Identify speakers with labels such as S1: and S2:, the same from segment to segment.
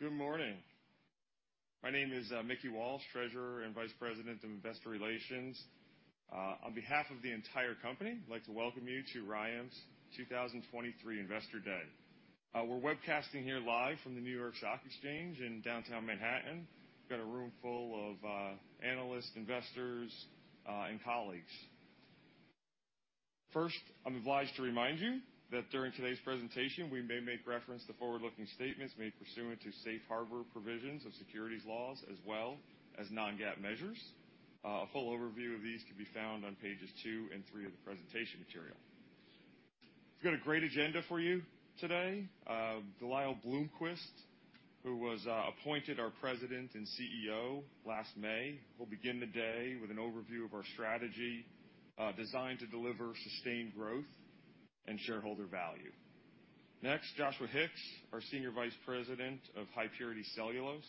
S1: Good morning. My name is Mickey Walsh, Treasurer and Vice President of Investor Relations. On behalf of the entire company, I'd like to welcome you to RYAM's 2023 Investor Day. We're webcasting here live from the New York Stock Exchange in Downtown Manhattan. We've got a room full of analysts, investors, and colleagues. First, I'm obliged to remind you that during today's presentation, we may make reference to forward-looking statements made pursuant to safe harbor provisions of securities laws, as well as non-GAAP measures. A full overview of these can be found on pages two and three of the presentation material. We've got a great agenda for you today. De Lyle Bloomquist, who was appointed our President and CEO last May, will begin the day with an overview of our strategy designed to deliver sustained growth and shareholder value. Next, Joshua Hicks, our Senior Vice President of High Purity Cellulose,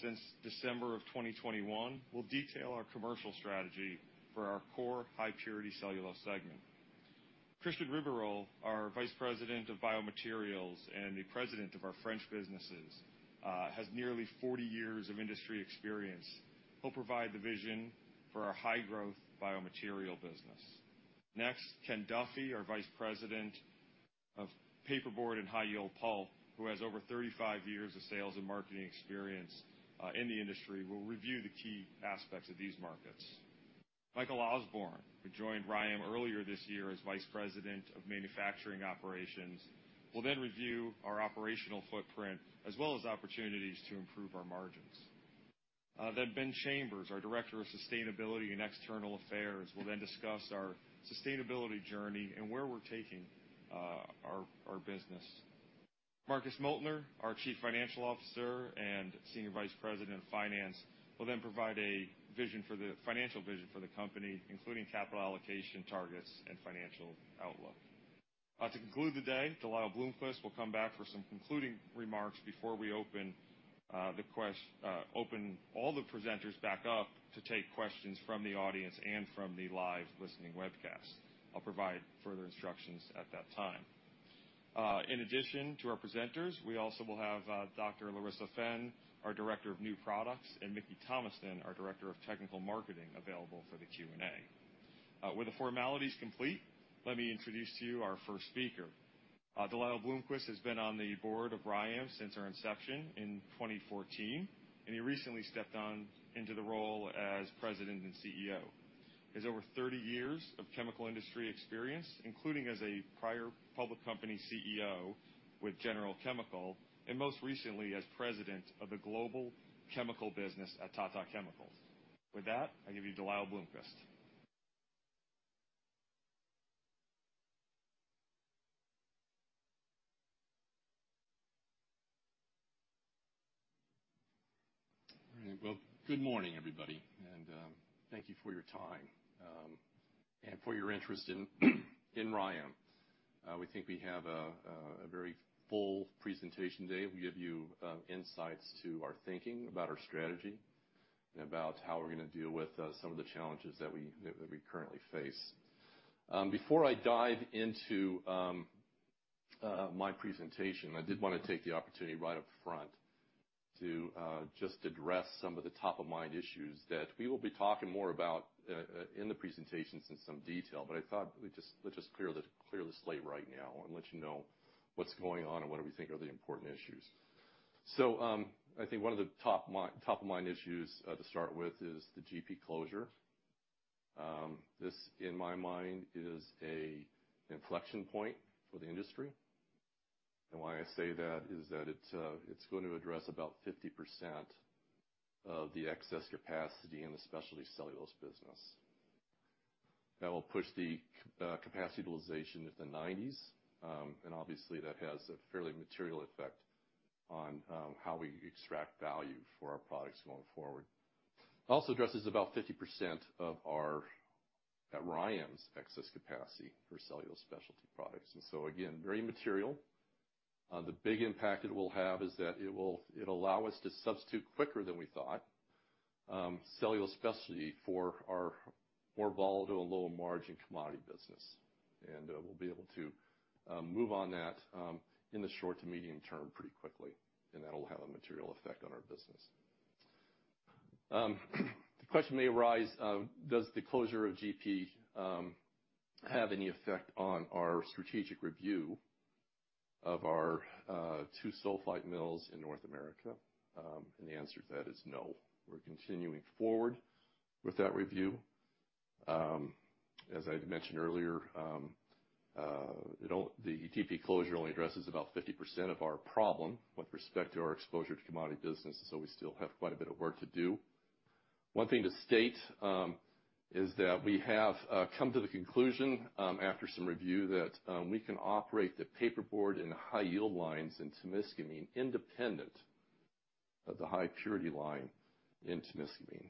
S1: since December of 2021, will detail our commercial strategy for our core High Purity Cellulose segment. Christian Ribeyrolle, our Vice President of Biomaterials and the President of our French businesses, has nearly 40 years of industry experience. He'll provide the vision for our high-growth biomaterial business. Next, Ken Duffy, our Vice President of Paperboard and High-Yield Pulp, who has over 35 years of sales and marketing experience in the industry, will review the key aspects of these markets. Michael Osborne, who joined RYAM earlier this year as Vice President of Manufacturing Operations, will then review our operational footprint, as well as opportunities to improve our margins. Ben Chambers, our Director of Sustainability and External Affairs, will then discuss our sustainability journey and where we're taking our business. Marcus Moeltner, our Chief Financial Officer and Senior Vice President of Finance, will then provide a financial vision for the company, including capital allocation targets and financial outlook. To conclude the day, De Lyle Bloomquist will come back for some concluding remarks before we open all the presenters back up to take questions from the audience and from the live listening webcast. I'll provide further instructions at that time. In addition to our presenters, we also will have Dr. Larissa Fenn, our Director of New Products, and Mickey Thomaston, our Director of Technical Marketing, available for the Q&A. With the formalities complete, let me introduce to you our first speaker. De Lyle Bloomquist has been on the board of RYAM since our inception in 2014, and he recently stepped on into the role as President and CEO. He has over 30 years of chemical industry experience, including as a prior public company CEO with General Chemical, and most recently as President of the Global Chemical Business at Tata Chemicals. With that, I give you De Lyle Bloomquist.
S2: All right. Well, good morning, everybody, and thank you for your time and for your interest in RYAM. We think we have a very full presentation today. We give you insights to our thinking about our strategy and about how we're gonna deal with some of the challenges that we currently face. Before I dive into my presentation, I did wanna take the opportunity right up front to just address some of the top-of-mind issues that we will be talking more about in the presentations in some detail. But I thought we just, let's just clear the slate right now and let you know what's going on and what we think are the important issues. So, I think one of the top-of-mind issues to start with is the GP closure. This, in my mind, is an inflection point for the industry, and why I say that is that it's going to address about 50% of the excess capacity in the specialty cellulose business. That will push the capacity utilization into the 90s, and obviously, that has a fairly material effect on how we extract value for our products going forward. It also addresses about 50% of our, at RYAM's, excess capacity for cellulose specialty products, and so again, very material. The big impact it will have is that it will allow us to substitute quicker than we thought, cellulose specialty for our more volatile and lower margin commodity business. We'll be able to move on that in the short to medium term pretty quickly, and that'll have a material effect on our business. The question may arise: Does the closure of GP have any effect on our strategic review of our two sulfite mills in North America? The answer to that is no. We're continuing forward with that review. As I'd mentioned earlier, it only. The GP closure only addresses about 50% of our problem with respect to our exposure to commodity business, so we still have quite a bit of work to do. One thing to state is that we have come to the conclusion, after some review, that we can operate the paperboard and high-yield lines in Temiscaming, independent of the high purity line in Temiscaming.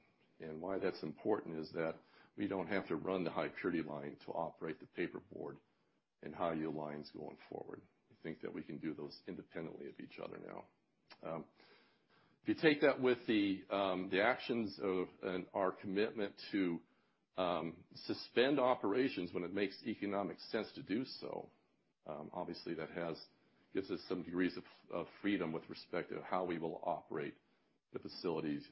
S2: Why that's important is that we don't have to run the high purity line to operate the paperboard and high-yield lines going forward. We think that we can do those independently of each other now. If you take that with the actions of and our commitment to suspend operations when it makes economic sense to do so, obviously, that gives us some degrees of freedom with respect to how we will operate the facilities,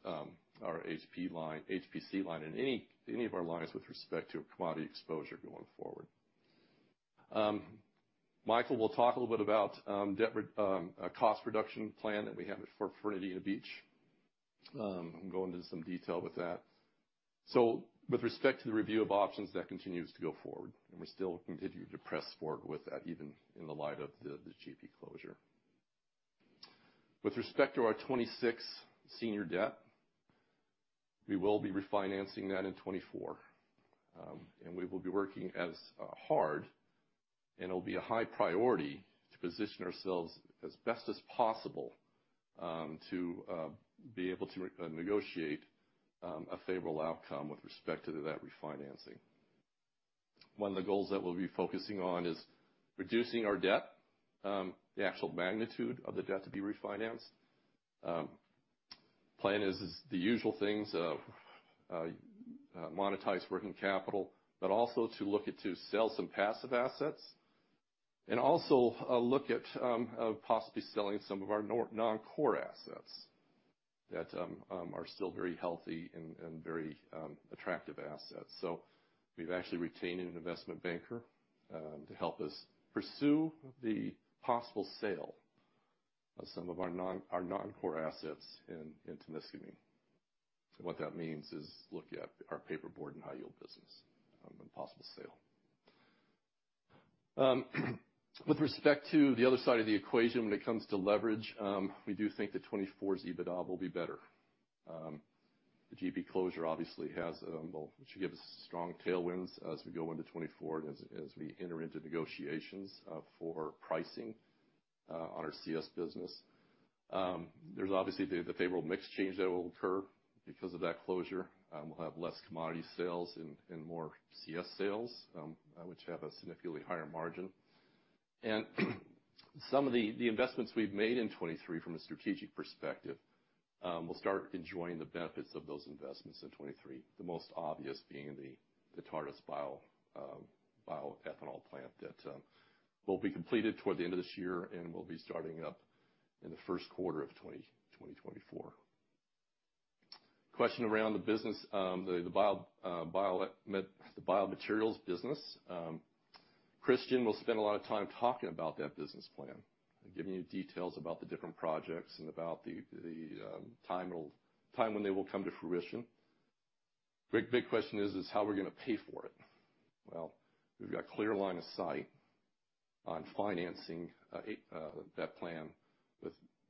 S2: our HP line, HPC line, and any of our lines with respect to a commodity exposure going forward. Michael will talk a little bit about debt re- a cost reduction plan that we have at Fort Fernandina Beach, and go into some detail with that. So with respect to the review of options, that continues to go forward, and we still continue to press forward with that, even in the light of the GP closure. With respect to our 2026 senior debt, we will be refinancing that in 2024. And we will be working as hard, and it'll be a high priority to position ourselves as best as possible to be able to renegotiate a favorable outcome with respect to that refinancing. One of the goals that we'll be focusing on is reducing our debt, the actual magnitude of the debt to be refinanced. Plan is the usual things, monetize working capital, but also to look at to sell some passive assets, and also look at possibly selling some of our noncore assets that are still very healthy and very attractive assets. So we've actually retained an investment banker to help us pursue the possible sale of some of our noncore assets in Temiscaming. So what that means is looking at our paperboard and high-yield business and possible sale. With respect to the other side of the equation, when it comes to leverage, we do think that 2024's EBITDA will be better. The GP closure obviously has Well, it should give us strong tailwinds as we go into 2024 and as, as we enter into negotiations, for pricing, on our CS business. There's obviously the, the favorable mix change that will occur because of that closure. We'll have less commodity sales and, and more CS sales, which have a significantly higher margin. And some of the, the investments we've made in 2023 from a strategic perspective, we'll start enjoying the benefits of those investments in 2023. The most obvious being the, the Tartas Bioethanol plant that, will be completed toward the end of this year and will be starting up in the first quarter of 2024. Question around the business, the, the bio, biomed- the biomaterials business. Christian will spend a lot of time talking about that business plan and giving you details about the different projects and about the time when they will come to fruition. Big question is how are we gonna pay for it? Well, we've got a clear line of sight on financing that plan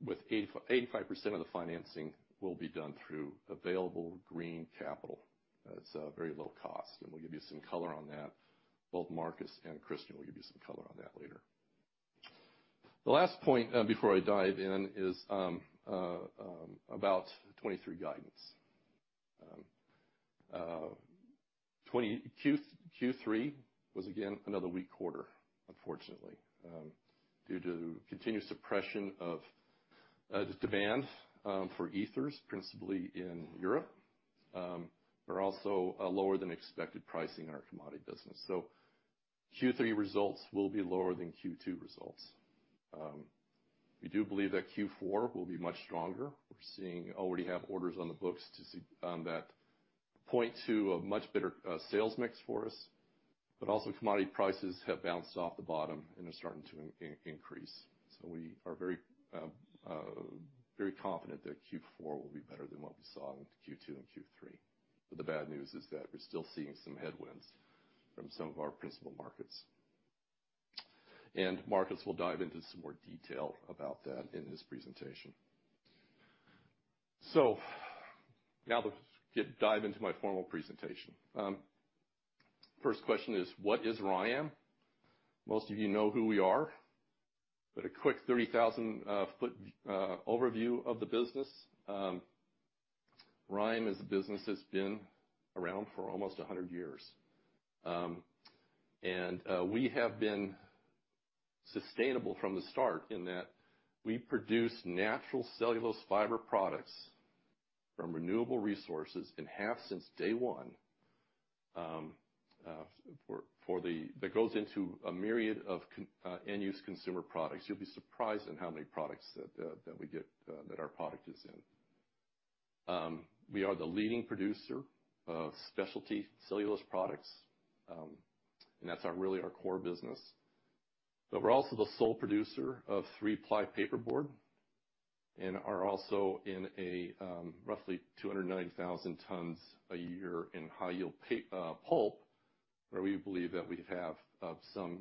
S2: with 85% of the financing will be done through available green capital. That's very low cost, and we'll give you some color on that. Both Marcus and Christian will give you some color on that later. The last point before I dive in is about 2023 guidance. Q3 was, again, another weak quarter, unfortunately, due to continued suppression of the demand for ethers, principally in Europe, but also a lower-than-expected pricing in our commodity business. So Q3 results will be lower than Q2 results. We do believe that Q4 will be much stronger. We're already have orders on the books to see that point to a much better sales mix for us, but also commodity prices have bounced off the bottom and are starting to increase. So we are very confident that Q4 will be better than what we saw in Q2 and Q3. But the bad news is that we're still seeing some headwinds from some of our principal markets. And Marcus will dive into some more detail about that in his presentation. So now let's get dive into my formal presentation. First question is: What is RYAM? Most of you know who we are, but a quick 30,000-foot overview of the business. RYAM is a business that's been around for almost 100 years. We have been sustainable from the start in that we produce natural cellulose fiber products from renewable resources and have since day one, for the that goes into a myriad of end-use consumer products. You'll be surprised at how many products that we get, that our product is in. We are the leading producer of specialty Cellulose products, and that's our, really our core business. We're also the sole producer of 3-ply paperboard and are also in a roughly 290,000 tons a year in high-yield pulp, where we believe that we have some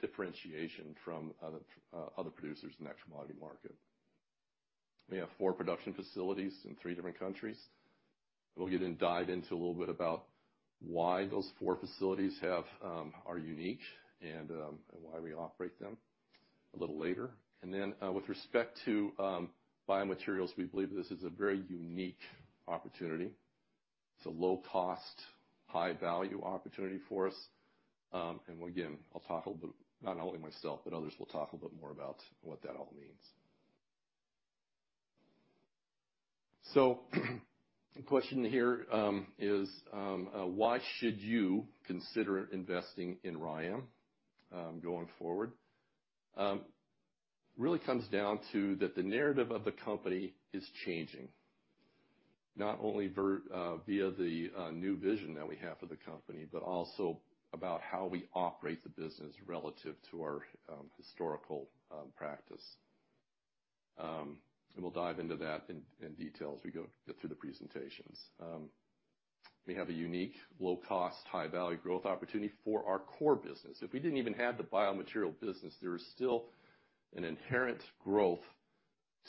S2: differentiation from other producers in that commodity market. We have four production facilities in three different countries. We'll dive into a little bit about why those four facilities are unique and why we operate them a little later. With respect to biomaterials, we believe this is a very unique opportunity. It's a low cost, high value opportunity for us. Again, I'll talk a little bit, not only myself, but others will talk a little bit more about what that all means. So the question here is why should you consider investing in RYAM going forward? Really comes down to that the narrative of the company is changing, not only via the new vision that we have for the company, but also about how we operate the business relative to our historical practice. And we'll dive into that in detail as we go through the presentations. We have a unique, low cost, high value growth opportunity for our core business. If we didn't even have the biomaterial business, there is still an inherent growth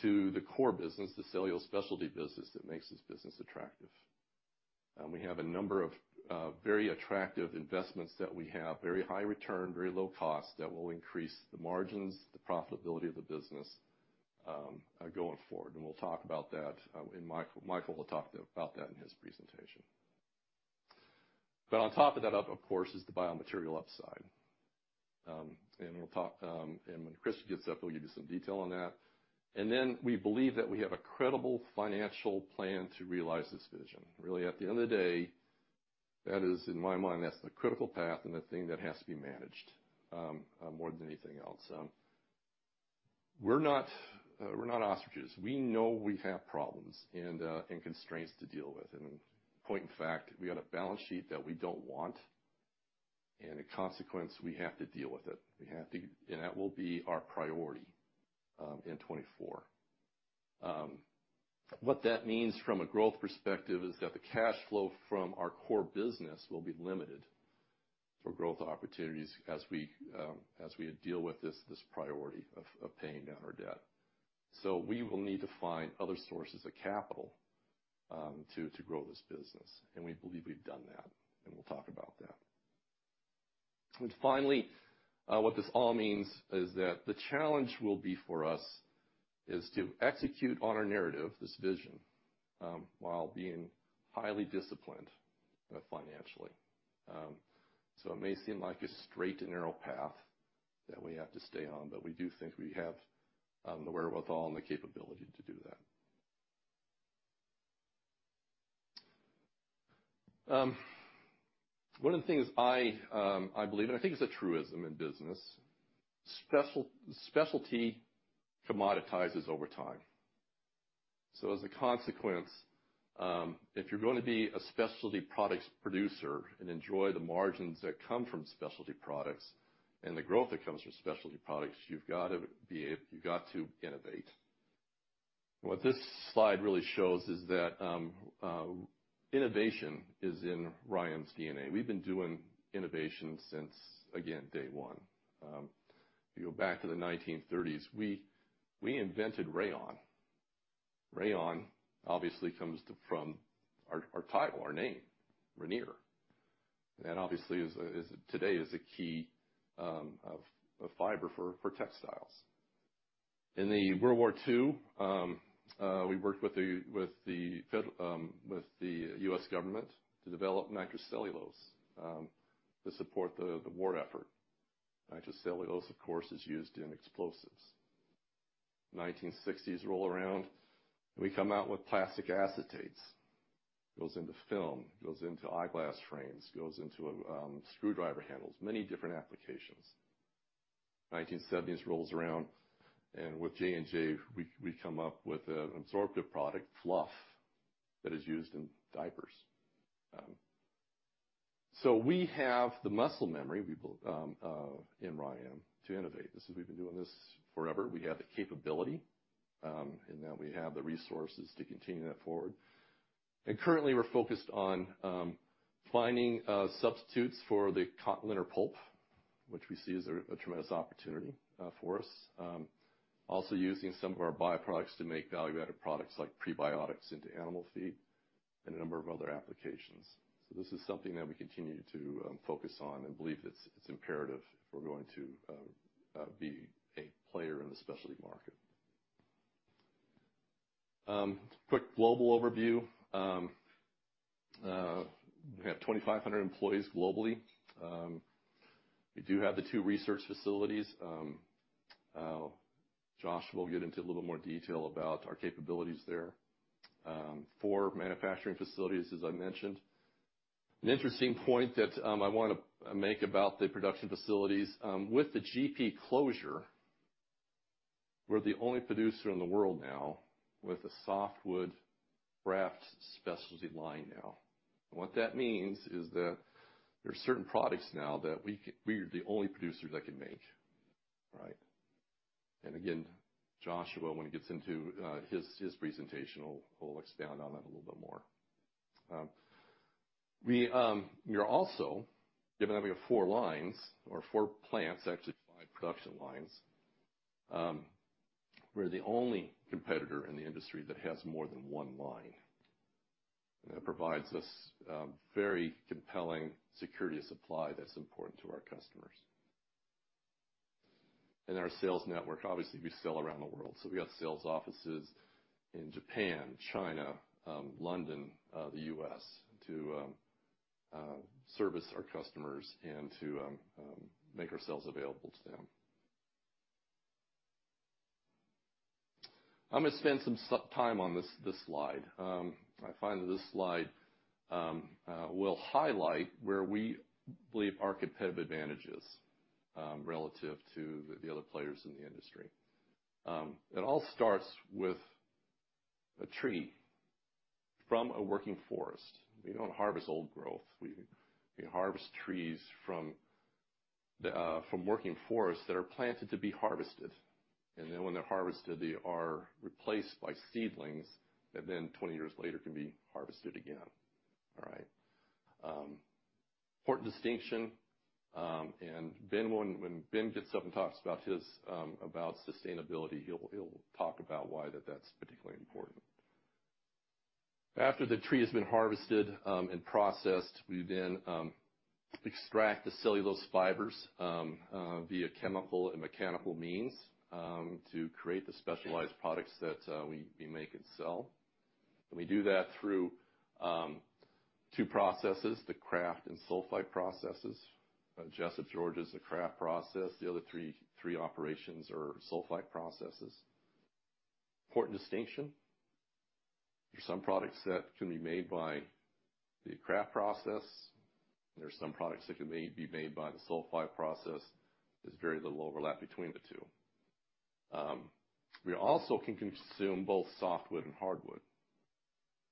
S2: to the core business, the cellulose specialty business, that makes this business attractive. And we have a number of very attractive investments that we have, very high return, very low cost, that will increase the margins, the profitability of the business, going forward. We'll talk about that in Michael—Michael will talk about that in his presentation. But on top of that, of course, is the biomaterial upside. And we'll talk. And when Chris gets up, he'll give you some detail on that. And then we believe that we have a credible financial plan to realize this vision. Really, at the end of the day, that is, in my mind, that's the critical path and the thing that has to be managed more than anything else. We're not, we're not ostriches. We know we have problems and constraints to deal with. And point in fact, we got a balance sheet that we don't want, and in consequence, we have to deal with it. We have to, and that will be our priority in 2024. What that means from a growth perspective is that the cash flow from our core business will be limited for growth opportunities as we, as we deal with this, this priority of, of paying down our debt. So we will need to find other sources of capital, to, to grow this business, and we believe we've done that, and we'll talk about that. And finally, what this all means is that the challenge will be for us, is to execute on our narrative, this vision, while being highly disciplined, financially. So it may seem like a straight and narrow path that we have to stay on, but we do think we have, the wherewithal and the capability to do that. One of the things I, I believe, and I think it's a truism in business, specialty commoditizes over time. So as a consequence, if you're going to be a specialty products producer and enjoy the margins that come from specialty products and the growth that comes from specialty products, you've got to be able. You've got to innovate. What this slide really shows is that, innovation is in RYAM's DNA. We've been doing innovation since, again, day one. If you go back to the 1930s, we invented rayon. Rayon obviously comes from our title, our name, Rayonier. And obviously, is today a key of fiber for textiles. In World War II, we worked with the Fed with the US government to develop nitrocellulose to support the war effort. Nitrocellulose, of course, is used in explosives. 1960s roll around, we come out with plastic acetates, goes into film, goes into eyeglass frames, goes into screwdriver handles, many different applications. 1970s rolls around, and with J&J, we, we come up with an absorptive product, fluff, that is used in diapers. We have the muscle memory, we, in RYAM, to innovate. This is, we've been doing this forever. We have the capability, and now we have the resources to continue that forward. Currently, we're focused on finding substitutes for the cotton linters pulp, which we see as a tremendous opportunity for us. Also using some of our byproducts to make value-added products like prebiotics into animal feed and a number of other applications. So this is something that we continue to focus on and believe it's imperative if we're going to be a player in the specialty market. Quick global overview. We have 2,500 employees globally. We do have the two research facilities. Josh will get into a little more detail about our capabilities there. Four manufacturing facilities, as I mentioned. An interesting point that I want to make about the production facilities, with the GP closure, we're the only producer in the world now with a softwood kraft specialty line now. And what that means is that there are certain products now that we are the only producer that can make, right? And again, Joshua, when he gets into his presentation, will expound on that a little bit more. We are also, given that we have four lines or four plants, actually five production lines, we're the only competitor in the industry that has more than one line. And that provides us very compelling security of supply that's important to our customers. And our sales network, obviously, we sell around the world. So we've got sales offices in Japan, China, London, the U.S. to service our customers and to make ourselves available to them. I'm gonna spend some time on this, this slide. I find that this slide will highlight where we believe our competitive advantage is, relative to the other players in the industry. It all starts with a tree from a working forest. We don't harvest old growth. We harvest trees from working forests that are planted to be harvested. And then when they're harvested, they are replaced by seedlings that then, 20 years later, can be harvested again. All right? Important distinction, and Ben, when Ben gets up and talks about his about sustainability, he'll talk about why that that's particularly important. After the tree has been harvested and processed, we then extract the cellulose fibers via chemical and mechanical means to create the specialized products that we make and sell. And we do that through two processes, the Kraft and Sulfite processes. Jesup, Georgia, is a Kraft process. The other three operations are Sulfite processes. Important distinction, there's some products that can be made by the kraft process, and there are some products that can be made by the sulfite process. There's very little overlap between the two. We also can consume both softwood and hardwood.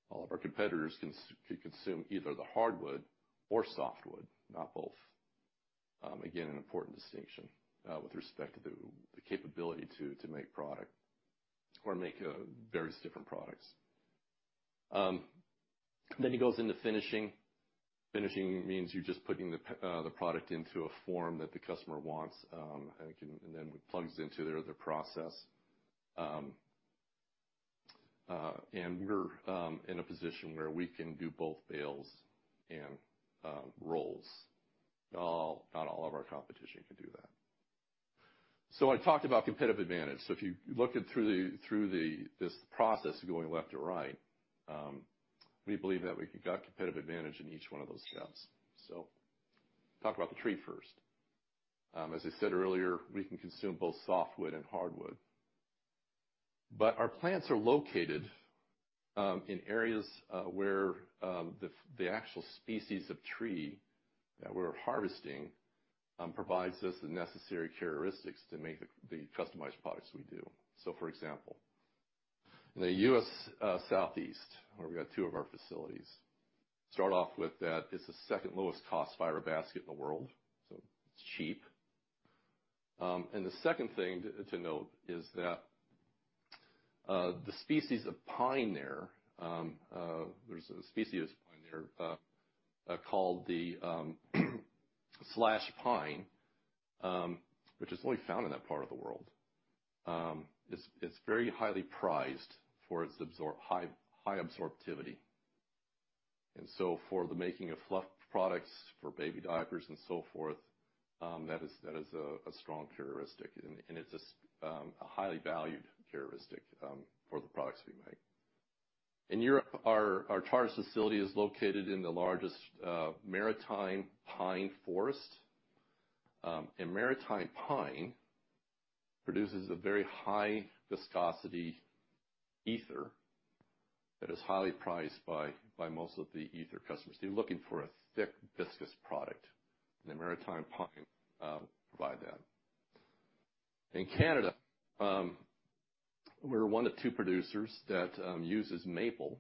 S2: All of our competitors can consume either the hardwood or softwood, not both. Again, an important distinction with respect to the capability to make product or make various different products. Then it goes into finishing. Finishing means you're just putting the product into a form that the customer wants, and can and then it plugs into their process. We're in a position where we can do both bales and rolls. Not all of our competition can do that. I talked about competitive advantage. So if you looked in through the this process going left to right, we believe that we've got competitive advantage in each one of those steps. So talk about the tree first. As I said earlier, we can consume both softwood and hardwood, but our plants are located in areas where the actual species of tree that we're harvesting provides us the necessary characteristics to make the customized products we do. So for example, in the U.S. Southeast, where we've got two of our facilities, start off with that it's the second lowest cost fiber basket in the world, so it's cheap. And the second thing to note is that the species of pine there, there's a species of pine there, called the slash pine, which is only found in that part of the world. It's very highly prized for its high absorptivity. And so for the making of fluff products, for baby diapers and so forth, that is a strong characteristic, and it's a highly valued characteristic for the products we make. In Europe, our Tartas facility is located in the largest maritime pine forest. And maritime pine produces a very high viscosity ether that is highly prized by most of the ether customers. They're looking for a thick, viscous product, and the maritime pine provide that. In Canada, we're one of two producers that uses maple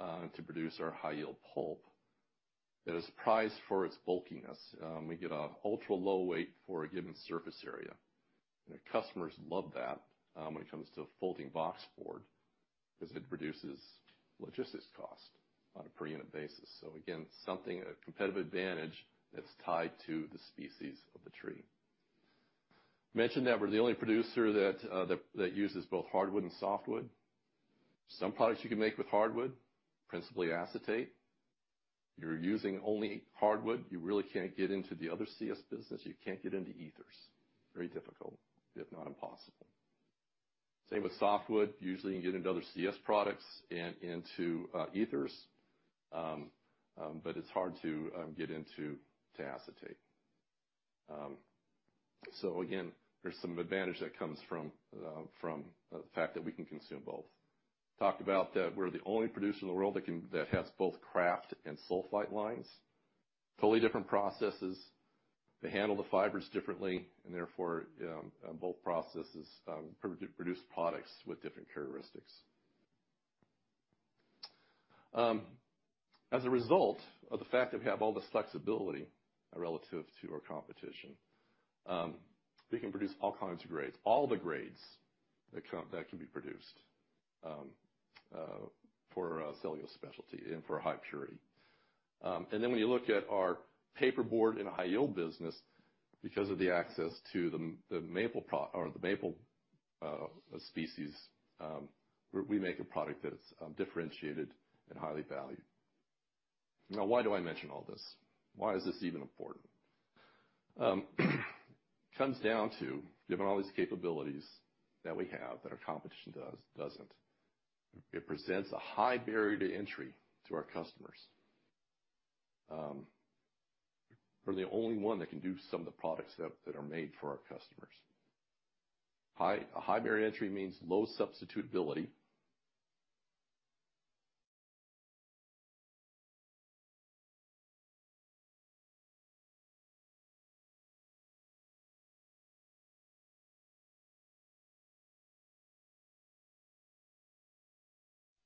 S2: to produce our high-yield pulp that is prized for its bulkiness. We get an ultra-low weight for a given surface area, and our customers love that when it comes to folding boxboard, because it reduces logistics cost on a per-unit basis. So again, something, a competitive advantage that's tied to the species of the tree. Mentioned that we're the only producer that uses both hardwood and softwood. Some products you can make with hardwood, principally acetate. You're using only hardwood, you really can't get into the other CS business. You can't get into ethers. Very difficult, if not impossible. Same with softwood. Usually, you can get into other CS products and into ethers, but it's hard to get into acetate. So again, there's some advantage that comes from the fact that we can consume both. Talked about that we're the only producer in the world that can—that has both kraft and sulfite lines, totally different processes. They handle the fibers differently, and therefore, both processes produce products with different characteristics. As a result of the fact that we have all this flexibility relative to our competition, we can produce all kinds of grades, all the grades that can be produced for a cellulose specialty and for a high purity. And then when you look at our paperboard and high-yield business, because of the access to the maple species, we make a product that is differentiated and highly valued. Now, why do I mention all this? Why is this even important? Comes down to giving all these capabilities that we have, that our competition doesn't. It presents a high barrier to entry to our customers. We're the only one that can do some of the products that are made for our customers. A high barrier entry means low substitutability,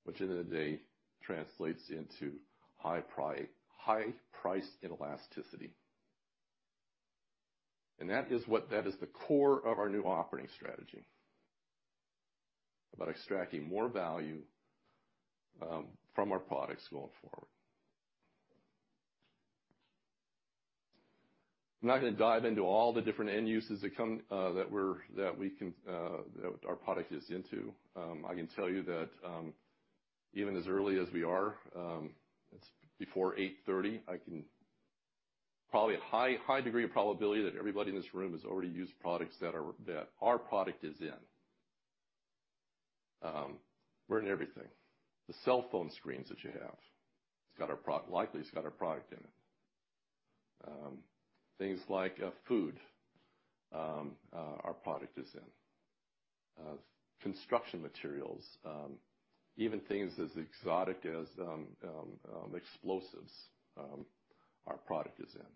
S2: which end of the day translates into high price inelasticity. And that is what that is the core of our new operating strategy, about extracting more value from our products going forward. I'm not gonna dive into all the different end uses that come that we can that our product is into. I can tell you that, even as early as we are, it's before eight thirty, I can Probably a high, high degree of probability that everybody in this room has already used products that our product is in. We're in everything. The cell phone screens that you have, it's got our product in it. Things like food, our product is in. Construction materials, even things as exotic as explosives, our product is in.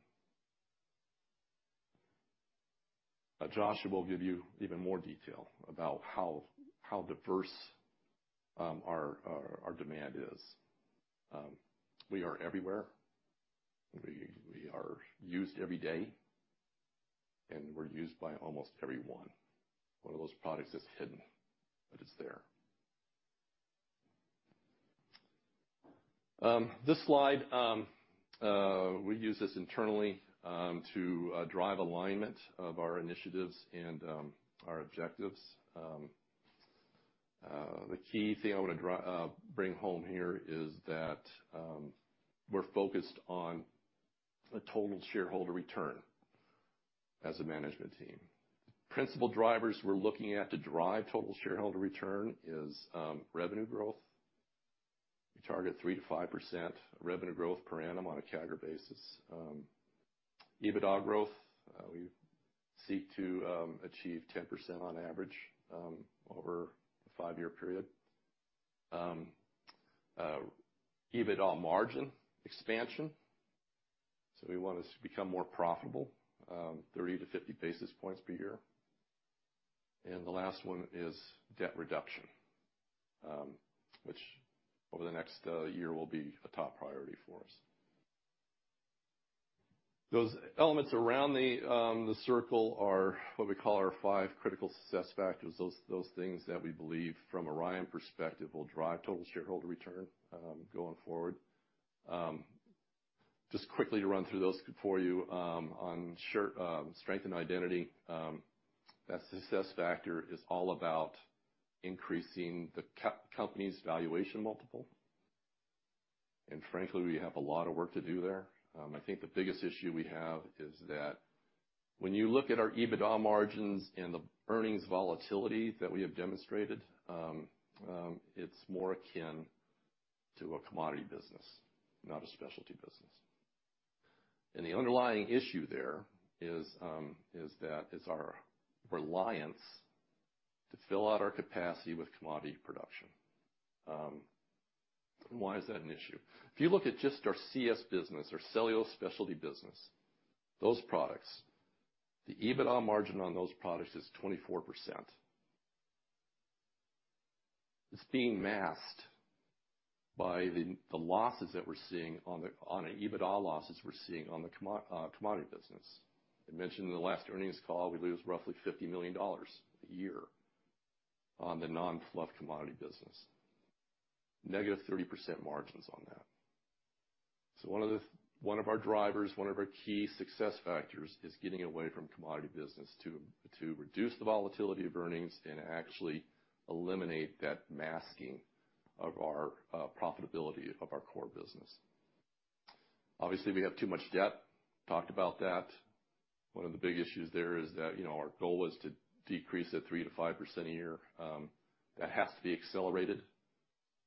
S2: Joshua will give you even more detail about how diverse our demand is. We are everywhere. We are used every day, and we're used by almost everyone. One of those products is hidden, but it's there. This slide, we use this internally to drive alignment of our initiatives and our objectives. The key thing I wanna bring home here is that we're focused on a total shareholder return as a management team. Principal drivers we're looking at to drive total shareholder return is revenue growth. We target 3% to5% revenue growth per annum on a CAGR basis. EBITDA growth, we seek to achieve 10% on average over a five-year period. EBITDA margin expansion, so we want us to become more profitable, 30 to 50 basis points per year. And the last one is debt reduction, which over the next year will be a top priority for us. Those elements around the circle are what we call our five critical success factors, those things that we believe from our own perspective, will drive total shareholder return going forward. Just quickly to run through those for you, on strengthen identity, that success factor is all about increasing the company's valuation multiple. Frankly, we have a lot of work to do there. I think the biggest issue we have is that when you look at our EBITDA margins and the earnings volatility that we have demonstrated, it's more akin to a commodity business, not a specialty business. The underlying issue there is that our reliance to fill out our capacity with commodity production. Why is that an issue? If you look at just our CS business, our cellulose specialty business, those products, the EBITDA margin on those products is 24%. It's being masked by the losses that we're seeing on the EBITDA losses we're seeing on the commodity business. I mentioned in the last earnings call, we lose roughly $50 million a year on the non-fluff commodity business. Negative 30% margins on that. So one of our drivers, one of our key success factors, is getting away from commodity business to reduce the volatility of earnings and actually eliminate that masking of our profitability of our core business. Obviously, we have too much debt. Talked about that. One of the big issues there is that, you know, our goal is to decrease it 3% to 5% a year. That has to be accelerated.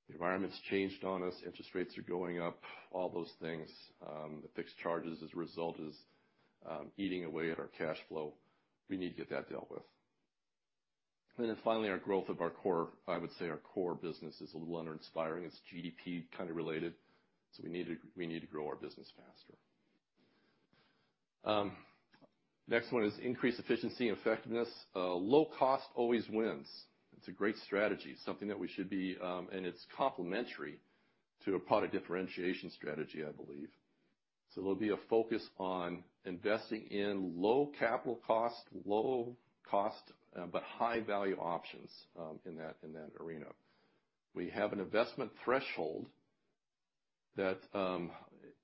S2: The environment's changed on us. Interest rates are going up, all those things. The fixed charges as a result is eating away at our cash flow. We need to get that dealt with. Finally, our growth of our core, I would say our core business is a little uninspiring. It's GDP kind of related, so we need to, we need to grow our business faster. Next one is increased efficiency and effectiveness. Low cost always wins. It's a great strategy, something that we should be, and it's complementary to a product differentiation strategy, I believe. There'll be a focus on investing in low capital cost, low cost, but high value options in that arena. We have an investment threshold that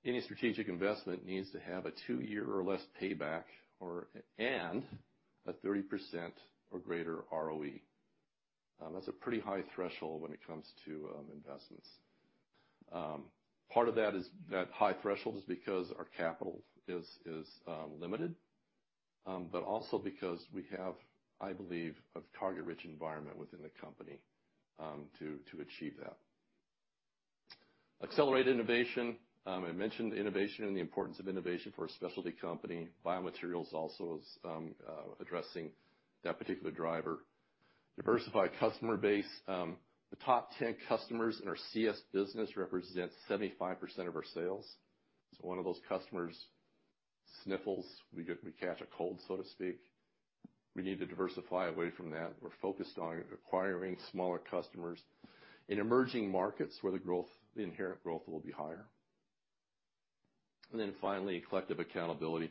S2: any strategic investment needs to have a two year or less payback, or a 30% or greater ROE. That's a pretty high threshold when it comes to investments. Part of that is, that high threshold is because our capital is limited, but also because we have, I believe, a target-rich environment within the company, to achieve that. Accelerate innovation. I mentioned innovation and the importance of innovation for a specialty company. Biomaterials also is addressing that particular driver. Diversified customer base. The top 10 customers in our CS business represent 75% of our sales. So one of those customers sniffles, we catch a cold, so to speak, we need to diversify away from that. We're focused on acquiring smaller customers in emerging markets where the growth, the inherent growth will be higher. And then finally, collective accountability.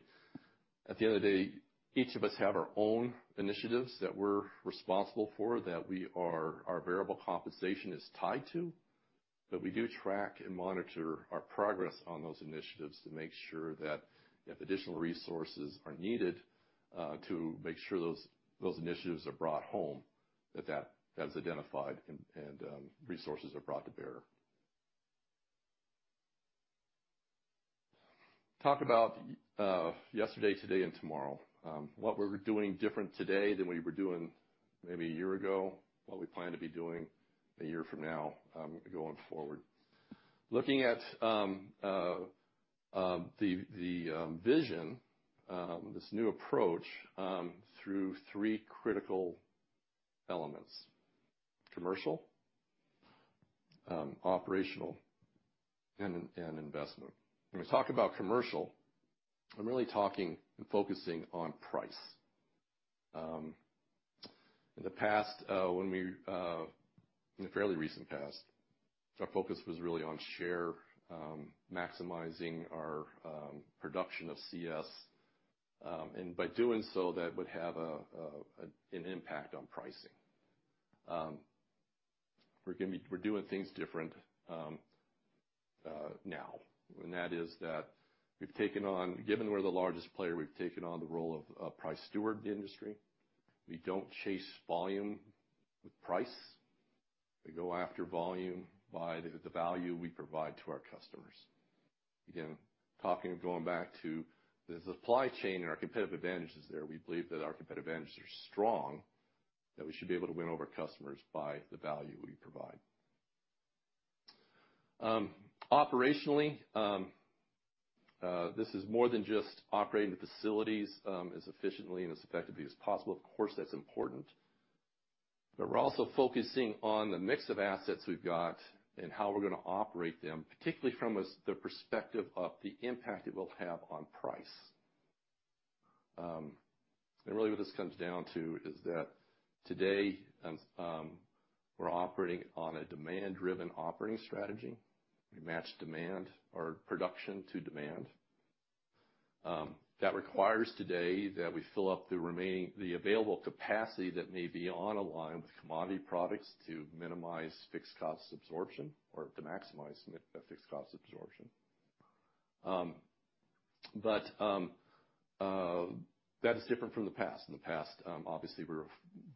S2: At the end of the day, each of us have our own initiatives that we're responsible for, that our variable compensation is tied to, but we do track and monitor our progress on those initiatives to make sure that if additional resources are needed to make sure those initiatives are brought home, that that's identified and resources are brought to bear. Talk about yesterday, today, and tomorrow. What we're doing different today than we were doing maybe a year ago, what we plan to be doing a year from now, going forward. Looking at the vision, this new approach through three critical elements: commercial, operational, and innovation and investment. When we talk about commercial, I'm really talking and focusing on price. In the past, when we In the fairly recent past, our focus was really on share, maximizing our production of CS, and by doing so, that would have a, a, an impact on pricing. We're doing things different now, and that is that we've taken on—given we're the largest player, we've taken on the role of price steward the industry. We don't chase volume with price. We go after volume by the value we provide to our customers. Again, talking and going back to the supply chain and our competitive advantages there, we believe that our competitive advantages are strong, that we should be able to win over customers by the value we provide. Operationally, this is more than just operating the facilities as efficiently and as effectively as possible. Of course, that's important, but we're also focusing on the mix of assets we've got and how we're gonna operate them, particularly from the perspective of the impact it will have on price. And really, what this comes down to is that today, we're operating on a demand-driven operating strategy. We match demand or production to demand. That requires today that we fill up the remaining available capacity that may be on a line with commodity products to minimize fixed cost absorption or to maximize fixed cost absorption. But that is different from the past. In the past, obviously, we were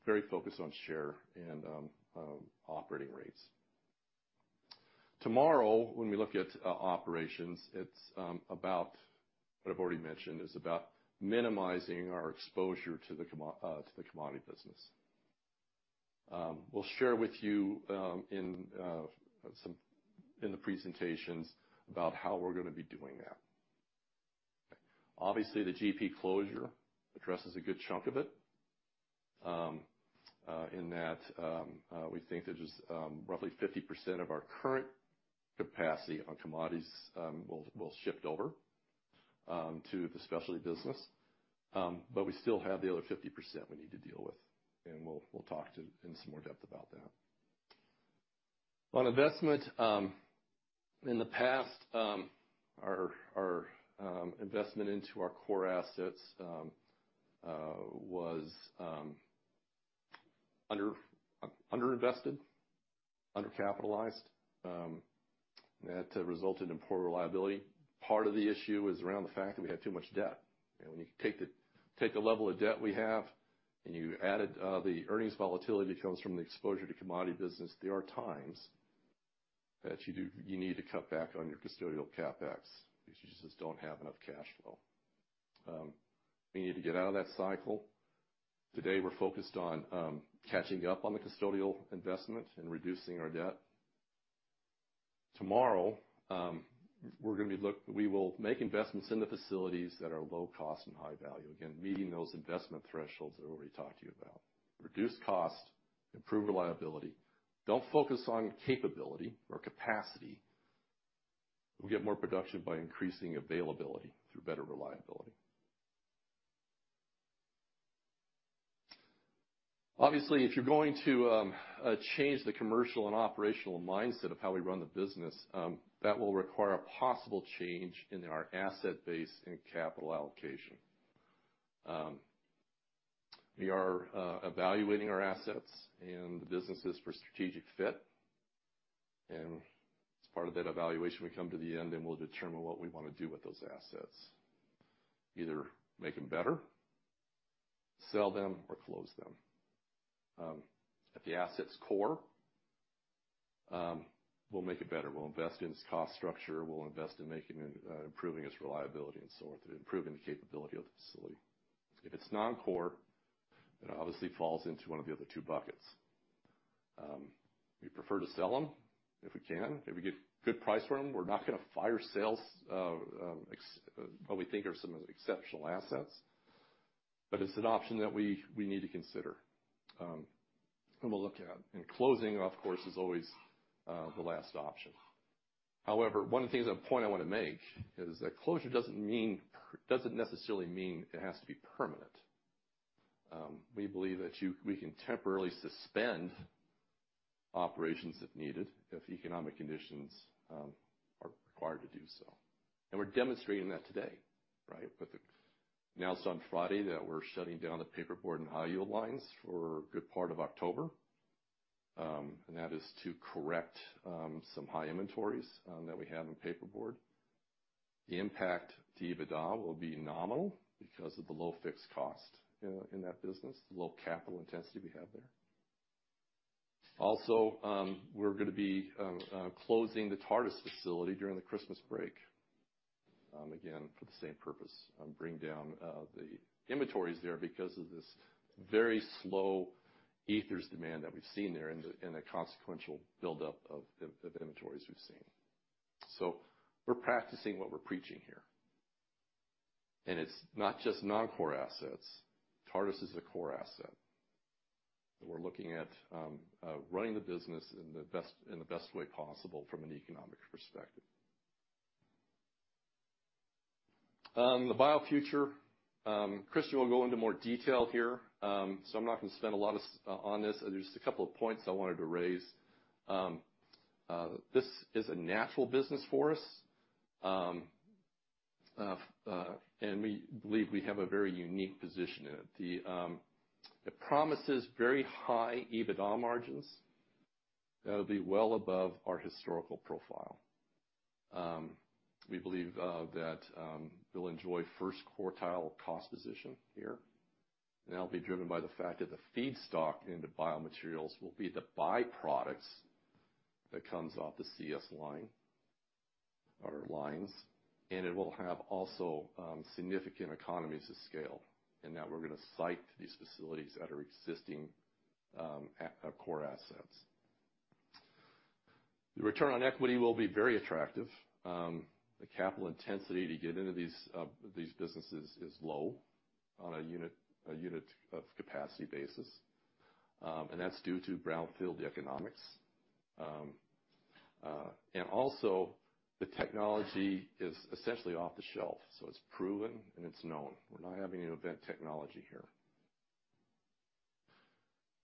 S2: very focused on share and operating rates. Tomorrow, when we look at operations, it's about what I've already mentioned, it's about minimizing our exposure to the commodity business. We'll share with you, in some, in the presentations about how we're gonna be doing that. Obviously, the GP closure addresses a good chunk of it, in that, we think that just, roughly 50% of our current capacity on commodities will shift over to the specialty business, but we still have the other 50% we need to deal with, and we'll talk to in some more depth about that. On investment, in the past, our investment into our core assets was underinvested, undercapitalized, and that resulted in poor reliability. Part of the issue is around the fact that we had too much debt. When you take the level of debt we have, and you add the earnings volatility that comes from the exposure to commodity business, there are times that you do- you need to cut back on your custodial CapEx, because you just don't have enough cash flow. We need to get out of that cycle. Today, we're focused on catching up on the custodial investment and reducing our debt. Tomorrow, we're gonna be look- we will make investments in the facilities that are low cost and high value. Again, meeting those investment thresholds that I've already talked to you about. Reduce cost, improve reliability, don't focus on capability or capacity. We'll get more production by increasing availability through better reliability. Obviously, if you're going to change the commercial and operational mindset of how we run the business, that will require a possible change in our asset base and capital allocation. We are evaluating our assets and the businesses for strategic fit. As part of that evaluation, we come to the end, and we'll determine what we wanna do with those assets, either make them better, sell them, or close them. If the asset's core, we'll make it better. We'll invest in its cost structure, we'll invest in making it, improving its reliability and so on, improving the capability of the facility. If it's non-core, it obviously falls into one of the other two buckets. We prefer to sell them if we can. If we get a good price for them, we're not gonna fire sales, what we think are some exceptional assets, but it's an option that we need to consider, and we'll look at. Closing, of course, is always the last option. However, one of the things, a point I wanna make is that closure doesn't mean, doesn't necessarily mean it has to be permanent. We believe that we can temporarily suspend operations if needed, if economic conditions are required to do so. We're demonstrating that today, right? With the announcement on Friday that we're shutting down the paperboard and high yield lines for a good part of October, and that is to correct some high inventories that we have in paperboard. The impact to EBITDA will be nominal because of the low fixed cost in that business, the low capital intensity we have there. Also, we're gonna be closing the Tartas facility during the christmas break, again, for the same purpose, bring down the inventories there because of this very slow ethers demand that we've seen there and the consequential buildup of inventories we've seen. So we're practicing what we're preaching here. And it's not just non-core assets. Tartas is a core asset, and we're looking at running the business in the best way possible from an economic perspective. The biofuture, Christian will go into more detail here, so I'm not gonna spend a lot of on this. There's a couple of points I wanted to raise. This is a natural business for us, and we believe we have a very unique position in it. It promises very high EBITDA margins that'll be well above our historical profile. We believe that we'll enjoy first quartile cost position here, and that'll be driven by the fact that the feedstock into biomaterials will be the byproducts that comes off the CS line, or lines, and it will have also significant economies of scale in that we're gonna site these facilities at our existing core assets. The return on equity will be very attractive. The capital intensity to get into these businesses is low on a unit of capacity basis, and that's due to brownfield economics. And also, the technology is essentially off the shelf, so it's proven and it's known. We're not having to invent technology here.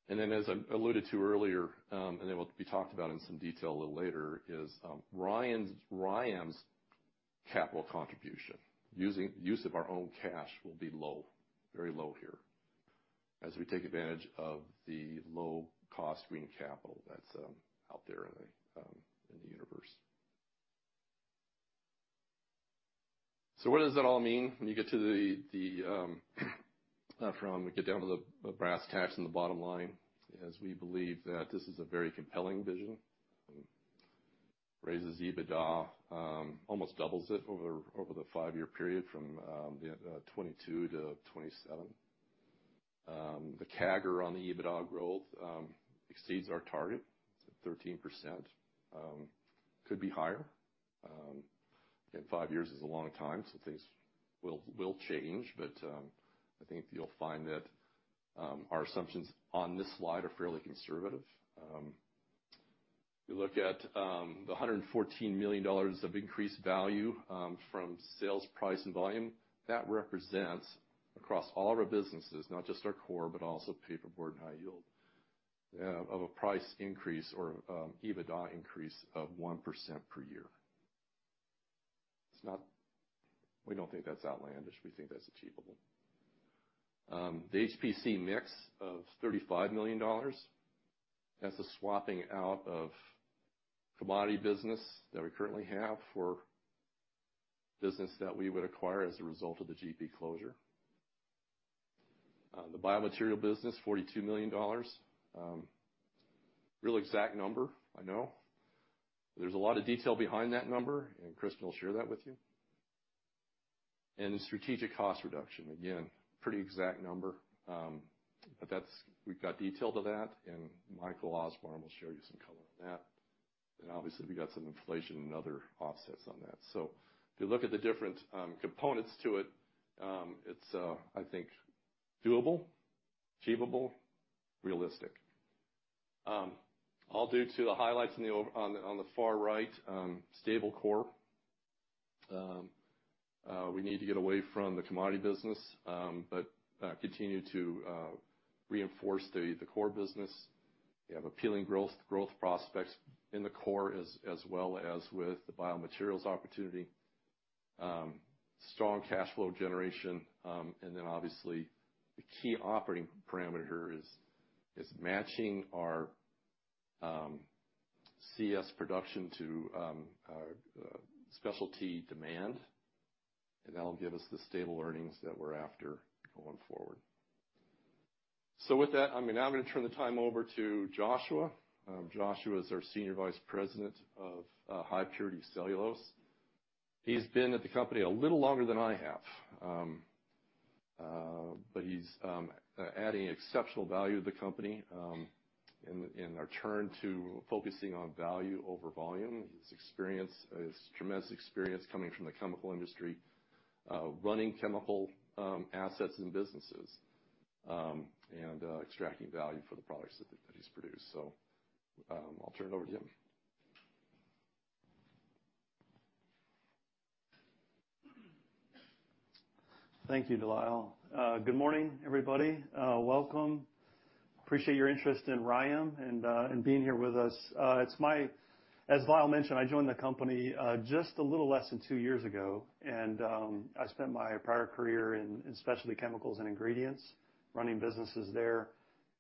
S2: And then, as I alluded to earlier, and it will be talked about in some detail a little later, is RYAM's capital contribution. Use of our own cash will be low, very low here, as we take advantage of the low-cost green capital that's out there in the universe. So what does that all mean when you get to the, we get down to the brass tacks and the bottom line, as we believe that this is a very compelling vision? Raises EBITDA, almost doubles it over the five-year period from 2022 to 2027. The CAGR on the EBITDA growth exceeds our target, 13%. Could be higher. Five years is a long time, so things will change, but I think you'll find that our assumptions on this slide are fairly conservative. If you look at the $114 million of increased value from sales price and volume, that represents across all of our businesses, not just our core, but also paperboard and high yield, of a price increase or EBITDA increase of 1% per year. It's not we don't think that's outlandish. We think that's achievable. The HPC mix of $35 million, that's a swapping out of commodity business that we currently have for business that we would acquire as a result of the GP closure. The biomaterial business, $42 million. Real exact number, I know. There's a lot of detail behind that number, and Kristen will share that with you. And strategic cost reduction, again, pretty exact number, but that's. We've got detail to that, and Michael Osborne will show you some color on that. And obviously, we've got some inflation and other offsets on that. So if you look at the different components to it, it's, I think doable, achievable, realistic. I'll do to the highlights on the over- on the far right, stable core. We need to get away from the commodity business, but continue to reinforce the core business. We have appealing growth prospects in the core as well as with the biomaterials opportunity. Strong cash flow generation, and then obviously, the key operating parameter is matching our CS production to our specialty demand, and that'll give us the stable earnings that we're after going forward. So with that, I'm gonna turn the time over to Joshua. Joshua is our Senior Vice President of High Purity Cellulose. He's been at the company a little longer than I have. But he's adding exceptional value to the company, in our turn to focusing on value over volume. His experience, his tremendous experience coming from the chemical industry, running chemical assets and businesses, and extracting value for the products that he's produced. So, I'll turn it over to him.
S3: Thank you, De Lyle. Good morning, everybody. Welcome. Appreciate your interest in RYAM and being here with us. It's my. As De Lyle mentioned, I joined the company just a little less than two years ago, and I spent my prior career in specialty chemicals and ingredients, running businesses there.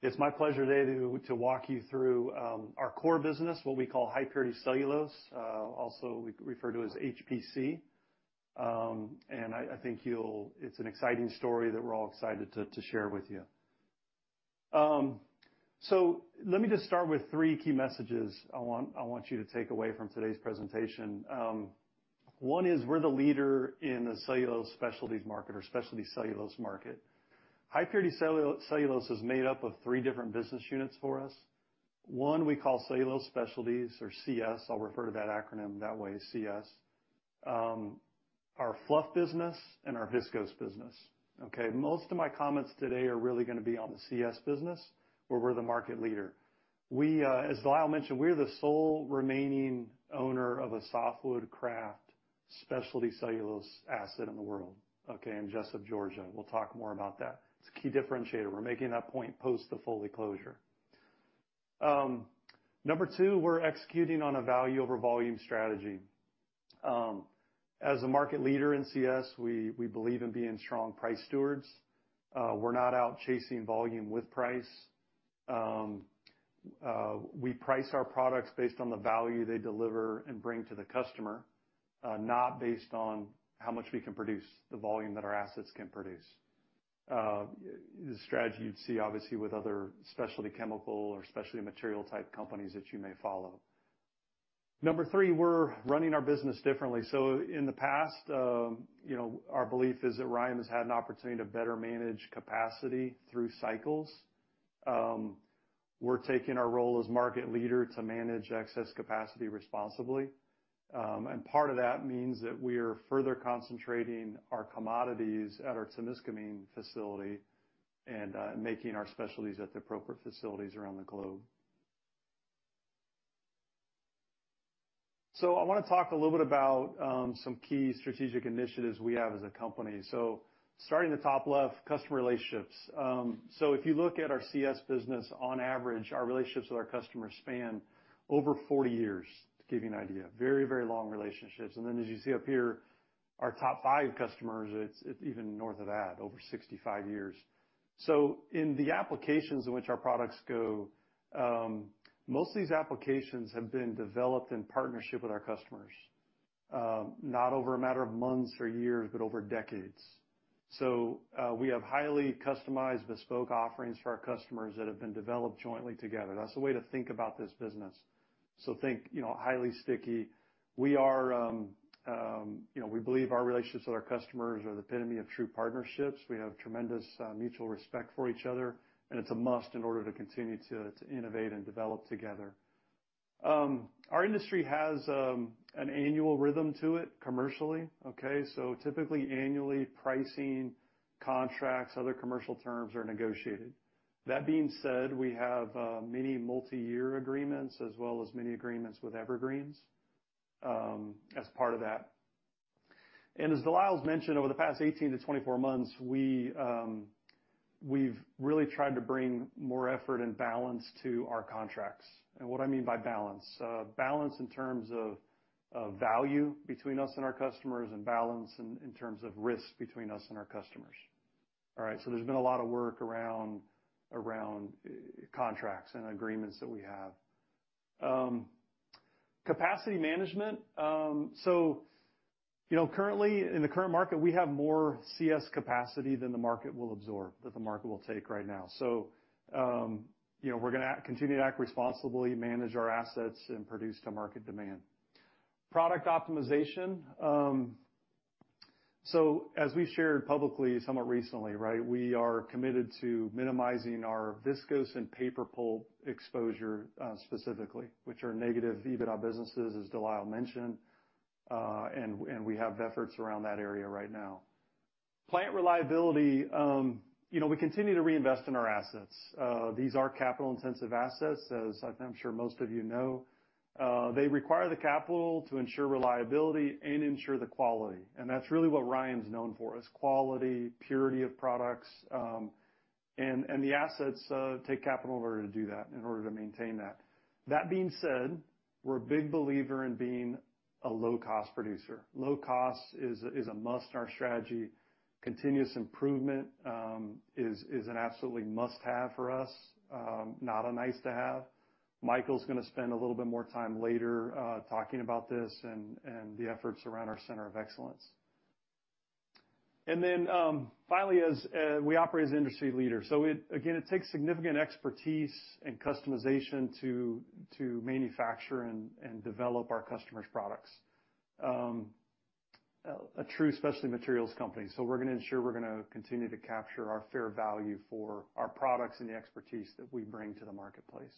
S3: It's my pleasure today to walk you through our core business, what we call high purity cellulose, also we refer to as HPC. And I think you'll. It's an exciting story that we're all excited to share with you. So let me just start with three key messages I want you to take away from today's presentation. One is we're the leader in the cellulose specialties market or specialty cellulose market. High purity cellulose is made up of three different business units for us. One, we call cellulose specialties or CS. I'll refer to that acronym that way, CS. Our fluff business and our viscose business, okay? Most of my comments today are really gonna be on the CS business, where we're the market leader. We, as De Lyle mentioned, we're the sole remaining owner of a softwood kraft specialty cellulose asset in the world, okay, in Jesup, Georgia. We'll talk more about that. It's a key differentiator. We're making that point post the Foley closure. Number two, we're executing on a value over volume strategy. As a market leader in CS, we believe in being strong price stewards. We're not out chasing volume with price. We price our products based on the value they deliver and bring to the customer, not based on how much we can produce, the volume that our assets can produce. The strategy you'd see, obviously, with other specialty chemical or specialty material type companies that you may follow. Number three, we're running our business differently. So in the past, you know, our belief is that RYAM has had an opportunity to better manage capacity through cycles. We're taking our role as market leader to manage excess capacity responsibly. And part of that means that we are further concentrating our commodities at our Temiscaming facility and making our specialties at the appropriate facilities around the globe. So I wanna talk a little bit about some key strategic initiatives we have as a company. So starting in the top left, customer relationships. So if you look at our CS business, on average, our relationships with our customers span over 40 years, to give you an idea. Very, very long relationships. And then, as you see up here, our top five customers, it's even north of that, over 65 years. So in the applications in which our products go, most of these applications have been developed in partnership with our customers, not over a matter of months or years, but over decades. So we have highly customized, bespoke offerings for our customers that have been developed jointly together. That's the way to think about this business. So think, you know, highly sticky. We are, you know, we believe our relationships with our customers are the epitome of true partnerships. We have tremendous mutual respect for each other, and it's a must in order to continue to innovate and develop together. Our industry has an annual rhythm to it commercially, okay? So typically, annually, pricing, contracts, other commercial terms are negotiated. That being said, we have many multiyear agreements as well as many agreements with Evergreens as part of that. And as De Lyle has mentioned, over the past 18 to 24 months, we've really tried to bring more effort and balance to our contracts. And what I mean by balance? Balance in terms of value between us and our customers, and balance in terms of risk between us and our customers. All right, so there's been a lot of work around contracts and agreements that we have. Capacity management. So you know, currently, in the current market, we have more CS capacity than the market will absorb, that the market will take right now. So, you know, we're gonna act, continue to act responsibly, manage our assets, and produce to market demand. Product optimization. So as we shared publicly somewhat recently, right, we are committed to minimizing our viscose and paper pulp exposure, specifically, which are negative EBITDA businesses, as De Lyle mentioned, and we have efforts around that area right now. Plant reliability, you know, we continue to reinvest in our assets. These are capital-intensive assets, as I'm sure most of you know. They require the capital to ensure reliability and ensure the quality, and that's really what RYAM is known for, is quality, purity of products. The assets take capital in order to do that, in order to maintain that. That being said, we're a big believer in being a low-cost producer. Low cost is a must in our strategy. Continuous improvement is an absolutely must-have for us, not a nice-to-have. Michael's gonna spend a little bit more time later talking about this and the efforts around our center of excellence. Finally, as we operate as an industry leader. So it again takes significant expertise and customization to manufacture and develop our customers products. A true specialty materials company, so we're gonna ensure we're gonna continue to capture our fair value for our products and the expertise that we bring to the marketplace.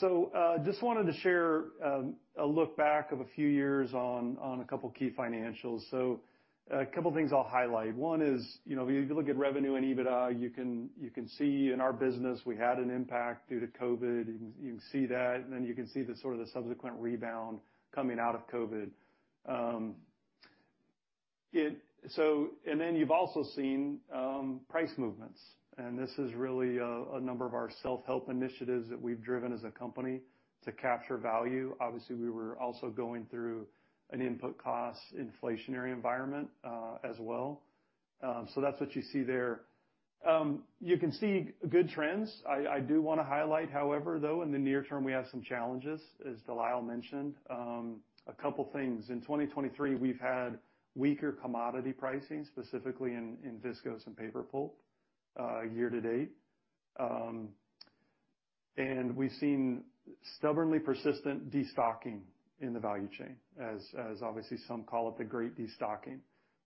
S3: So, just wanted to share a look back of a few years on a couple key financials. So a couple things I'll highlight. One is, you know, if you look at revenue and EBITDA, you can see in our business we had an impact due to COVID. You can see that, and then you can see the sort of the subsequent rebound coming out of COVID. And then you've also seen price movements, and this is really a number of our self-help initiatives that we've driven as a company to capture value. Obviously, we were also going through an input cost inflationary environment as well. So that's what you see there. You can see good trends. I do wanna highlight, however, though, in the near term, we have some challenges, as De Lyle mentioned. A couple things: in 2023, we've had weaker commodity pricing, specifically in viscose and paper pulp year to date. And we've seen stubbornly persistent destocking in the value chain, as obviously some call it, the great destocking.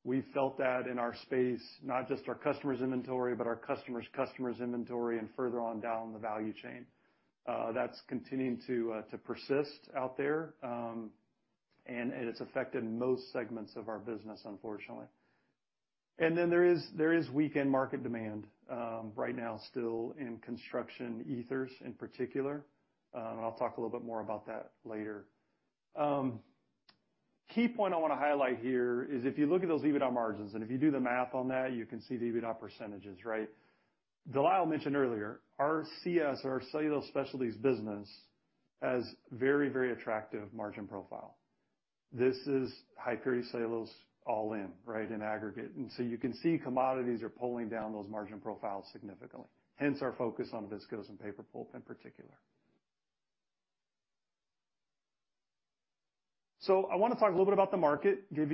S3: We felt that in our space, not just our customers' inventory, but our customers' customers' inventory and further on down the value chain. That's continuing to persist out there, and it's affected most segments of our business, unfortunately. And then there is weakened market demand right now still in construction ethers, in particular. And I'll talk a little bit more about that later. Key point I wanna highlight here is if you look at those EBITDA margins, and if you do the math on that, you can see the EBITDA percentages, right? Lyle mentioned earlier, our CS, our cellulose specialties business, has very, very attractive margin profile. This is high-purity cellulose all in, right, in aggregate. And so you can see commodities are pulling down those margin profiles significantly, hence our focus on viscose and paper pulp in particular. So I wanna talk a little bit about the market, give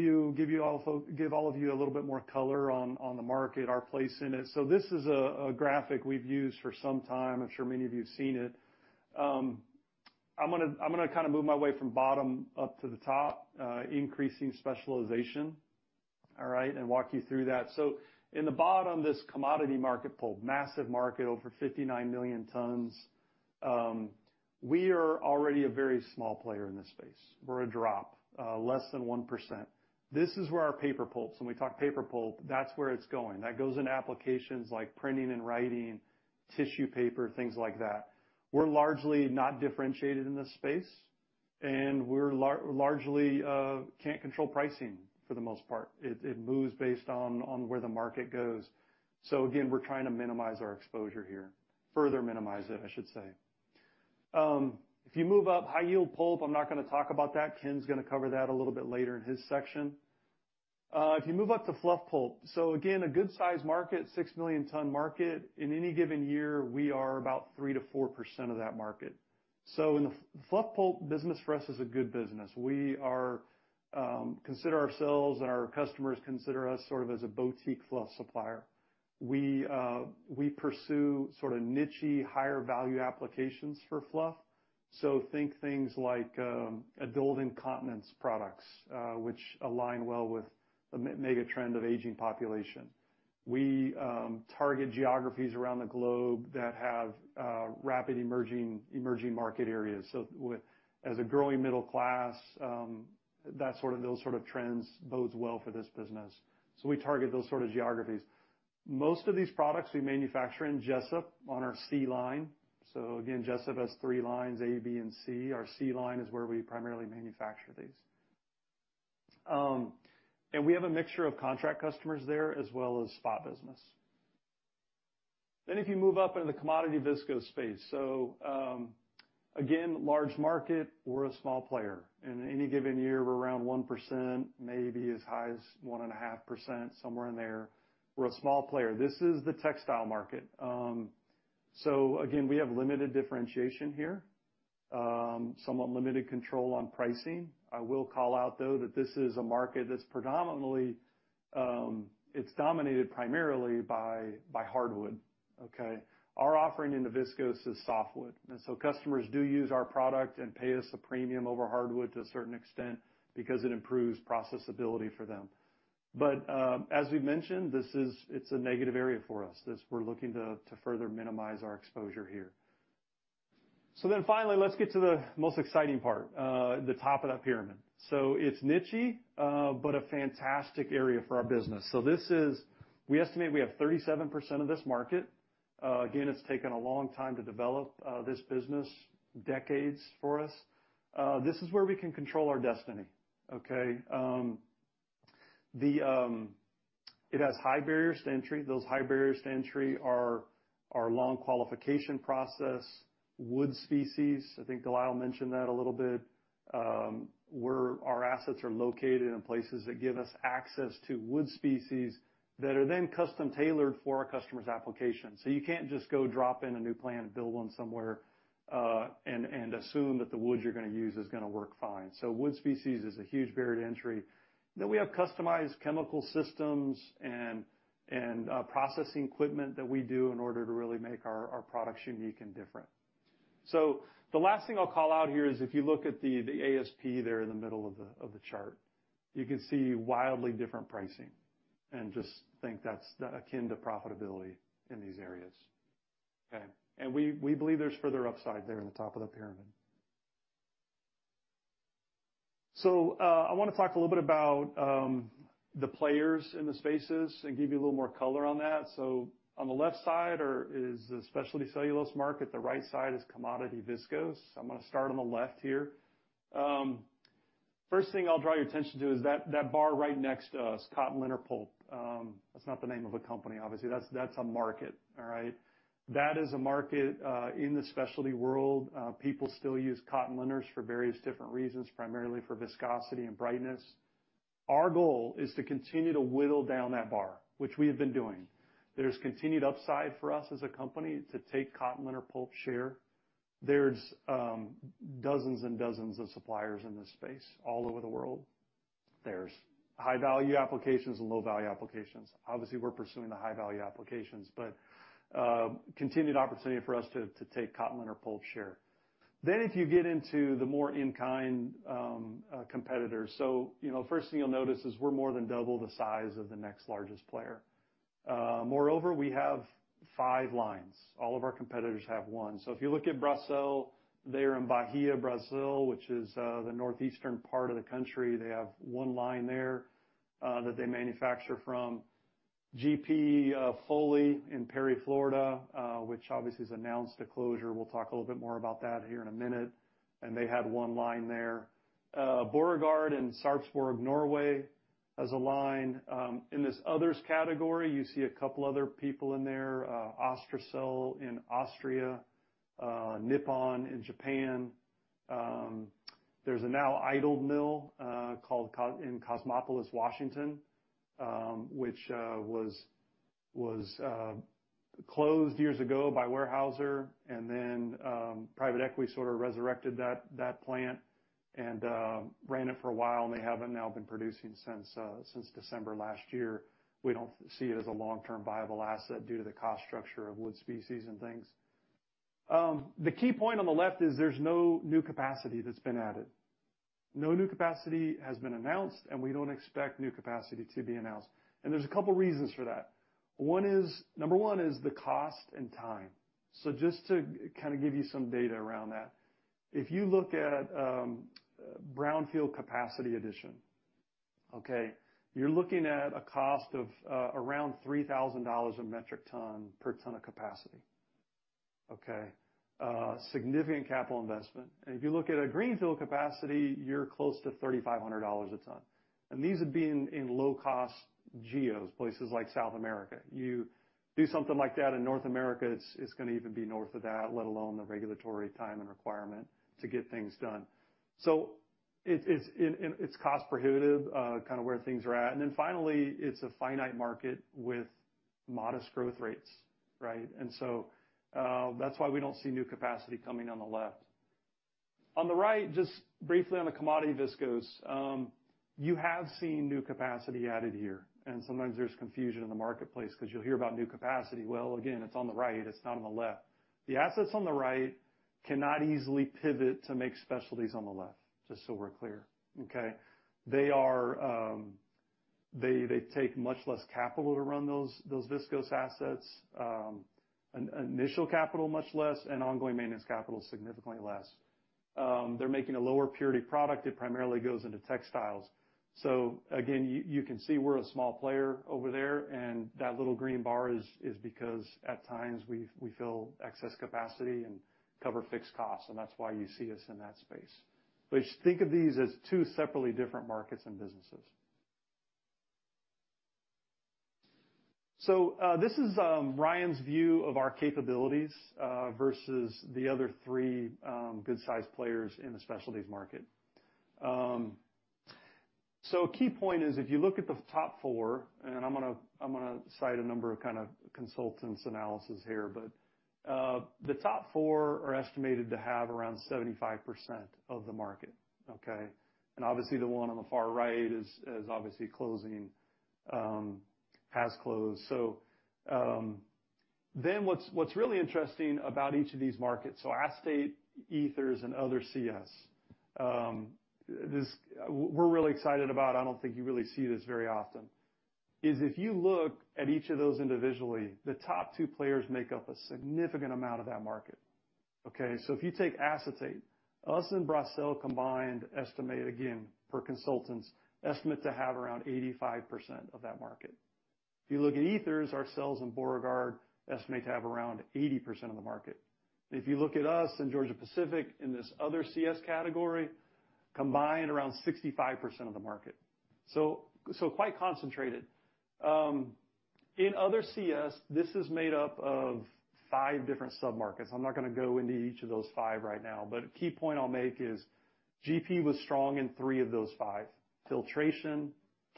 S3: all of you a little bit more color on the market, our place in it. So this is a graphic we've used for some time. I'm sure many of you have seen it. I'm gonna kind of move my way from bottom up to the top, increasing specialization, all right, and walk you through that. So in the bottom, this commodity market pulp, massive market, over 59 million tons. We are already a very small player in this space. We're a drop less than 1%. This is where our paper pulps, when we talk paper pulp, that's where it's going. That goes into applications like printing and writing, tissue paper, things like that. We're largely not differentiated in this space, and we're largely can't control pricing, for the most part. It moves based on where the market goes. So again, we're trying to minimize our exposure here, further minimize it, I should say. If you move up, high-yield pulp, I'm not gonna talk about that. Ken's gonna cover that a little bit later in his section. If you move up to fluff pulp, so again, a good-sized market, 6 million ton market. In any given year, we are about 3% to 4% of that market. So in the fluff pulp business for us is a good business. We are consider ourselves and our customers consider us sort of as a boutique fluff supplier. We we pursue sort of niche-y, higher-value applications for fluff, so think things like adult incontinence products, which align well with the mega trend of aging population. We target geographies around the globe that have rapid emerging market areas. So as a growing middle class, that sort of those sort of trends bodes well for this business, so we target those sort of geographies. Most of these products we manufacture in Jesup on our C line. So again, Jesup has three lines, A, B, and C. Our C line is where we primarily manufacture these. And we have a mixture of contract customers there, as well as spot business. Then if you move up into the commodity viscose space, so, again, large market, we're a small player. In any given year, we're around 1%, maybe as high as 1.5%, somewhere in there. We're a small player. This is the textile market. So again, we have limited differentiation here, somewhat limited control on pricing. I will call out, though, that this is a market that's predominantly it's dominated primarily by, by hardwood, okay? Our offering in the viscose is softwood, and so customers do use our product and pay us a premium over hardwood to a certain extent because it improves processability for them. But, as we've mentioned, this is, it's a negative area for us. This, we're looking to further minimize our exposure here. So then finally, let's get to the most exciting part, the top of that pyramid. It's niche-y, but a fantastic area for our business. This is- We estimate we have 37% of this market. Again, it's taken a long time to develop this business, decades for us. This is where we can control our destiny, okay? It has high barriers to entry. Those high barriers to entry are long qualification process, wood species, I think De Lyle mentioned that a little bit. Where our assets are located in places that give us access to wood species that are then custom-tailored for our customer's application. You can't just go drop in a new plant and build one somewhere, and assume that the wood you're gonna use is gonna work fine. Wood species is a huge barrier to entry. Then we have customized chemical systems and processing equipment that we do in order to really make our products unique and different. So the last thing I'll call out here is, if you look at the ASP there in the middle of the chart, you can see wildly different pricing, and just think that's akin to profitability in these areas, okay? And we believe there's further upside there in the top of the pyramid. So, I wanna talk a little bit about the players in the spaces and give you a little more color on that. So on the left side is the specialty cellulose market, the right side is commodity viscose. I'm gonna start on the left here. First thing I'll draw your attention to is that bar right next to us, cotton linters pulp. That's not the name of a company, obviously, that's a market, all right? That is a market, in the specialty world, people still use cotton linters for various different reasons, primarily for viscosity and brightness. Our goal is to continue to whittle down that bar, which we have been doing. There's continued upside for us as a company to take cotton linters pulp share. There's dozens and dozens of suppliers in this space all over the world. There's high-value applications and low-value applications. Obviously, we're pursuing the high-value applications, but continued opportunity for us to take cotton linters pulp share. If you get into the more in-kind competitors, you know, first thing you'll notice is we're more than double the size of the next largest player. Moreover, we have five lines. All of our competitors have one. If you look at Bracell, they are in Bahia, Bracell, which is the northeastern part of the country. They have one line there that they manufacture from. GP Foley in Perry, Florida, which obviously has announced a closure. We'll talk a little bit more about that here in a minute, and they had one line there. Borregaard in Sarpsborg, Norway, has a line. In this Others category, you see a couple other people in there, AustroCel in Austria, Nippon in Japan. There's a now idled mill called, in Cosmopolis, Washington, which was closed years ago by Weyerhaeuser, and then private equity sort of resurrected that plant and ran it for a while, and they haven't now been producing since December last year. We don't see it as a long-term viable asset due to the cost structure of wood species and things. The key point on the left is there's no new capacity that's been added. No new capacity has been announced, and we don't expect new capacity to be announced, and there's a couple reasons for that. One is-- Number one is the cost and time. So just to kinda give you some data around that, if you look at, brownfield capacity addition, okay, you're looking at a cost of, around $3,000 a metric ton per ton of capacity, okay? Significant capital investment. And if you look at a greenfield capacity, you're close to $3,500 a ton, and these would be in, low-cost geos, places like South America. You do something like that in North America, it's, it's gonna even be north of that, let alone the regulatory time and requirement to get things done. It's, it's, and it's cost prohibitive, kind of where things are at. Finally, it's a finite market with modest growth rates, right? That's why we don't see new capacity coming on the left. On the right, just briefly on the Commodity Viscose, you have seen new capacity added here, and sometimes there's confusion in the marketplace because you'll hear about new capacity. Well, again, it's on the right, it's not on the left. The assets on the right cannot easily pivot to make specialties on the left, just so we're clear, okay? They take much less capital to run those viscose assets, and initial capital, much less, and ongoing maintenance capital, significantly less. They're making a lower purity product. It primarily goes into textiles. So again, you can see we're a small player over there, and that little green bar is because at times we've fill excess capacity and cover fixed costs, and that's why you see us in that space. But just think of these as two separately different markets and businesses. So this is RYAM's view of our capabilities versus the other three good-sized players in the specialties market. So key point is, if you look at the top four, and I'm gonna cite a number of kind of consultants' analysis here, but the top four are estimated to have around 75% of the market, okay? And obviously, the one on the far right is obviously closing, has closed. So then what's really interesting about each of these markets, so acetate, ethers and other CS, this we're really excited about. I don't think you really see this very often, is if you look at each of those individually, the top two players make up a significant amount of that market. Okay, so if you take acetate, us and Bracell combined estimate, again, per consultants, estimate to have around 85% of that market. If you look at ethers, ourselves and Borregaard estimate to have around 80% of the market. And if you look at us and Georgia-Pacific in this other CS category, combined around 65% of the market, so quite concentrated. In other CS, this is made up of five different submarkets. I'm not gonna go into each of those five right now, but a key point I'll make is GP was strong in three of those five: filtration,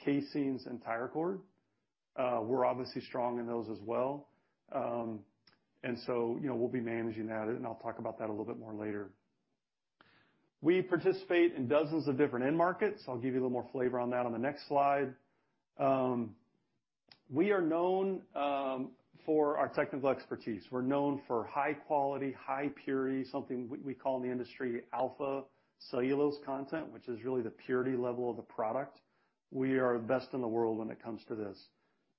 S3: casings, and tire cord. We're obviously strong in those as well, and so, you know, we'll be managing that, and I'll talk about that a little bit more later. We participate in dozens of different end markets. I'll give you a little more flavor on that on the next slide. We are known for our technical expertise. We're known for high quality, high purity, something we call in the industry alpha cellulose content, which is really the purity level of the product. We are the best in the world when it comes to this.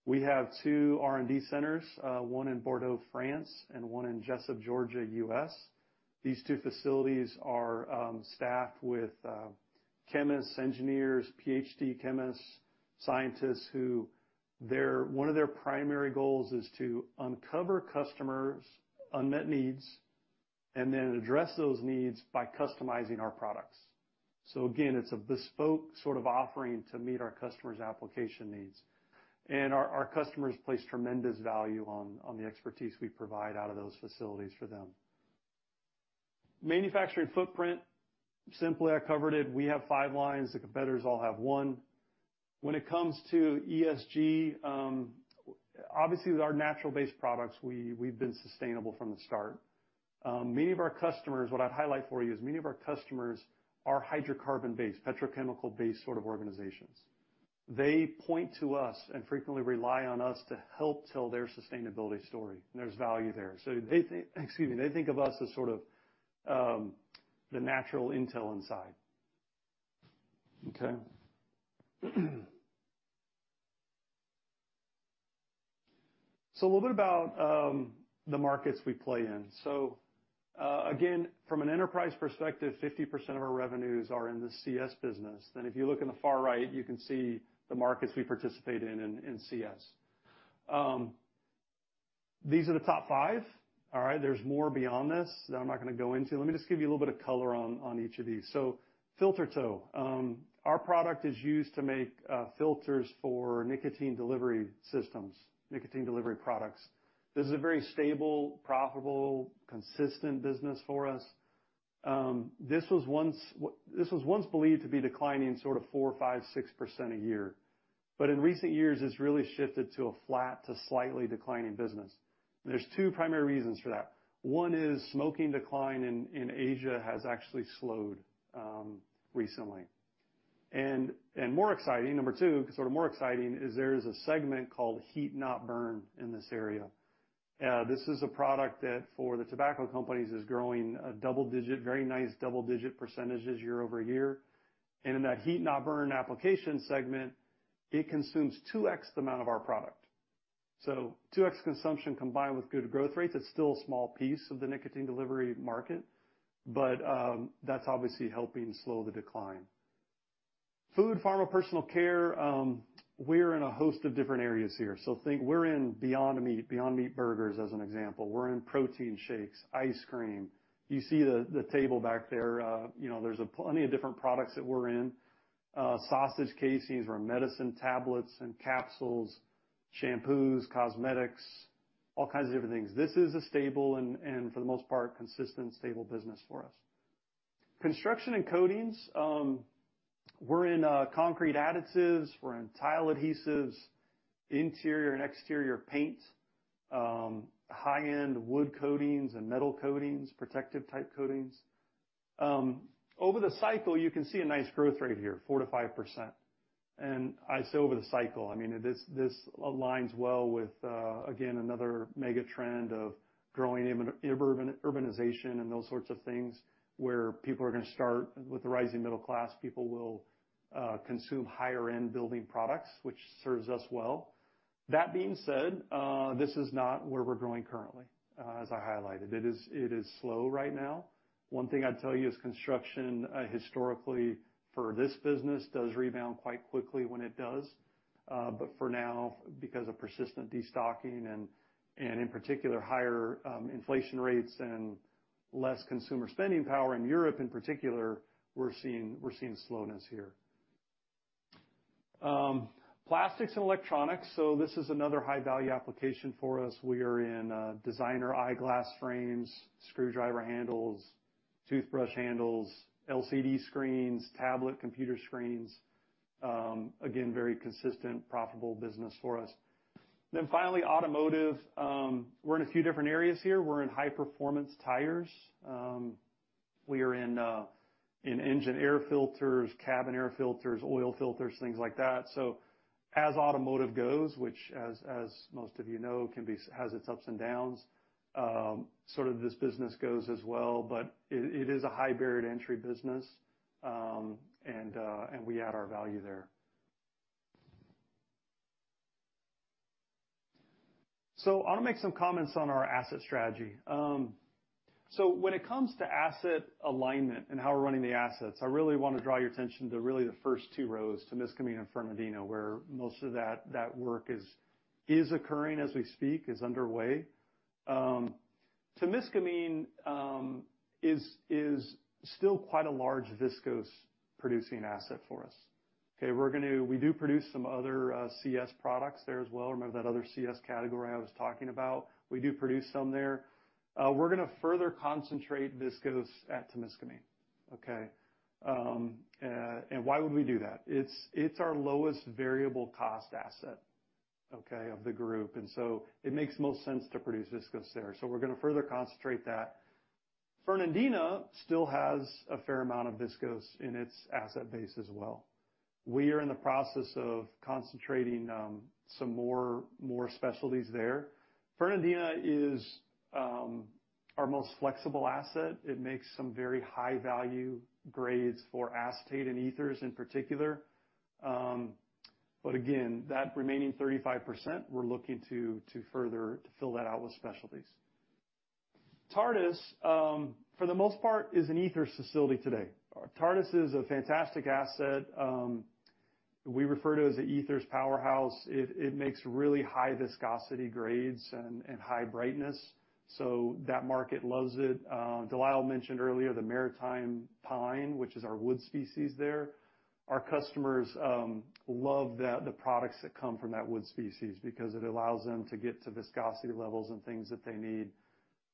S3: We have two R&D centers, one in Bordeaux, France, and one in Jesup, Georgia, U.S. These two facilities are staffed with chemists, engineers, Ph.D. chemists, scientists, who one of their primary goals is to uncover customers' unmet needs, and then address those needs by customizing our products. So again, it's a bespoke sort of offering to meet our customers' application needs. And our customers place tremendous value on the expertise we provide out of those facilities for them. Manufacturing footprint, simply I covered it. We have five lines; the competitors all have one. When it comes to ESG, obviously, with our natural-based products, we, we've been sustainable from the start. Many of our customers, what I'd highlight for you is many of our customers are hydrocarbon-based, petrochemical-based sort of organizations. They point to us and frequently rely on us to help tell their sustainability story, and there's value there. So they excuse me, they think of us as sort of, the natural intel inside. Okay? So a little bit about, the markets we play in. So, again, from an enterprise perspective, 50% of our revenues are in the CS business. Then if you look in the far right, you can see the markets we participate in, in, in CS. These are the top five, all right? There's more beyond this that I'm not gonna go into. Let me just give you a little bit of color on each of these. So filter tow, our product is used to make filters for nicotine delivery systems, nicotine delivery products. This is a very stable, profitable, consistent business for us. This was once believed to be declining sort of 4%, 5%, 6% a year, but in recent years, it's really shifted to a flat to slightly declining business. There's two primary reasons for that. One is smoking decline in Asia has actually slowed recently. And more exciting, number two, sort of more exciting, is there is a segment called Heat Not Burn in this area. This is a product that, for the tobacco companies, is growing a double-digit, very nice double-digit percentages year-over-year. In that heat not burn application segment, it consumes 2x the amount of our product. So 2x consumption combined with good growth rates, it's still a small piece of the nicotine delivery market, but, you know, that's obviously helping slow the decline. Food, pharma, personal care, we're in a host of different areas here. Think we're in Beyond Meat, Beyond Meat burgers, as an example. We're in protein shakes, ice cream. You see the, the table back there, you know, there's plenty of different products that we're in, sausage casings or medicine tablets and capsules, shampoos, cosmetics, all kinds of different things. This is a stable and, and for the most part, consistent, stable business for us. Construction and coatings, we're in concrete additives, we're in tile adhesives, interior and exterior paint, high-end wood coatings and metal coatings, protective-type coatings. Over the cycle, you can see a nice growth rate here, 4% to 5%. I say over the cycle, I mean, this aligns well with, again, another mega trend of growing urbanization and those sorts of things, where people are gonna start, with the rising middle class, people will consume higher-end building products, which serves us well. That being said, this is not where we're growing currently, as I highlighted. It is slow right now. One thing I'd tell you is construction, historically, for this business, does rebound quite quickly when it does. For now, because of persistent destocking and, in particular, higher inflation rates and less consumer spending power in Europe in particular, we're seeing slowness here. Plastics and electronics, so this is another high-value application for us. We are in designer eyeglass frames, screwdriver handles, toothbrush handles, LCD screens, tablet computer screens, again, very consistent, profitable business for us. Then finally, automotive, we're in a few different areas here. We're in high-performance tires. We are in engine air filters, cabin air filters, oil filters, things like that. So as automotive goes, which, as most of you know, has its ups and downs, sort of this business goes as well, but it is a high barrier to entry business, and we add our value there. So I want to make some comments on our asset strategy. So when it comes to asset alignment and how we're running the assets, I really want to draw your attention to really the first two rows, to Temiscaming and Fernandina, where most of that work is occurring as we speak, is underway. Temiscaming is still quite a large viscose-producing asset for us. Okay, we're gonna. We do produce some other CS products there as well. Remember that other CS category I was talking about? We do produce some there. We're gonna further concentrate viscose at Temiscaming, okay? And why would we do that? It's our lowest variable cost asset, okay, of the group, and so it makes the most sense to produce viscose there, so we're gonna further concentrate that. Fernandina still has a fair amount of viscose in its asset base as well. We are in the process of concentrating some more specialties there. Fernandina is our most flexible asset. It makes some very high-value grades for acetate and ethers in particular. But again, that remaining 35%, we're looking to further fill that out with specialties. Tartas, for the most part, is an ethers facility today. Tartas is a fantastic asset. We refer to it as the ethers powerhouse. It makes really high viscosity grades and high brightness, so that market loves it. De Lyle mentioned earlier the maritime pine, which is our wood species there. Our customers love the products that come from that wood species because it allows them to get to viscosity levels and things that they need.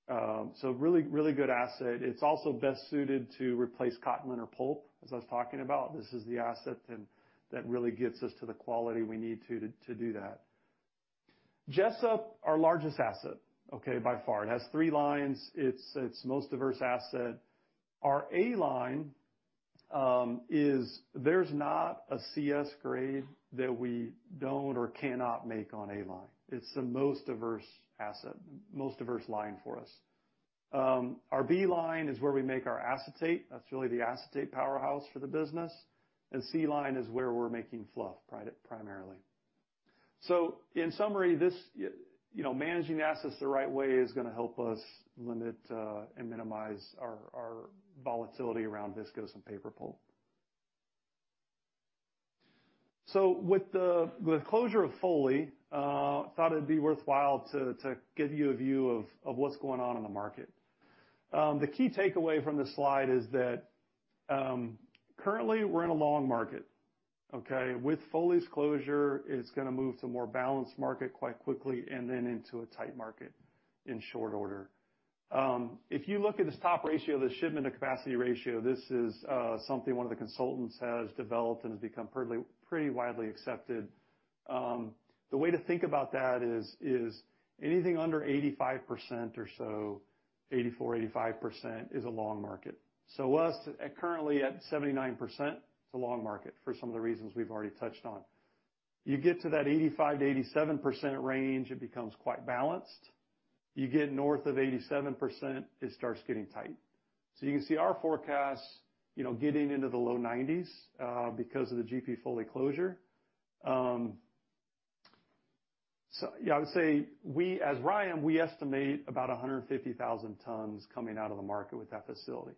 S3: So really good asset. It's also best suited to replace cotton linter pulp, as I was talking about. This is the asset then, that really gets us to the quality we need to do that. Jesup, our largest asset, okay, by far. It has three lines. It's the most diverse asset. Our A line is—there's not a CS grade that we don't or cannot make on A line. It's the most diverse asset, most diverse line for us. Our B line is where we make our acetate. That's really the acetate powerhouse for the business, and C line is where we're making fluff primarily. So in summary, this, you know, managing the assets the right way is gonna help us limit and minimize our volatility around viscose and paper pulp. So with the closure of Foley, I thought it'd be worthwhile to give you a view of what's going on in the market. The key takeaway from this slide is that, currently, we're in a long market, okay? With Foley's closure, it's gonna move to a more balanced market quite quickly and then into a tight market in short order. If you look at this top ratio, the shipment to capacity ratio, this is something one of the consultants has developed and has become pretty widely accepted. The way to think about that is anything under 85% or so, 84, 85%, is a long market. So us, currently at 79%, it's a long market for some of the reasons we've already touched on. You get to that 85% to 87% range, it becomes quite balanced. You get north of 87%, it starts getting tight. So you can see our forecast, you know, getting into the low 90s because of the GP Foley closure. So yeah, I would say we, as RYAM, we estimate about 150,000 tons coming out of the market with that facility.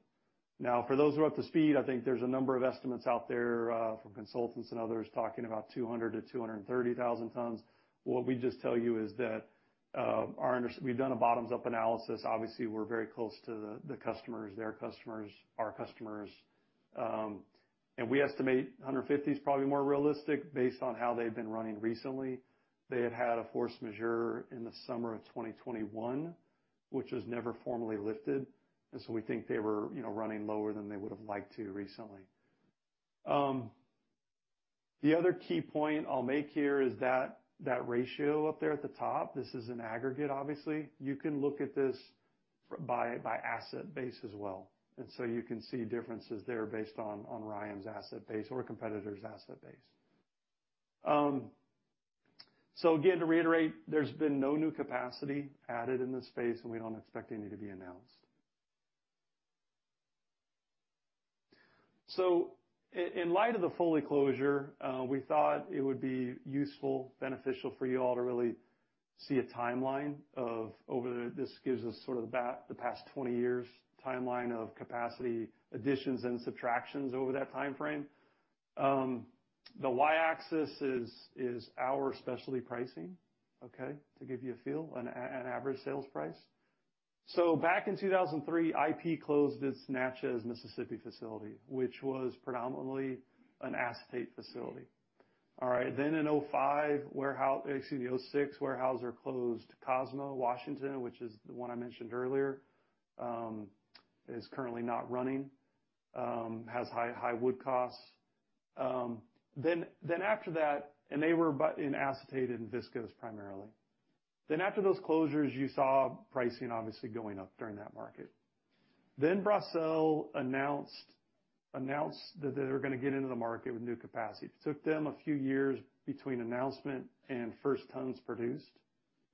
S3: Now, for those who are up to speed, I think there's a number of estimates out there from consultants and others talking about 200,000 to 230,000 tons. What we just tell you is that, our— We've done a bottoms-up analysis. Obviously, we're very close to the, the customers, their customers, our customers, and we estimate 150 is probably more realistic based on how they've been running recently. They had had a force majeure in the summer of 2021, which was never formally lifted, and we think they were, you know, running lower than they would've liked to recently. The other key point I'll make here is that, that ratio up there at the top, this is an aggregate, obviously. You can look at this by asset base as well, and you can see differences there based on Ryam's asset base or a competitor's asset base. To reiterate, there's been no new capacity added in this space, and we don't expect any to be announced. In light of the Foley closure, we thought it would be useful, beneficial for you all to really see a timeline of over the. This gives us sort of the past 20 years timeline of capacity additions and subtractions over that timeframe. The Y-axis is our specialty pricing, okay? To give you a feel, an average sales price. So back in 2003, IP closed its Natchez, Mississippi, facility, which was predominantly an acetate facility. All right, then in 2006, Weyerhaeuser closed Cosmopolis, Washington, which is the one I mentioned earlier. It is currently not running, has high wood costs. Then after that, and they were both in acetate and viscose primarily. Then after those closures, you saw pricing obviously going up during that market. Then Brazil announced that they were gonna get into the market with new capacity. It took them a few years between announcement and first tons produced,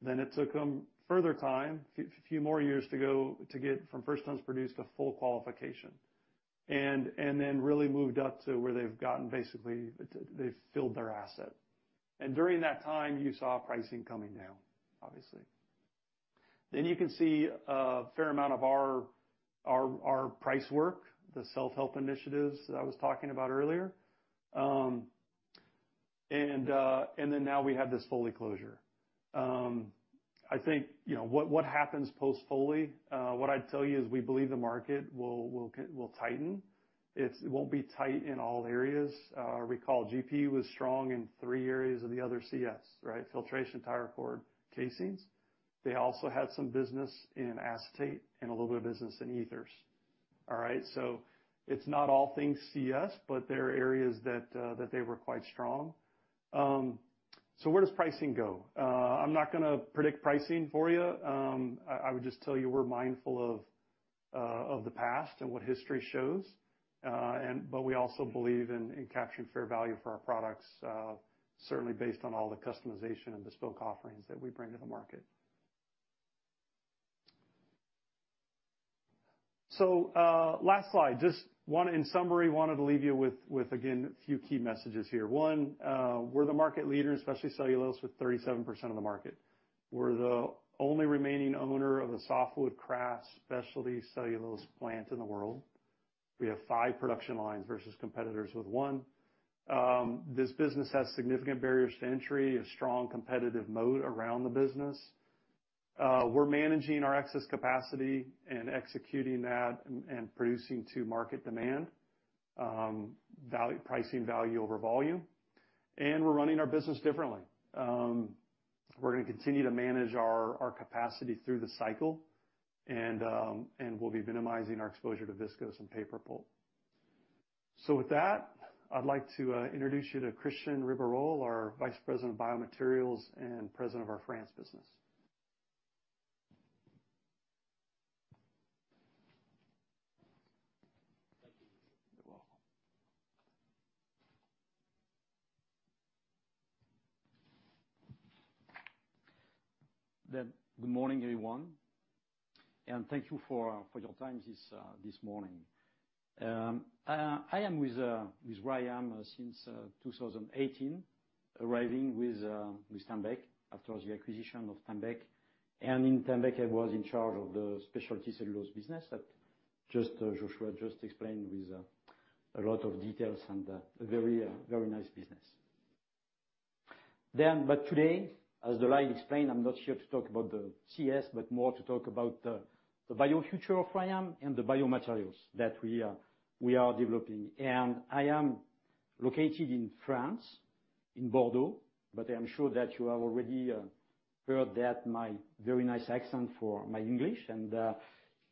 S3: then it took them further time, a few more years to go, to get from first tons produced to full qualification... and, and then really moved up to where they've gotten basically, they've filled their asset. During that time, you saw pricing coming down, obviously. You can see a fair amount of our, our, our price work, the self-help initiatives that I was talking about earlier. Now we have this Foley closure. I think, you know, what happens post Foley, what I'd tell you is we believe the market will, will tighten. It won't be tight in all areas. Recall GP was strong in three areas of the other CS, right? Filtration, tire cord, casings. They also had some business in acetate and a little bit of business in ethers. All right? So it's not all things CS, but there are areas that that they were quite strong. So where does pricing go? I'm not gonna predict pricing for you. I would just tell you, we're mindful of the past and what history shows, and but we also believe in capturing fair value for our products, certainly based on all the customization and bespoke offerings that we bring to the market. So, last slide. Just one, in summary, wanted to leave you with, with, again, a few key messages here. One, we're the market leader in specialty cellulose, with 37% of the market. We're the only remaining owner of the softwood kraft specialty cellulose plant in the world. We have five production lines versus competitors with one. This business has significant barriers to entry, a strong competitive moat around the business. We're managing our excess capacity and executing that and, and producing to market demand, value-pricing value over volume. And we're running our business differently. We're gonna continue to manage our, our capacity through the cycle, and, and we'll be minimizing our exposure to viscose and paper pulp. So with that, I'd like to introduce you to Christian Ribeyrolle, our Vice President of Biomaterials and President of our French business.
S4: Thank you.
S3: You're welcome.
S4: Good morning, everyone, and thank you for your time this morning. I am with RYAM since 2018, arriving with Tembec, after the acquisition of Tembec. And in Tembec, I was in charge of the specialty cellulose business that just Joshua just explained with a lot of details and a very very nice business. But today, as De Lyle explained, I'm not here to talk about the CS, but more to talk about the bio future of RYAM and the biomaterials that we are developing. I am located in France, in Bordeaux, but I am sure that you have already heard that my very nice accent for my English.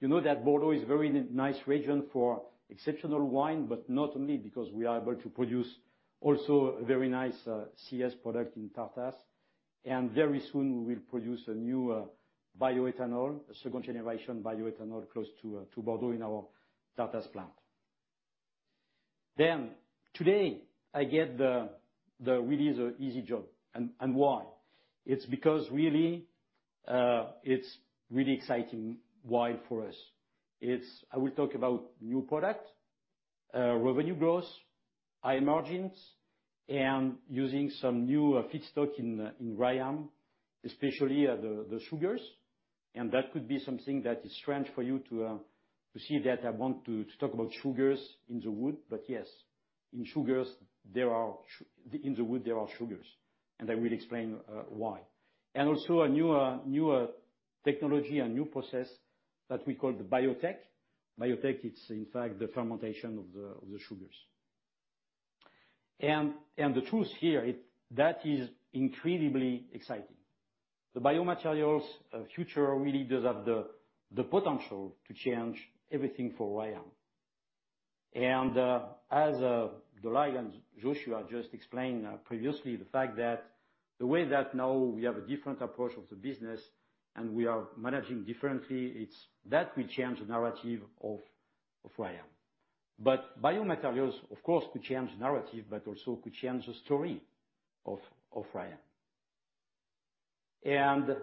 S4: You know that Bordeaux is a very nice region for exceptional wine, but not only because we are able to produce also a very nice CS product in Tartas, and very soon we will produce a new bioethanol, a second generation bioethanol, close to Bordeaux in our Tartas plant. Today, I get the really easy job, and why? It's because, really, it's really exciting why for us. I will talk about new product revenue growth, high margins, and using some new feedstock in RYAM, especially the sugars, and that could be something that is strange for you to see that I want to talk about sugars in the wood, but yes, in the wood, there are sugars, and I will explain why. And also a new technology, a new process that we call the biotech. Biotech, it's in fact, the fermentation of the sugars. And the truth here, it that is incredibly exciting. The biomaterials of future really does have the potential to change everything for RYAM. And as De Lyle and Joshua just explained previously, the fact that the way that now we have a different approach of the business and we are managing differently, it's that we change the narrative of RYAM. But biomaterials, of course, could change the narrative, but also could change the story of RYAM. And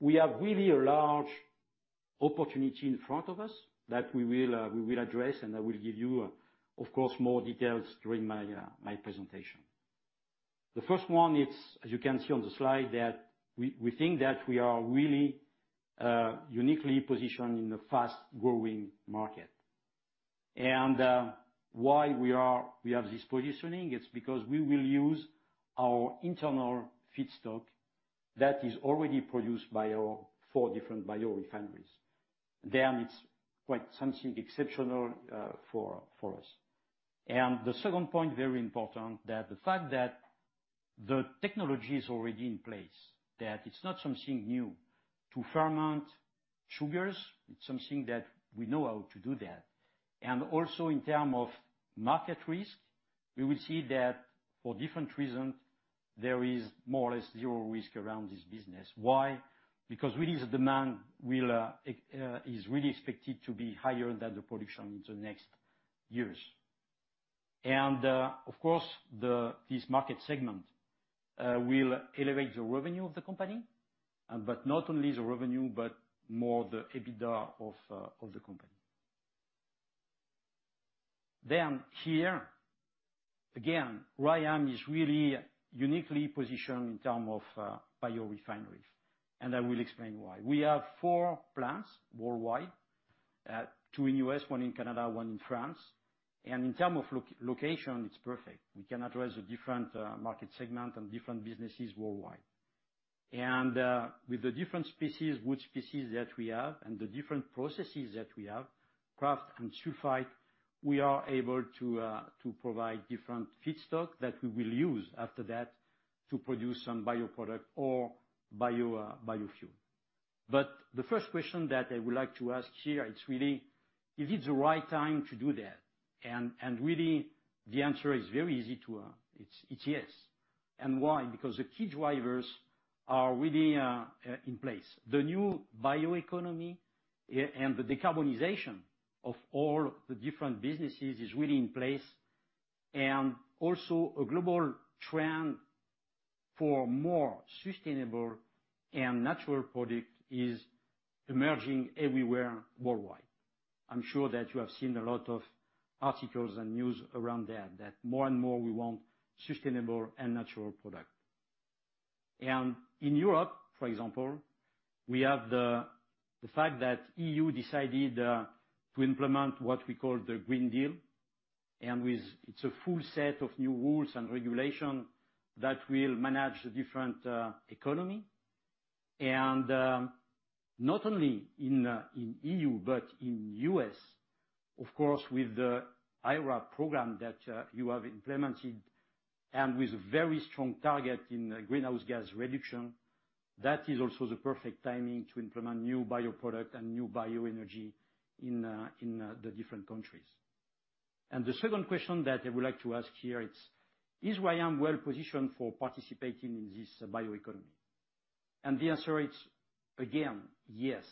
S4: we have really a large opportunity in front of us that we will address, and I will give you, of course, more details during my presentation. The first one is, as you can see on the slide, that we, we think that we are really uniquely positioned in the fast-growing market. And why we are—we have this positioning? It's because we will use our internal feedstock that is already produced by our four different biorefineries. Then it's quite something exceptional, for us. And the second point, very important, that the fact that the technology is already in place, that it's not something new to ferment sugars, it's something that we know how to do that. And also, in terms of market risk, we will see that for different reasons, there is more or less zero risk around this business. Why? Because really the demand will is really expected to be higher than the production in the next years. Of course, this market segment will elevate the revenue of the company, and but not only the revenue, but more the EBITDA of the company. Then here, again, RYAM is really uniquely positioned in terms of biorefineries, and I will explain why. We have four plants worldwide, two in U.S., one in Canada, one in France. And in term of location its perfect, we cannot raise a different market segment and different businesses worldwide. With the different species, wood species that we have and the different processes that we have, kraft and sulfite, we are able to provide different feedstock that we will use after that to produce some bioproduct or biofuel. But the first question that I would like to ask here, it's really: is it the right time to do that? Really, the answer is very easy to, it's, it's yes. And why? Because the key drivers are really in place. The new bioeconomy, and the decarbonization of all the different businesses is really in place, and also a global trend for more sustainable and natural product is emerging everywhere worldwide. I'm sure that you have seen a lot of articles and news around that, that more and more we want sustainable and natural product. And in Europe, for example, we have the fact that EU decided to implement what we call the Green Deal, and with it's a full set of new rules and regulation that will manage the different economy. Not only in the EU, but in the U.S., of course, with the IRA program that you have implemented, and with very strong target in greenhouse gas reduction, that is also the perfect timing to implement new bioproduct and new bioenergy in the different countries. And the second question that I would like to ask here, it's: is RYAM well-positioned for participating in this bioeconomy? And the answer is, again, yes,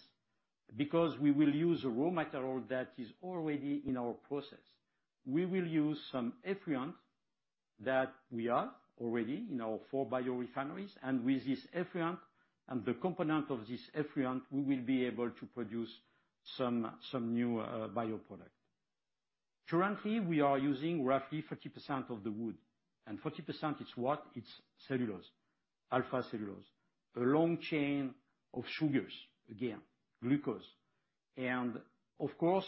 S4: because we will use a raw material that is already in our process. We will use some effluent that we have already in our four biorefineries, and with this effluent, and the component of this effluent, we will be able to produce some new bioproduct. Currently, we are using roughly 40% of the wood, and 40% is what? It's cellulose, alpha cellulose. A long chain of sugars, again, glucose. Of course,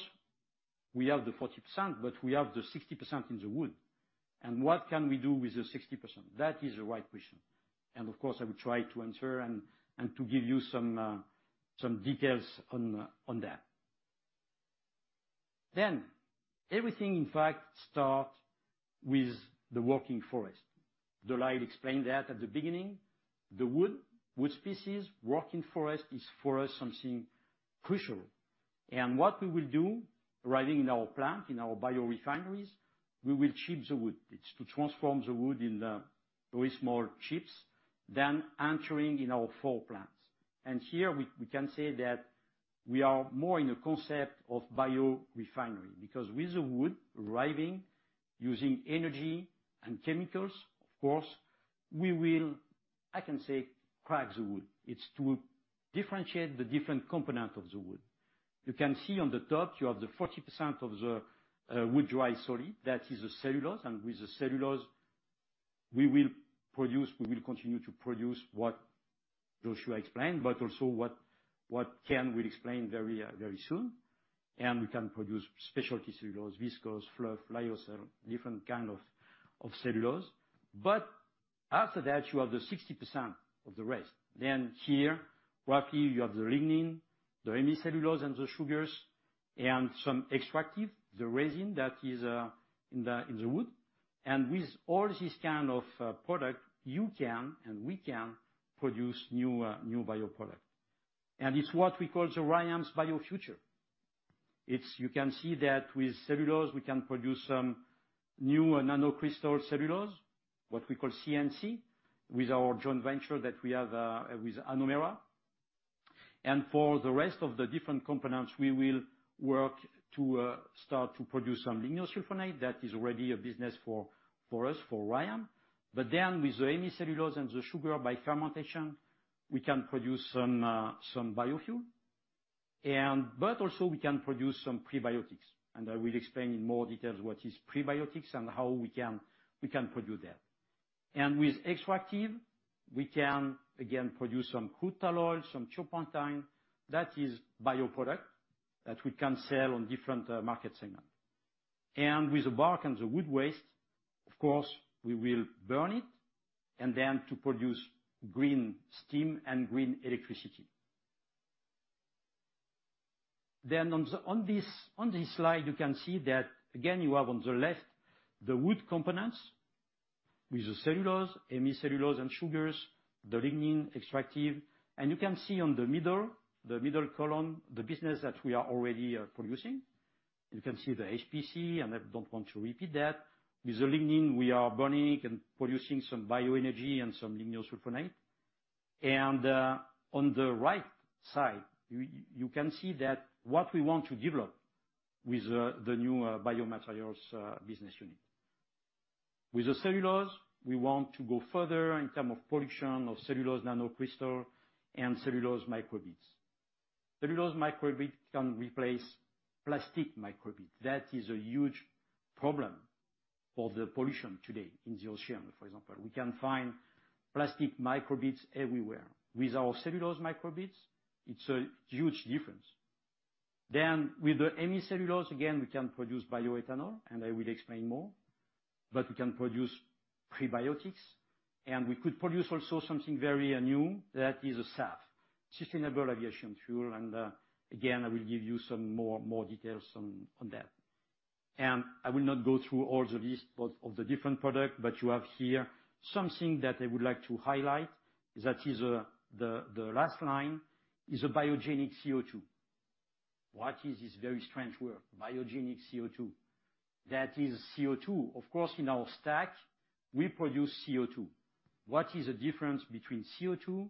S4: we have the 40%, but we have the 60% in the wood. What can we do with the 60%? That is the right question, and of course, I will try to answer and to give you some details on that. Everything, in fact, starts with the working forest. De Lyle explained that at the beginning. The wood, wood species, working forest is, for us, something crucial. What we will do, arriving in our plant, in our biorefineries, we will chip the wood. It's to transform the wood in very small chips, then entering in our four plants. Here, we can say that we are more in a concept of biorefinery, because with the wood arriving, using energy and chemicals, of course, we will, I can say, crack the wood. It's to differentiate the different component of the wood. You can see on the top, you have the 40% of the wood dry solid, that is the cellulose, and with the cellulose, we will produce—we will continue to produce what Joshua explained, but also what, what Ken will explain very, very soon. We can produce specialty cellulose, viscose, fluff, lyocell, different kind of cellulose. After that, you have the 60% of the rest. Here, roughly, you have the lignin, the hemicellulose and the sugars, and some extractive, the resin that is in the wood. With all this kind of product, you can, and we can produce new, new bioproduct. It's what we call the RYAM's biofuture. You can see that with cellulose, we can produce some new nanocrystalline cellulose, what we call CNC, with our joint venture that we have with Anomera. For the rest of the different components, we will work to start to produce some lignosulfonate. That is already a business for us, for RYAM. Then, with the hemicellulose and the sugar by fermentation, we can produce some biofuel, and also we can produce some prebiotics, and I will explain in more detail what is prebiotics and how we can produce that. With extractives, we can, again, produce some crude tall oil, some turpentine. That is bioproduct that we can sell on different market segments. With the bark and the wood waste, of course, we will burn it to produce green steam and green electricity. On this slide, you can see that, again, you have on the left the wood components with the cellulose, hemicellulose and sugars, the lignin, extractive. You can see in the middle column the business that we are already producing. You can see the HPC, and I don't want to repeat that. With the lignin, we are burning and producing some bioenergy and some lignosulfonate. On the right side, you can see what we want to develop with the new biomaterials business unit. With the cellulose, we want to go further in terms of production of cellulose nanocrystal and cellulose microbeads. Cellulose microbeads can replace plastic microbeads. That is a huge problem for the pollution today in the ocean, for example. We can find plastic micro beads everywhere. With our cellulose micro beads, it's a huge difference. Then with the hemicellulose, again, we can produce bioethanol, and I will explain more. But we can produce prebiotics, and we could produce also something very new, that is SAF, sustainable aviation fuel, and again, I will give you some more details on that. And I will not go through all the list, but of the different product, but you have here something that I would like to highlight, that is, the last line, is a biogenic CO2. What is this very strange word, biogenic CO2? That is CO2. Of course, in our stack, we produce CO2. What is the difference between CO2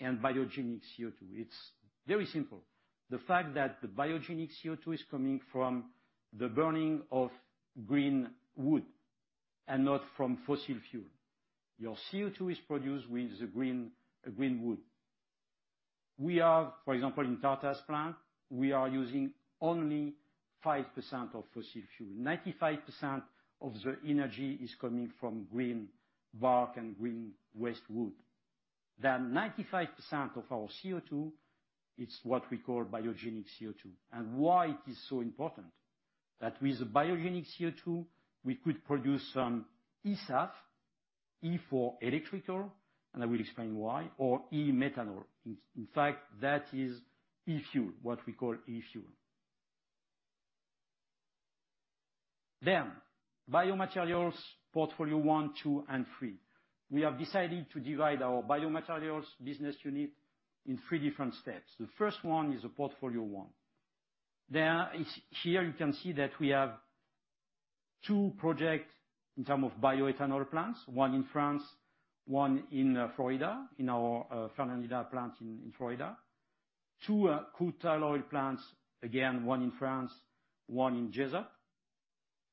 S4: and biogenic CO2? It's very simple. The fact that the biogenic CO2 is coming from the burning of green wood and not from fossil fuel. Your CO2 is produced with the green, green wood. We are, for example, in Tartas plant, we are using only 5% of fossil fuel. 95% of the energy is coming from green bark and green waste wood. Then 95% of our CO2 is what we call biogenic CO2. Why it is so important? That with the biogenic CO2, we could produce some eSAF, e for electrical, and I will explain why, or e-methanol. In fact, that is e-fuel, what we call e-fuel. Biomaterials portfolio one, two, and three. We have decided to divide our biomaterials business unit in three different steps. The first one is a portfolio one. There is—Here, you can see that we have two projects in terms of bioethanol plants, one in France, one in Florida, in our Fernandina plant in Florida. Two crude tall oil plants, again, one in France, one in Jesup.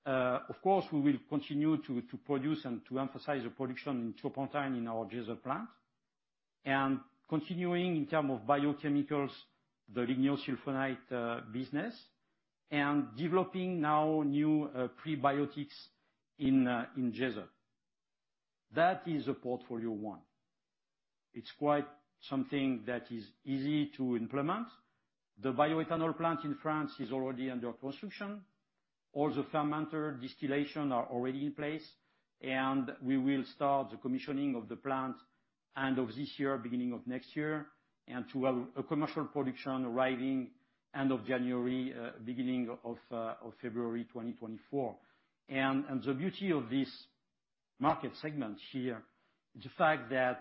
S4: Of course, we will continue to produce and to emphasize the production of turpentine in our Jesup plant, and continuing in terms of biochemicals, the lignosulfonate business, and developing now new prebiotics in Jesup. That is a portfolio one. It's quite something that is easy to implement. The bioethanol plant in France is already under construction. All the fermenter distillation are already in place, and we will start the commissioning of the plant end of this year, beginning of next year, and to have a commercial production arriving end of January, beginning of February 2024. The beauty of this market segment here is the fact that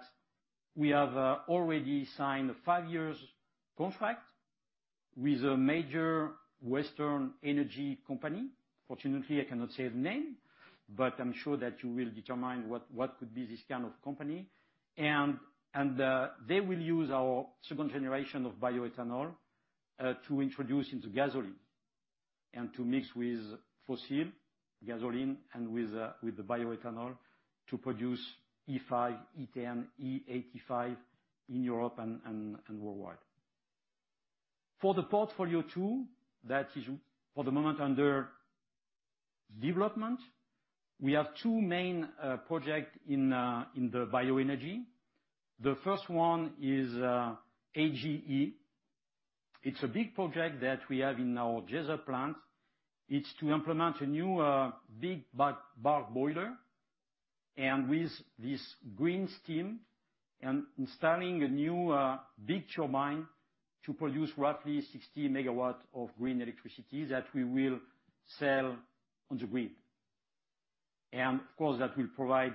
S4: we have already signed a five years contract with a major Western energy company. Fortunately, I cannot say the name, but I'm sure that you will determine what could be this kind of company. They will use our second generation of bioethanol to introduce into gasoline and to mix with fossil gasoline and with the bioethanol to produce E5, E10, E85 in Europe and worldwide. For the portfolio two, that is, for the moment, under development, we have two main projects in bioenergy. The first one is AGE. It's a big project that we have in our Jesup plant. It's to implement a new big bark boiler, and with this green steam, and installing a new big turbine to produce roughly 60 MW of green electricity that we will sell on the grid. And of course, that will provide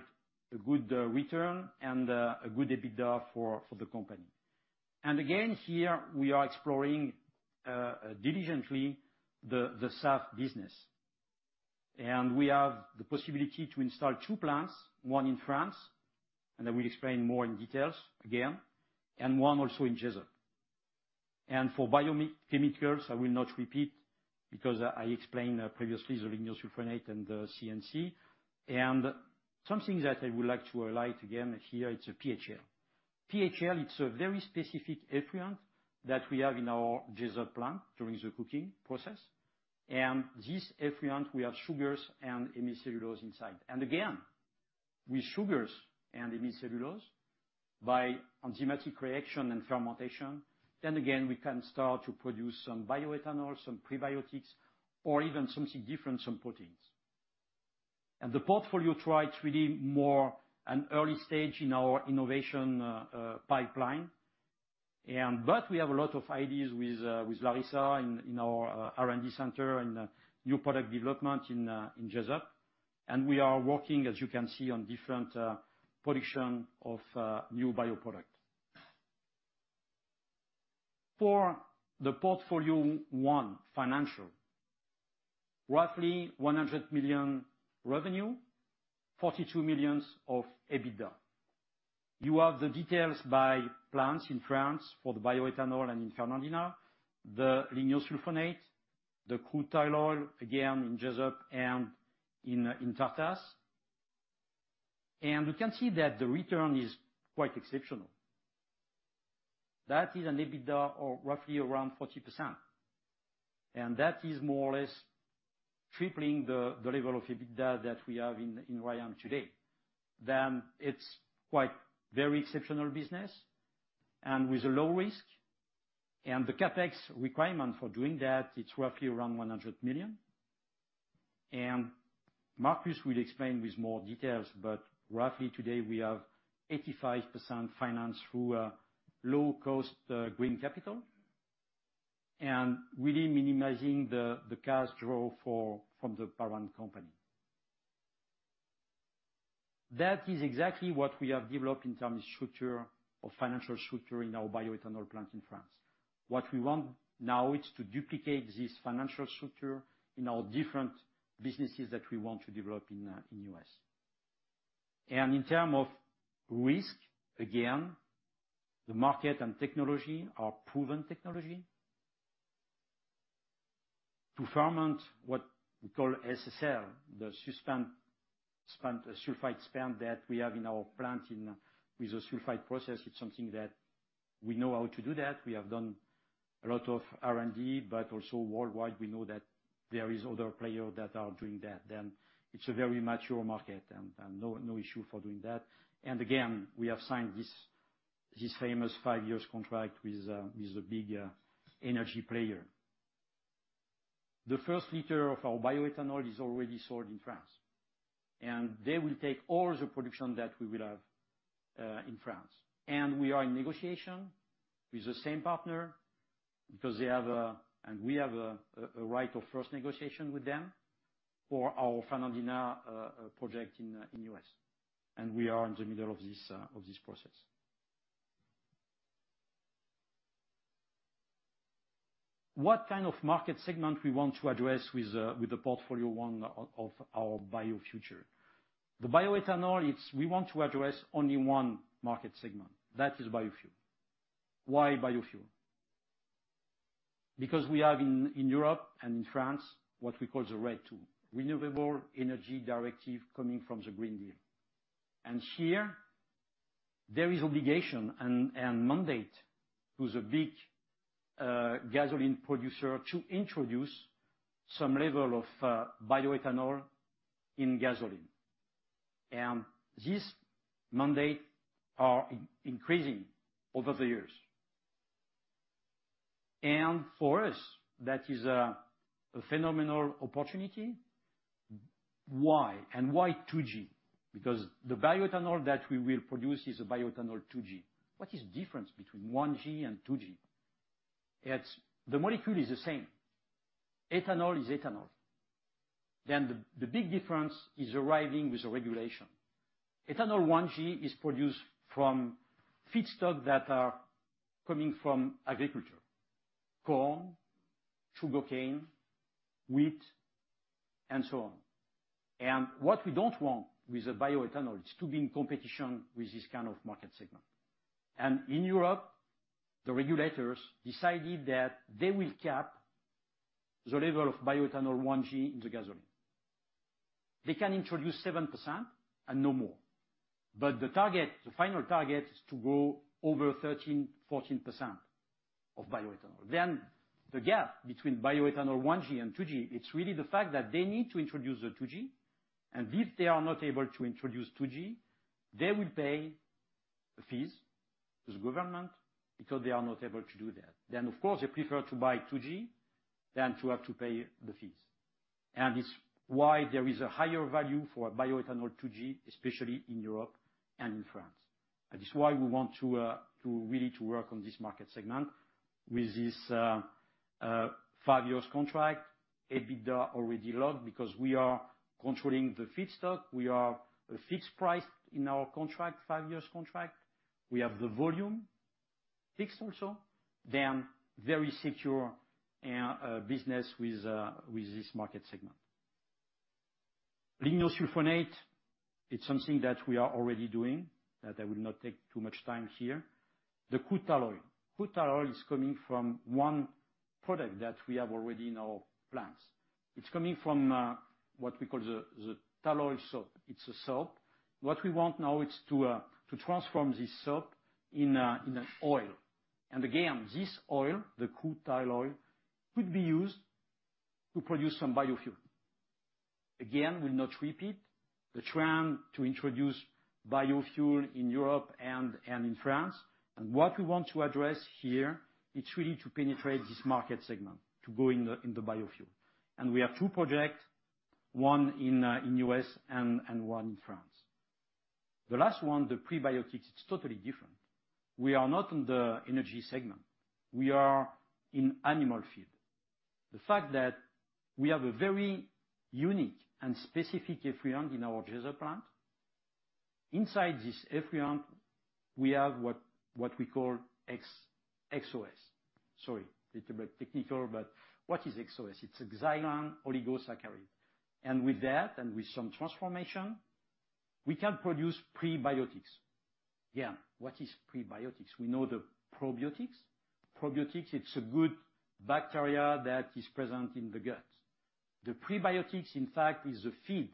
S4: a good return and a good EBITDA for the company. And again, here we are exploring diligently the SAF business. And we have the possibility to install two plants, one in France, and I will explain more in details again, and one also in Jesup. And for biochemicals, I will not repeat because I explained previously the lignosulfonate and the CNC. And something that I would like to highlight again here, it's a PHL. PHL, it's a very specific effluent that we have in our Jesup plant during the cooking process, and this effluent, we have sugars and hemicellulose inside. And again, With sugars and hemicellulose, by enzymatic reaction and fermentation, then again, we can start to produce some bioethanol, some prebiotics, or even something different, some proteins. The portfolio three is really more an early stage in our innovation pipeline. We have a lot of ideas with Larissa in our R&D center and new product development in Geyser. We are working, as you can see, on different production of new bioproducts. For the portfolio one, financial, roughly $100 million revenue, $42 million of EBITDA. You have the details by plants in France for the bioethanol and in Fernandina, the linear sulfonate, the crude tall oil, again, in Jesup and in Tartas. We can see that the return is quite exceptional. That is an EBITDA of roughly around 40%, and that is more or less tripling the level of EBITDA that we have in RYAM today. Then it's quite very exceptional business and with a low risk, and the CapEx requirement for doing that, it's roughly around $100 million. And Marcus will explain with more details, but roughly today, we have 85% financed through a low-cost green capital and really minimizing the cash draw from the parent company. That is exactly what we have developed in terms of structure or financial structure in our bioethanol plant in France. What we want now is to duplicate this financial structure in our different businesses that we want to develop in U.S. And in term of risk, again, the market and technology are proven technology. To ferment what we call SSL, the sulfite spent that we have in our plant in, with the sulfite process, it's something that we know how to do that. We have done a lot of R&D, but also worldwide, we know that there is other player that are doing that. Then it's a very mature market and, and no, no issue for doing that. And again, we have signed this, this famous five year contract with a big energy player. The first liter of our bioethanol is already sold in France, and they will take all the production that we will have in France. We are in negotiation with the same partner because they have a, and we have a right of first negotiation with them for our Fernandina project in the US, and we are in the middle of this process. What kind of market segment do we want to address with the portfolio one of our bio future? The bioethanol, we want to address only one market segment. That is biofuel. Why biofuel? Because we have in Europe and in France what we call the RED II, Renewable Energy Directive, coming from the Green Deal. Here, there is obligation and mandate to the big gasoline producer to introduce some level of bioethanol in gasoline. These mandates are increasing over the years. For us, that is a phenomenal opportunity. Why? And why 2G? Because the bioethanol that we will produce is a bioethanol 2G. What is difference between 1G and 2G? It's, the molecule is the same. Ethanol is ethanol. Then the, the big difference is arriving with the regulation. Ethanol 1G is produced from feedstock that are coming from agriculture: corn, sugarcane, wheat, and so on. And what we don't want with the bioethanol is to be in competition with this kind of market segment. And in Europe, the regulators decided that they will cap the level of bioethanol 1G in the gasoline. They can introduce 7% and no more. But the target, the final target, is to go over 13% to 4% of bioethanol. Then the gap between bioethanol 1G and 2G, it's really the fact that they need to introduce the 2G, and if they are not able to introduce 2G, they will pay fees to the government because they are not able to do that. Then, of course, they prefer to buy 2G than to have to pay the fees. And it's why there is a higher value for bioethanol 2G, especially in Europe and in France. And it's why we want to, to really to work on this market segment with this, five years contract, EBITDA already locked because we are controlling the feedstock. We are a fixed price in our contract, five years contract. We have the volume fixed also, then very secure, business with, with this market segment. Lignosulfonate, it's something that we are already doing, that I will not take too much time here. The crude tall oil. Crude tall oil is coming from one product that we have already in our plants. It's coming from what we call the tall oil soap. It's a soap. What we want now is to transform this soap in an oil. And again, this oil, the crude tall oil, could be used to produce some biofuel. Again, we'll not repeat the trend to introduce biofuel in Europe and in France. And what we want to address here, it's really to penetrate this market segment, to go in the biofuel. And we have two project, one in U.S. and one in France. The last one, the prebiotic, it's totally different. We are not in the energy segment. We are in animal feed. The fact that we have a very unique and specific effluent in our Jesup plant, inside this effluent, we have what we call XOS. Sorry, little bit technical, but what is XOS? It's xylan oligosaccharide, and with that, and with some transformation, we can produce prebiotics. Yeah. What is prebiotics? We know the probiotics. Probiotics, it's a good bacteria that is present in the gut. The prebiotics, in fact, is a feed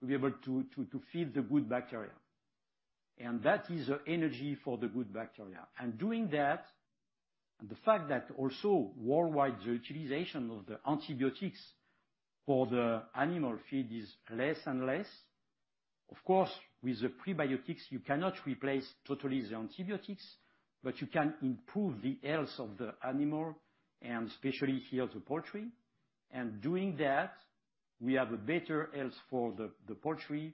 S4: to be able to feed the good bacteria, and that is the energy for the good bacteria. Doing that, and the fact that also worldwide, the utilization of the antibiotics for the animal feed is less and less. Of course, with the prebiotics, you cannot replace totally the antibiotics, but you can improve the health of the animal, and especially here, the poultry. Doing that, we have a better health for the poultry,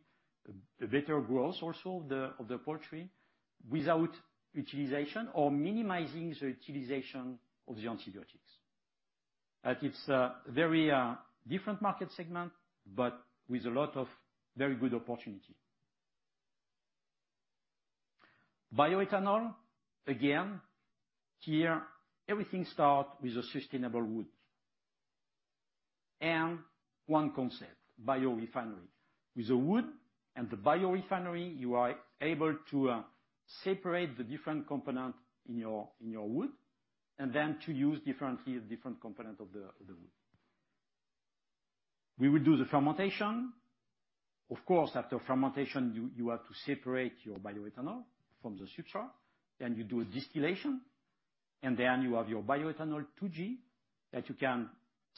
S4: the better growth also of the poultry, without utilization or minimizing the utilization of the antibiotics. That it's a very different market segment, but with a lot of very good opportunity. Bioethanol, again, here, everything start with a sustainable wood. One concept: biorefinery. With the wood and the biorefinery, you are able to separate the different component in your, in your wood, and then to use differently, the different component of the, of the wood. We will do the fermentation. Of course, after fermentation, you have to separate your bioethanol from the sugar, then you do a distillation, and then you have your Bioethanol 2G that you can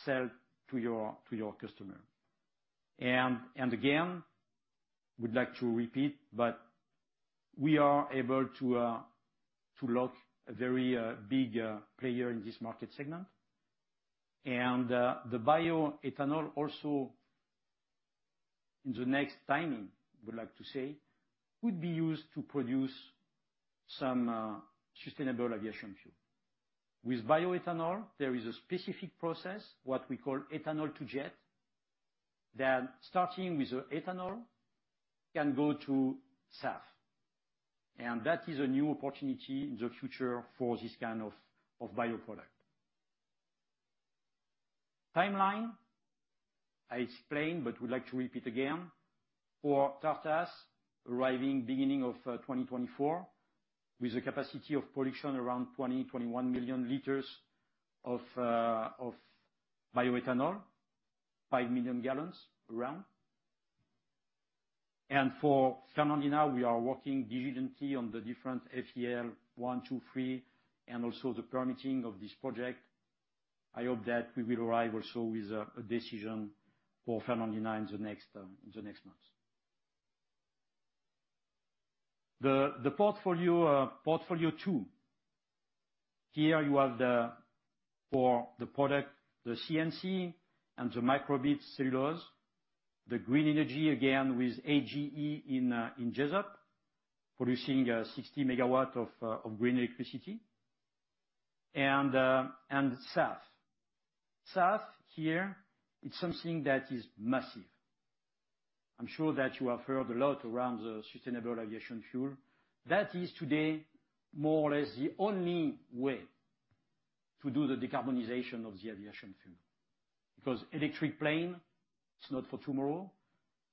S4: sell to your, to your customer. And again, we'd like to repeat, but we are able to lock a very big player in this market segment. And the bioethanol also, in the next timing, we'd like to say, would be used to produce some sustainable aviation fuel. With bioethanol, there is a specific process, what we call Ethanol-to-Jet, that starting with ethanol, can go to SAF. And that is a new opportunity in the future for this kind of bioproduct. Timeline, I explained, but would like to repeat again. For Tartas, arriving beginning of 2024, with a capacity of production around 20 to 21 million liters of bioethanol, 5 million gallons around. And for Fernandina, we are working diligently on the different FEL 1, 2, 3, and also the permitting of this project. I hope that we will arrive also with a decision for Fernandina in the next months. The portfolio, portfolio two. Here you have the—for the product, the CNC and the micro bead cellulose, the green energy, again, with AGE in Jesup, producing 60 MW of green electricity, and SAF. SAF, here, it's something that is massive. I'm sure that you have heard a lot around the sustainable aviation fuel. That is today, more or less, the only way to do the decarbonization of the aviation fuel. Because electric plane, it's not for tomorrow.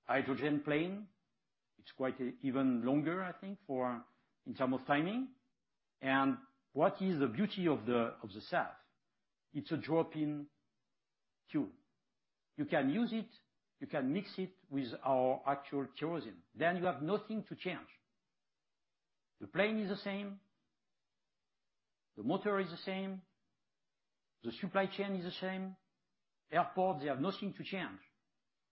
S4: Hydrogen plane, it's quite even longer, I think, for in term of timing. And what is the beauty of the SAF? It's a drop-in fuel. You can use it, you can mix it with our actual kerosene. Then you have nothing to change. The plane is the same, the motor is the same, the supply chain is the same. Airport, they have nothing to change.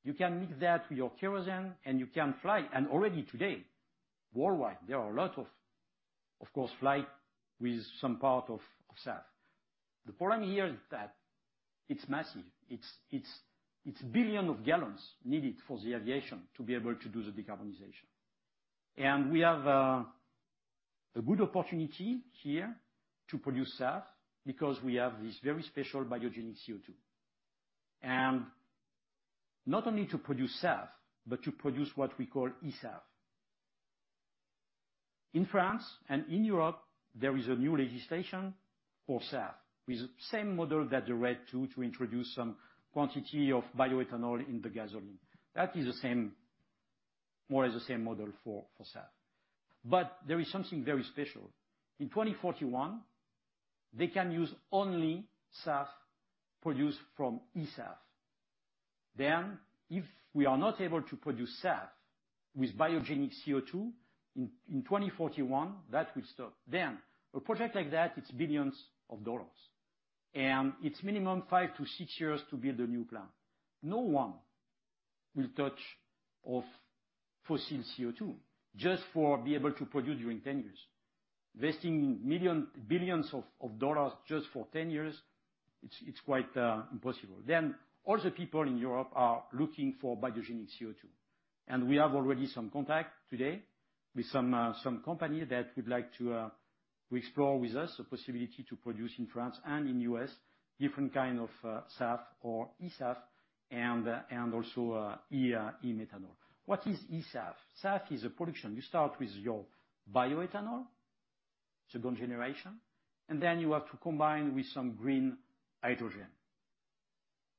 S4: You can mix that with your kerosene, and you can fly. And already today, worldwide, there are a lot of, of course, flights with some part of SAF. The problem here is that it's massive. It's billions of gallons needed for the aviation to be able to do the decarbonization. And we have a good opportunity here to produce SAF because we have this very special biogenic CO2. And not only to produce SAF, but to produce what we call eSAF. In France and in Europe, there is a new legislation for SAF with the same model that the RED II, to introduce some quantity of bioethanol in the gasoline. That is more or less the same model for SAF. There is something very special. In 2041, they can use only SAF produced from eSAF. If we are not able to produce SAF with biogenic CO2 in 2041, that will stop. A project like that, it's billions of dollars, and it's minimum five to six years to build a new plant. No one will touch fossil CO2 just to be able to produce during 10 years. Investing billions of dollars just for 10 years, it's quite impossible. All the people in Europe are looking for biogenic CO2, and we have already some contact today with some company that would like to We explore with us the possibility to produce in France and in US, different kind of, SAF or eSAF and, and also, e-methanol. What is eSAF? SAF is a production. You start with your bioethanol, second generation, and then you have to combine with some green hydrogen.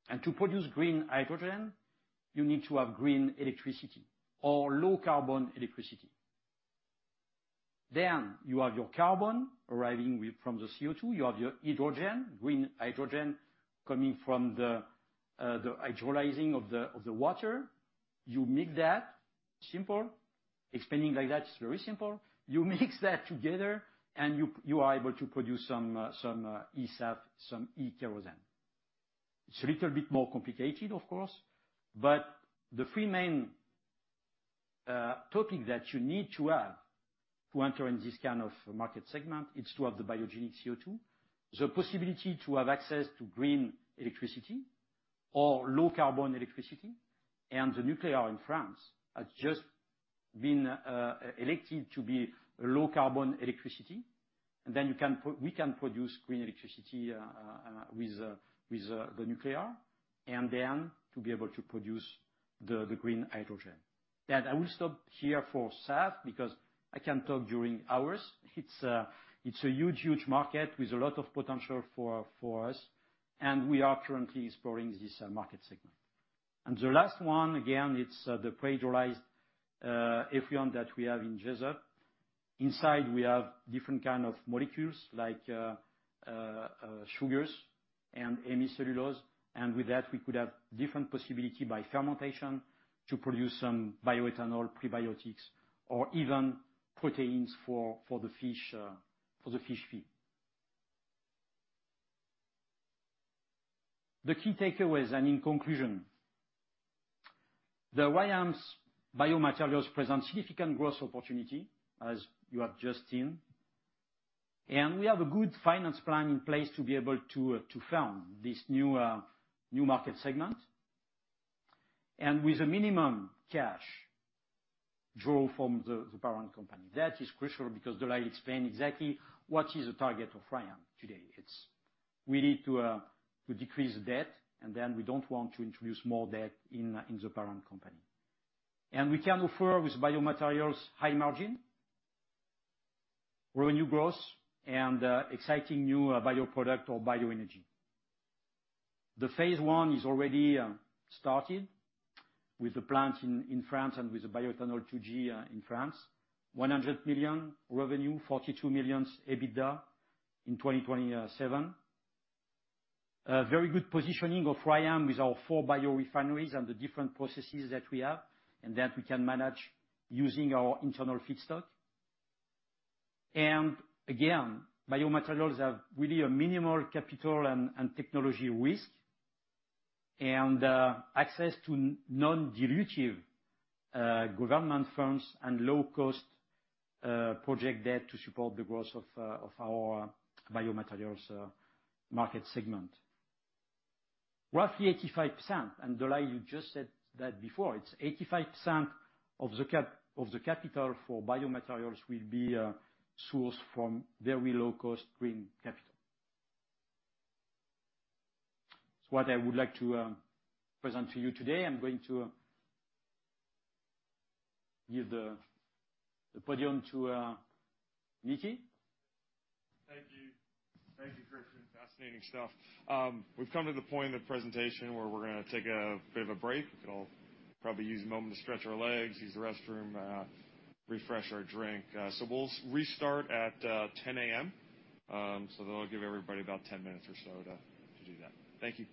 S4: And to produce green hydrogen, you need to have green electricity or low-carbon electricity. Then you have your carbon arriving with, from the CO2, you have your hydrogen, green hydrogen, coming from the, the hydrolyzing of the, of the water. You mix that, simple. Explaining like that, it's very simple. You mix that together, and you, you are able to produce some, some, eSAF, some e-kerosene. It's a little bit more complicated, of course, but the three main topic that you need to have to enter in this kind of market segment is to have the biogenic CO2, the possibility to have access to green electricity or low-carbon electricity, and the nuclear in France has just been elected to be low-carbon electricity. And then you can we can produce green electricity with the nuclear, and then to be able to produce the green hydrogen. And I will stop here for SAF because I can talk during hours. It's a huge huge market with a lot of potential for us, and we are currently exploring this market segment. And the last one, again, it's the pre-hydrolyzed effluent that we have in Jesup. Inside, we have different kind of molecules like sugars and hemicellulose, and with that, we could have different possibility by fermentation to produce some bioethanol, prebiotics, or even proteins for the fish, for the fish feed. The key takeaways and in conclusion, the RYAM's biomaterials present significant growth opportunity, as you have just seen, and we have a good finance plan in place to be able to fund this new, new market segment, and with a minimum cash draw from the parent company. That is crucial because, De Lyle, explain exactly what is the target of RYAM today. It's we need to decrease the debt, and then we don't want to introduce more debt in the parent company. We can offer with biomaterials high margin, revenue growth, and exciting new bioproduct or bioenergy. The phase I is already started with the plants in, in France and with the bioethanol 2G in France. $100 million revenue, $42 million EBITDA in 2027. Very good positioning of RYAM with our four biorefineries and the different processes that we have, and that we can manage using our internal feedstock. And again, biomaterials have really a minimal capital and, and technology risk, and access to non-dilutive government funds and low-cost project debt to support the growth of, of our biomaterials market segment. Roughly 85%, and, Delight, you just said that before, it's 85% of the cap- of the capital for biomaterials will be sourced from very low-cost green capital. It's what I would like to present to you today. I'm going to give the, the podium to Mickey.
S1: Thank you. Thank you, Christian. Fascinating stuff. We've come to the point in the presentation where we're gonna take a bit of a break. We can all probably use a moment to stretch our legs, use the restroom, refresh our drink. So we'll restart at 10:00 A.M. That'll give everybody about 10 minutes or so to do that. Thank you.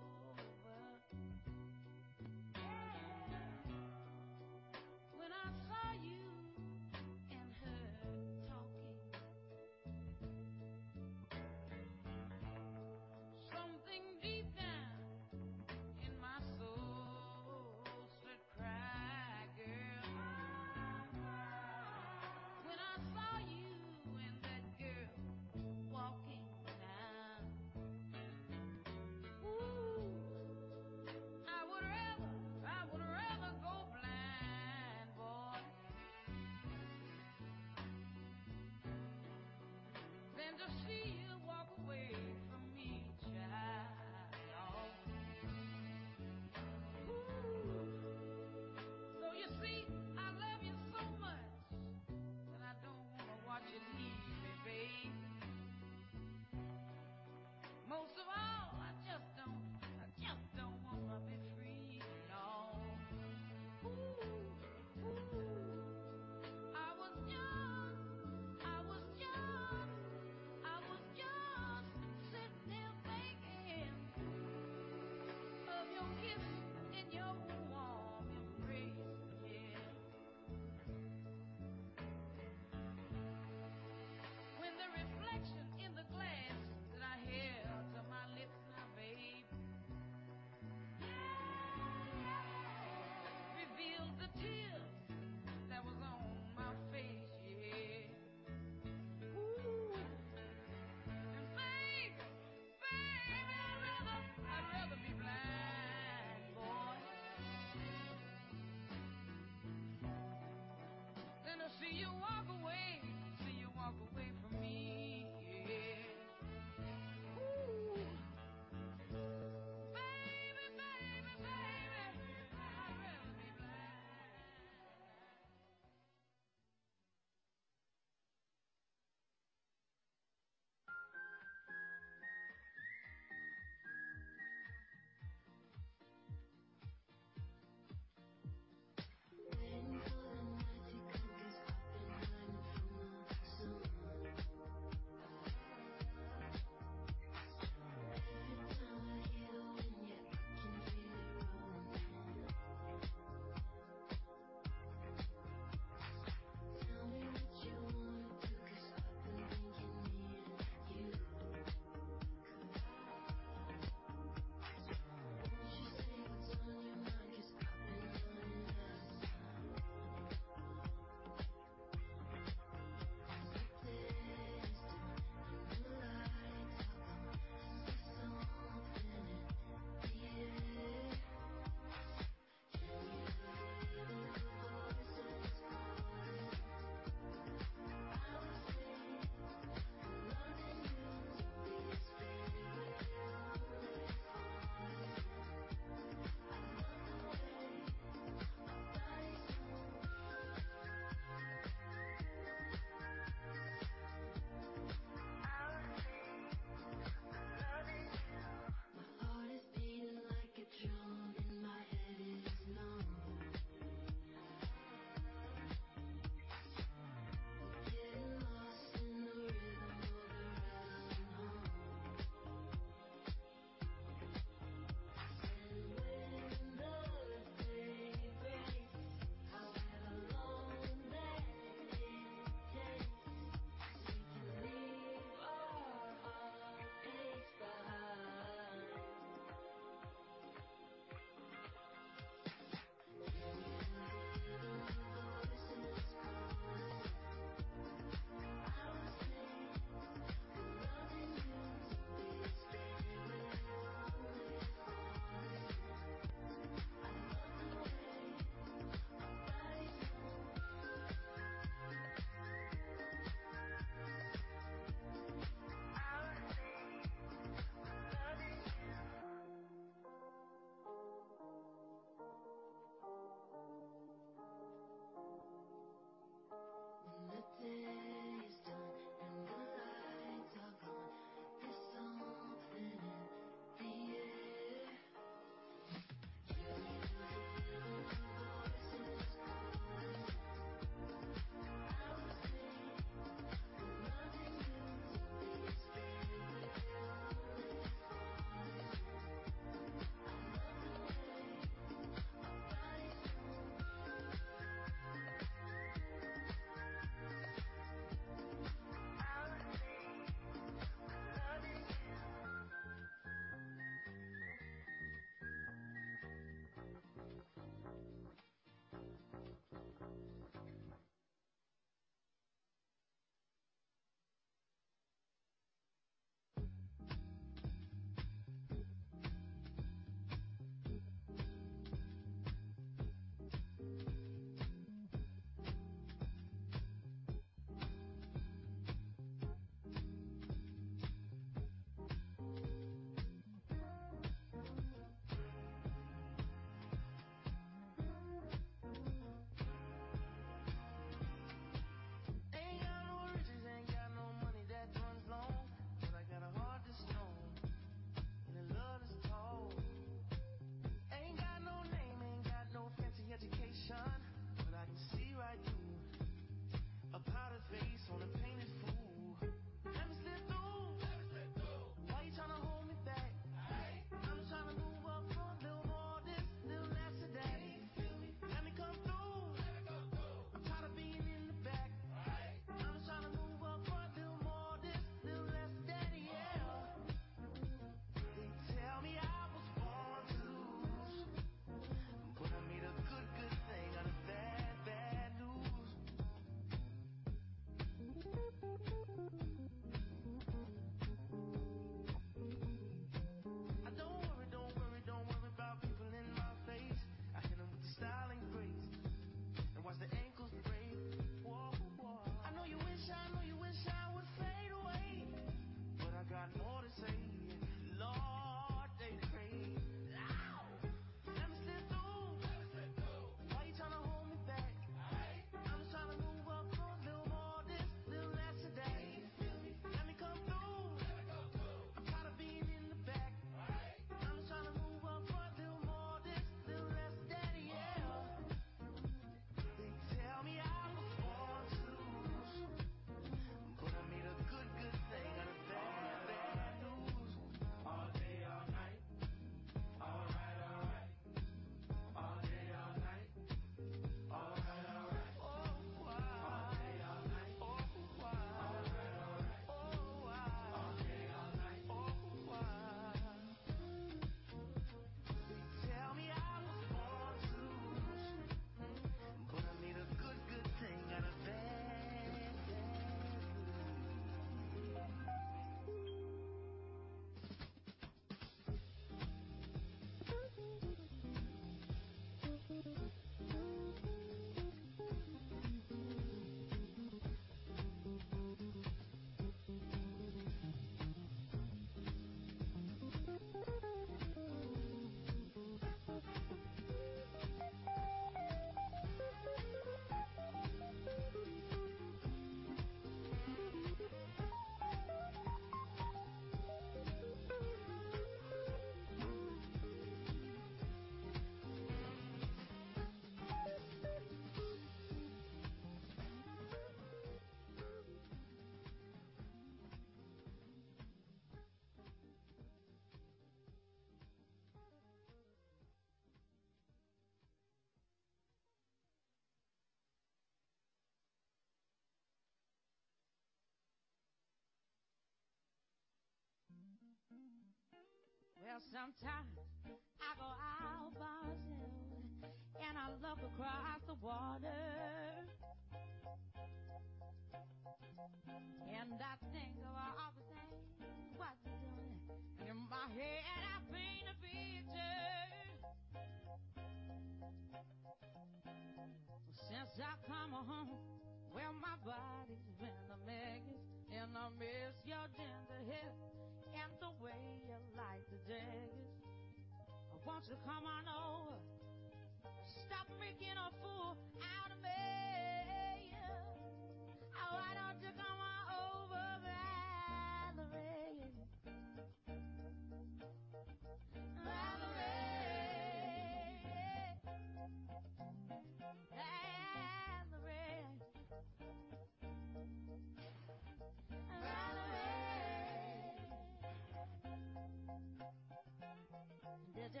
S1: If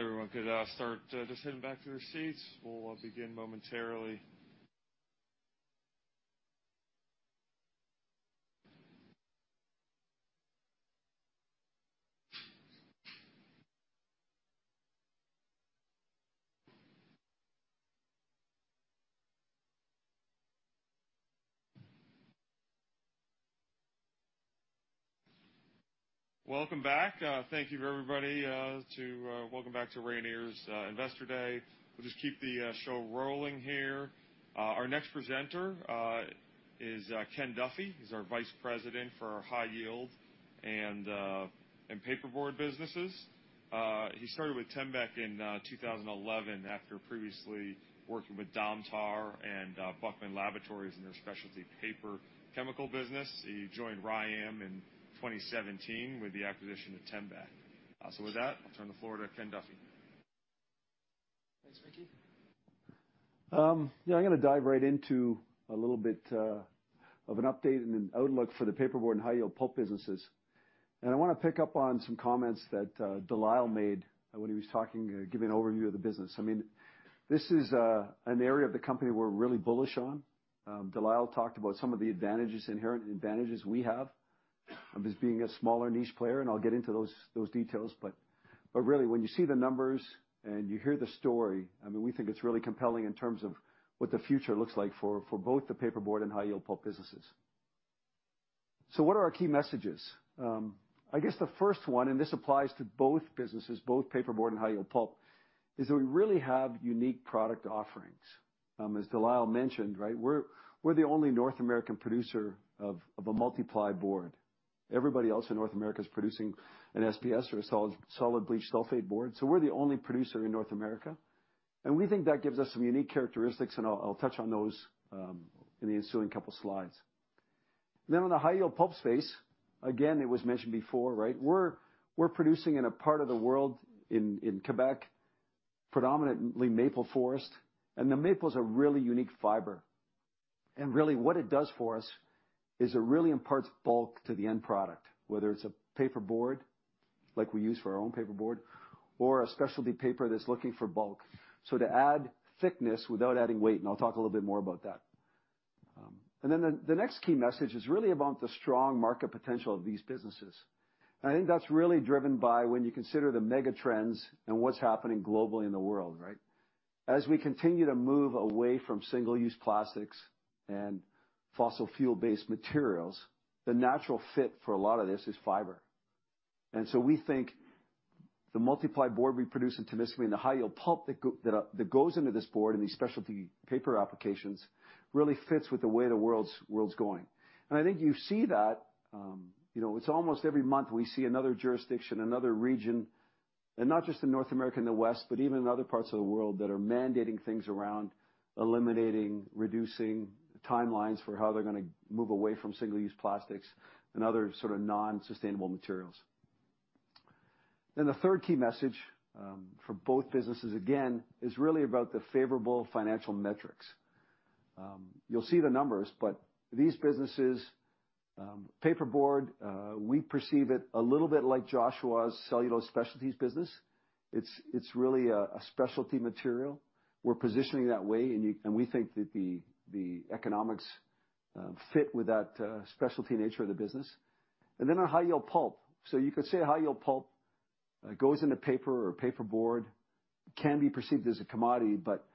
S1: everyone could start just heading back to their seats, we'll begin momentarily. Welcome back. Thank you, everybody, to. Welcome back to Rayonier’s Investor Day. We'll just keep the show rolling here. Our next presenter is Ken Duffy. He's our Vice President for our high yield and paperboard businesses. He started with Tembec in 2011 after previously working with Domtar and Buckman Laboratories in their specialty paper chemical business. He joined RYAM in 2017 with the acquisition of Tembec. So with that, I'll turn the floor to Ken Duffy.
S5: Thanks, Mickey. Yeah, I'm gonna dive right into a little bit of an update and an outlook for the paperboard and high-yield pulp businesses. I wanna pick up on some comments that Delisle made when he was talking, giving an overview of the business. I mean, this is an area of the company we're really bullish on. Delisle talked about some of the advantages, inherent advantages we have of this being a smaller niche player, and I'll get into those details. But really, when you see the numbers and you hear the story, I mean, we think it's really compelling in terms of what the future looks like for both the paperboard and high-yield pulp businesses. So what are our key messages? I guess the first one, and this applies to both businesses, both paperboard and high-yield pulp, is that we really have unique product offerings. As Delisle mentioned, right, we're, we're the only North American producer of, of a multiply board. Everybody else in North America is producing an SBS or a solid, solid bleached sulfate board. So we're the only producer in North America, and we think that gives us some unique characteristics, and I'll, I'll touch on those in the ensuing couple slides. Then on the high-yield pulp space, again, it was mentioned before, right? We're, we're producing in a part of the world, in, in Quebec, predominantly maple forest, and the maple is a really unique fiber. Really, what it does for us, is it really imparts bulk to the end product, whether it's a paperboard, like we use for our own paperboard, or a specialty paper that's looking for bulk. So to add thickness without adding weight, and I'll talk a little bit more about that. Then the next key message is really about the strong market potential of these businesses. I think that's really driven by when you consider the mega trends and what's happening globally in the world, right? As we continue to move away from single-use plastics and fossil fuel-based materials, the natural fit for a lot of this is fiber. And so we think the multiply board we produce in Temiscaming and the high-yield pulp that goes into this board and these specialty paper applications, really fits with the way the world's going. I think you see that, you know, it's almost every month, we see another jurisdiction, another region, and not just in North America and the West, but even in other parts of the world, that are mandating things around eliminating, reducing timelines for how they're gonna move away from single-use plastics and other sort of non-sustainable materials. Then the third key message, for both businesses, again, is really about the favorable financial metrics. You'll see the numbers, but these businesses, paperboard, we perceive it a little bit like Joshua's cellulose specialties business. It's, it's really a, a specialty material. We're positioning that way, and you and we think that the, the economics, fit with that, specialty nature of the business. And then on high-yield pulp. So you could say high-yield pulp goes into paper or paperboard, can be perceived as a commodity, but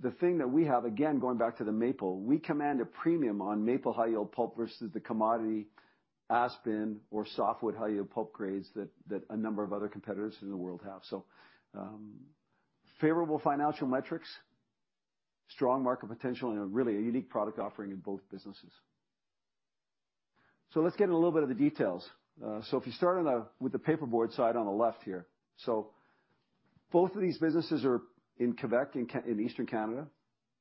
S5: the thing that we have, again, going back to the maple, we command a premium on maple high-yield pulp versus the commodity aspen or softwood high-yield pulp grades that a number of other competitors in the world have. So, favorable financial metrics, strong market potential, and a really unique product offering in both businesses. So let's get in a little bit of the details. So if you start with the paperboard side on the left here. So both of these businesses are in Quebec, in Eastern Canada.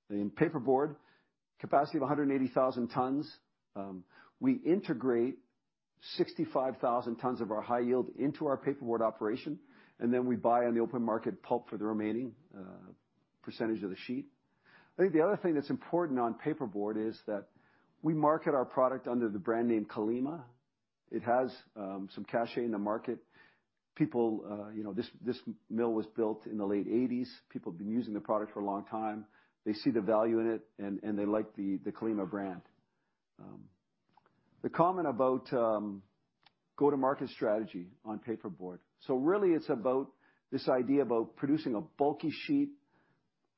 S5: In paperboard, capacity of 180,000 tons. We integrate 65,000 tons of our high yield into our paperboard operation, and then we buy on the open market pulp for the remaining percentage of the sheet. I think the other thing that's important on paperboard is that we market our product under the brand name Kallima. It has some cachet in the market. People, you know, this mill was built in the late 1980s. People have been using the product for a long time. They see the value in it, and they like the Kallima brand. The comment about go-to-market strategy on paperboard. Really, it's about this idea about producing a bulky sheet,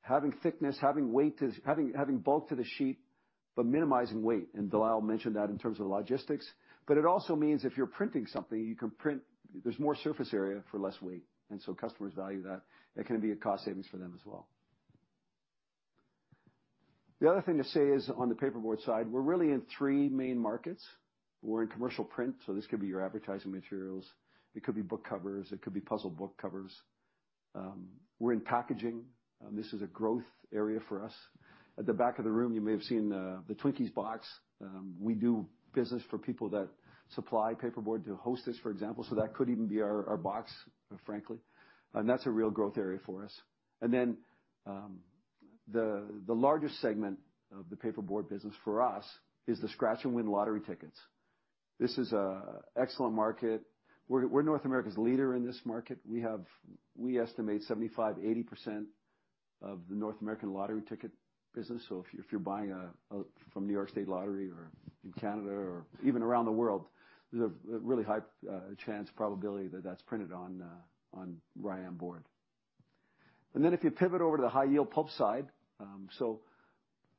S5: having thickness, having weight to having bulk to the sheet, but minimizing weight, and De Lyle mentioned that in terms of the logistics. But it also means if you're printing something, you can print. There's more surface area for less weight, and so customers value that. That can be a cost savings for them as well. The other thing to say is, on the paperboard side, we're really in three main markets. We're in commercial print, so this could be your advertising materials, it could be book covers, it could be puzzle book covers. We're in packaging, and this is a growth area for us. At the back of the room, you may have seen the twinkies box. We do business for people that supply paperboard to Hostess, for example, so that could even be our, our box, frankly. And that's a real growth area for us. And then, the largest segment of the paperboard business for us is the scratch and win lottery tickets. This is an excellent market. We're North America's leader in this market. We have, we estimate 75% to 80% of the North American lottery ticket business. So if you, if you're buying from New York State Lottery or in Canada or even around the world, there's a really high chance, probability that that's printed on RYAM board. And then if you pivot over to the high-yield pulp side, so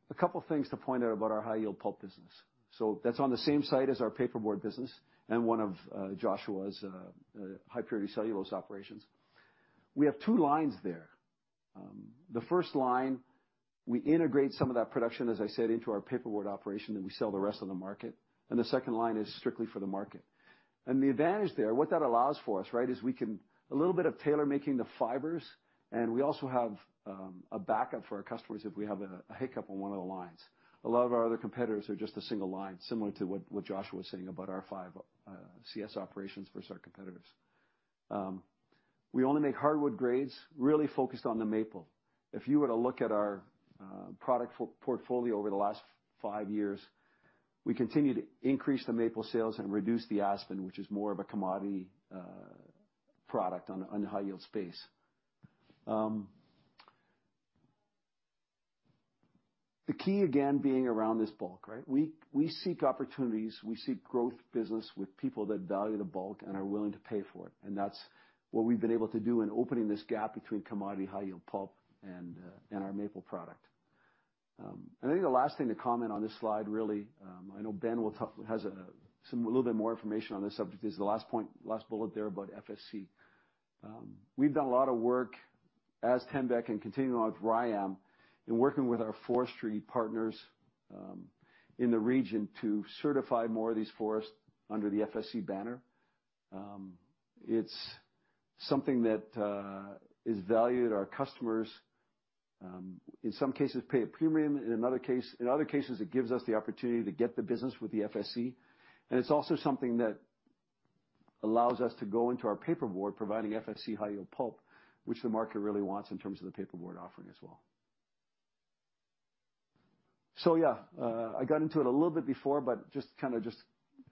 S5: a couple things to point out about our high-yield pulp business. So that's on the same site as our paperboard business and one of Joshua's high-purity cellulose operations. We have two lines there. The first line, we integrate some of that production, as I said, into our paperboard operation, and we sell the rest on the market. And the second line is strictly for the market. And the advantage there, what that allows for us, right, is we can A little bit of tailor-making the fibers, and we also have a backup for our customers if we have a hiccup on one of the lines. A lot of our other competitors are just a single line, similar to what Joshua was saying about our five CS operations versus our competitors. We only make hardwood grades, really focused on the maple. If you were to look at our product portfolio over the last five years, we continue to increase the maple sales and reduce the aspen, which is more of a commodity product on the high-yield space. The key again, being around this bulk, right? We seek opportunities, we seek growth business with people that value the bulk and are willing to pay for it, and that's what we've been able to do in opening this gap between commodity high-yield pulp and our maple product. And I think the last thing to comment on this slide, really, I know Ben will talk has some a little bit more information on this subject, is the last point, last bullet there about FSC. We've done a lot of work as Tembec and continuing on with RYAM, in working with our forestry partners in the region to certify more of these forests under the FSC banner. It's something that is valued. Our customers in some cases pay a premium. In another case in other cases, it gives us the opportunity to get the business with the FSC. It's also something that allows us to go into our paperboard providing FSC high-yield pulp, which the market really wants in terms of the paperboard offering as well. So yeah, I got into it a little bit before, but just kind of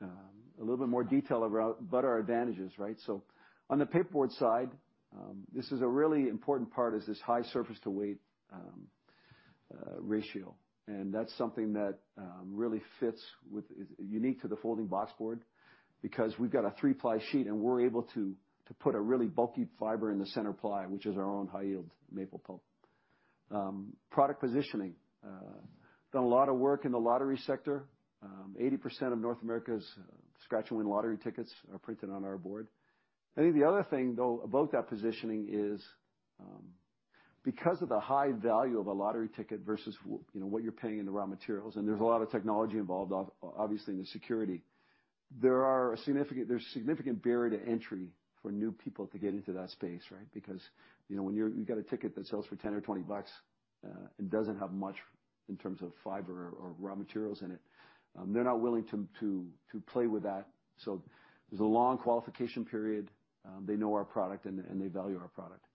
S5: a little bit more detail about our advantages, right? So on the paperboard side, this is a really important part, is this high surface-to-weight ratio. And that's something that really fits with is unique to the Folding Boxboard because we've got a three-ply sheet, and we're able to put a really bulky fiber in the center ply, which is our own high-yield maple pulp. Product positioning. Done a lot of work in the lottery sector. 80% of North America's scratch-and-win lottery tickets are printed on our board. I think the other thing, though, about that positioning is, because of the high value of a lottery ticket versus you know, what you're paying in the raw materials, and there's a lot of technology involved obviously, in the security, there's significant barrier to entry for new people to get into that space, right? Because, you know, when you've got a ticket that sells for $10 or $20 bucks, and doesn't have much in terms of fiber or, or raw materials in it, they're not willing to play with that. So there's a long qualification period, they know our product, and they value our product.